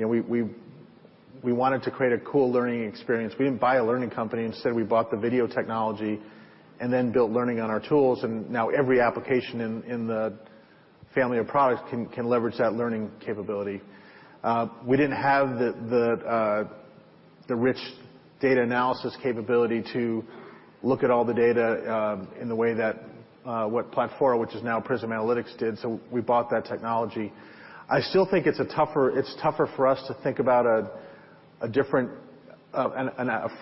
S2: We wanted to create a cool learning experience. We didn't buy a learning company. Instead, we bought the video technology and then built learning on our tools, and now every application in the family of products can leverage that learning capability. We didn't have the rich data analysis capability to look at all the data in the way that what Platfora, which is now Prism Analytics, did. So we bought that technology. I still think it's tougher for us to think about a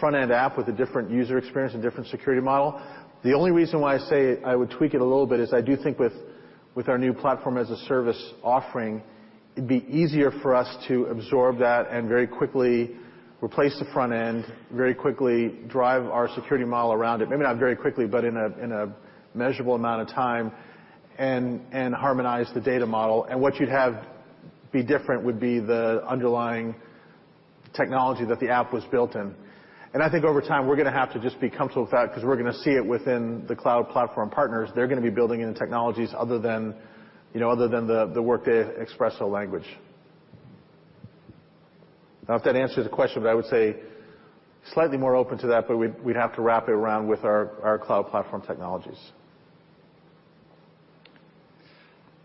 S2: front-end app with a different user experience and different security model. The only reason why I say I would tweak it a little bit is I do think with our new platform-as-a-service offering, it'd be easier for us to absorb that and very quickly replace the front end, very quickly drive our security model around it. Maybe not very quickly, but in a measurable amount of time, and harmonize the data model. What you'd have be different would be the underlying technology that the app was built in. I think over time, we're going to have to just be comfortable with that because we're going to see it within the cloud platform partners. They're going to be building in technologies other than the Workday XpressO language. I don't know if that answers the question, but I would say slightly more open to that, but we'd have to wrap it around with our cloud platform technologies.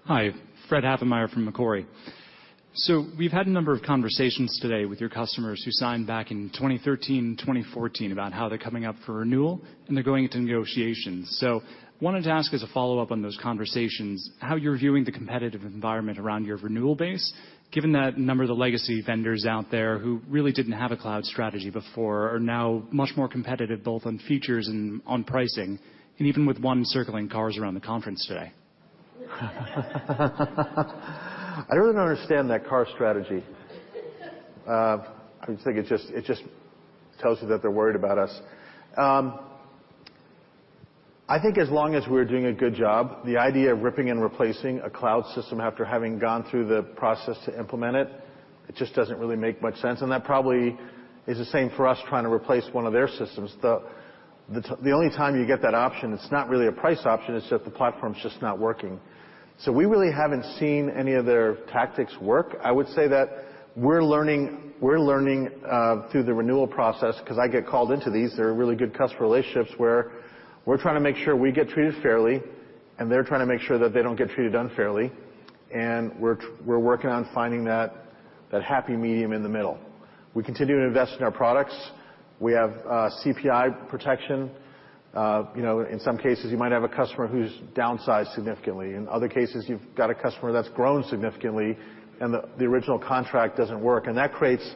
S29: Hi, Fred Havemeyer from Macquarie. We've had a number of conversations today with your customers who signed back in 2013, 2014, about how they're coming up for renewal and they're going into negotiations. Wanted to ask as a follow-up on those conversations, how you're viewing the competitive environment around your renewal base, given that a number of the legacy vendors out there who really didn't have a cloud strategy before are now much more competitive, both on features and on pricing, and even with one circling cars around the conference today.
S2: I really don't understand that car strategy. I just think it just tells you that they're worried about us. I think as long as we're doing a good job, the idea of ripping and replacing a cloud system after having gone through the process to implement it just doesn't really make much sense, and that probably is the same for us trying to replace one of their systems. The only time you get that option, it's not really a price option, it's that the platform's just not working. We really haven't seen any of their tactics work. I would say that we're learning through the renewal process, because I get called into these, they're really good customer relationships where we're trying to make sure we get treated fairly, and they're trying to make sure that they don't get treated unfairly. We're working on finding that happy medium in the middle. We continue to invest in our products. We have CPI protection. In some cases, you might have a customer who's downsized significantly. In other cases, you've got a customer that's grown significantly, and the original contract doesn't work. That creates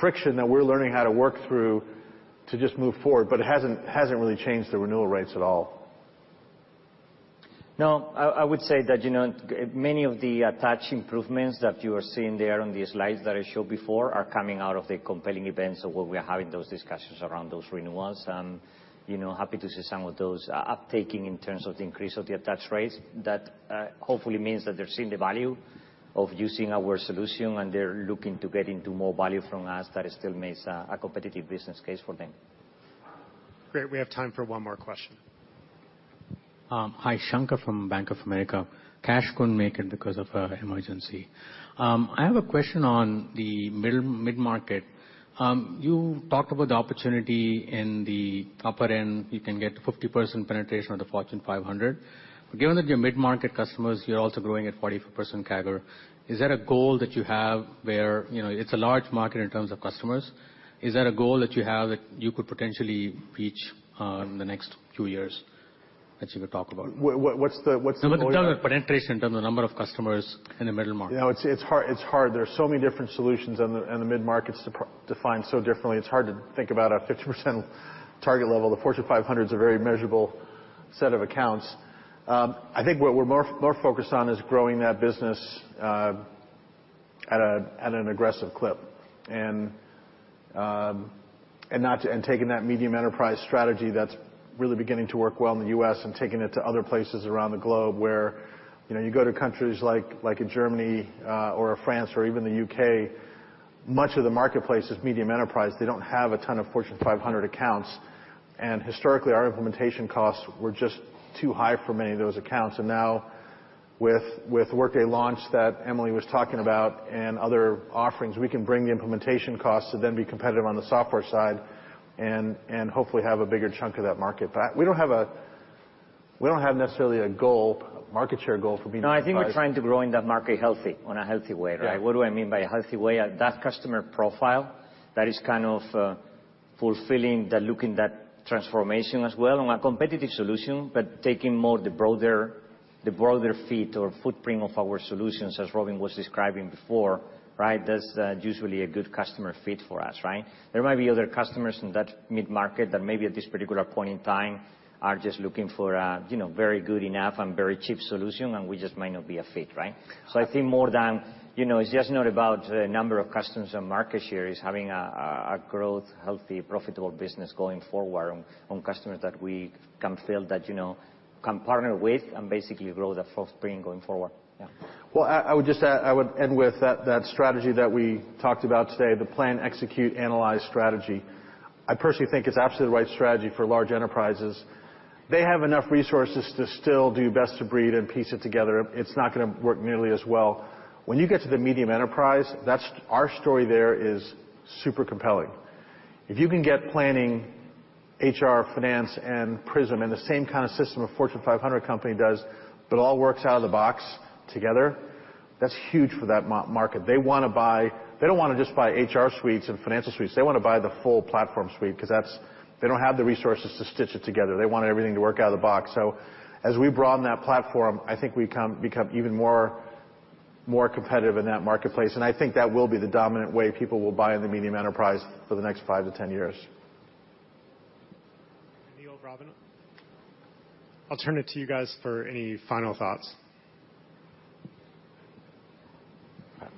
S2: friction that we're learning how to work through to just move forward, but it hasn't really changed the renewal rates at all.
S22: I would say that many of the attach improvements that you are seeing there on the slides that I showed before are coming out of the compelling events of where we are having those discussions around those renewals. Happy to see some of those uptaking in terms of the increase of the attach rates. That hopefully means that they're seeing the value of using our solution and they're looking to get into more value from us that still makes a competitive business case for them.
S8: Great. We have time for one more question.
S30: Hi, Shanker from Bank of America. Cash couldn't make it because of an emergency. I have a question on the midmarket. You talked about the opportunity in the upper end, you can get 50% penetration of the Fortune 500. Given that your midmarket customers, you're also growing at 44% CAGR, is that a goal that you have where it's a large market in terms of customers? Is that a goal that you have that you could potentially reach in the next two years that you would talk about?
S2: What's the goal there?
S30: In terms of penetration, in terms of the number of customers in the middle market.
S2: It's hard. There are so many different solutions, and the midmarket's defined so differently. It's hard to think about a 50% target level. The Fortune 500 is a very measurable set of accounts. I think what we're more focused on is growing that business at an aggressive clip. Taking that medium enterprise strategy that's really beginning to work well in the U.S. and taking it to other places around the globe where you go to countries like Germany or France or even the U.K., much of the marketplace is medium enterprise. They don't have a ton of Fortune 500 accounts. Historically, our implementation costs were just too high for many of those accounts. Now with Workday Launch that Emily was talking about and other offerings, we can bring the implementation costs to then be competitive on the software side and hopefully have a bigger chunk of that market. We don't have necessarily a goal, market share goal for medium enterprise.
S22: No, I think we're trying to grow in that market healthy, on a healthy way, right?
S2: Yeah.
S22: What do I mean by a healthy way? That customer profile, that is kind of fulfilling that look in that transformation as well, and a competitive solution, but taking more the broader fit or footprint of our solutions, as Robynne was describing before. That's usually a good customer fit for us. There might be other customers in that midmarket that maybe at this particular point in time are just looking for a very good enough and very cheap solution, and we just might not be a fit. I think more than, it's just not about number of customers or market share, it's having a growth, healthy, profitable business going forward on customers that we can feel that can partner with and basically grow that footprint going forward.
S2: Well, I would end with that strategy that we talked about today, the plan, execute, analyze strategy. I personally think it's absolutely the right strategy for large enterprises. They have enough resources to still do best of breed and piece it together. It's not going to work nearly as well. When you get to the medium enterprise, our story there is super compelling. If you can get planning, HR, finance, and Prism in the same kind of system a Fortune 500 company does, but it all works out of the box together, that's huge for that market. They don't want to just buy HR suites and financial suites. They want to buy the full platform suite because they don't have the resources to stitch it together. They want everything to work out of the box. As we broaden that platform, I think we become even more competitive in that marketplace, and I think that will be the dominant way people will buy in the medium enterprise for the next 5 to 10 years.
S8: Aneel, Robynne. I'll turn it to you guys for any final thoughts.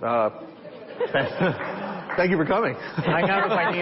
S2: Thank you for coming.
S22: I never fight you.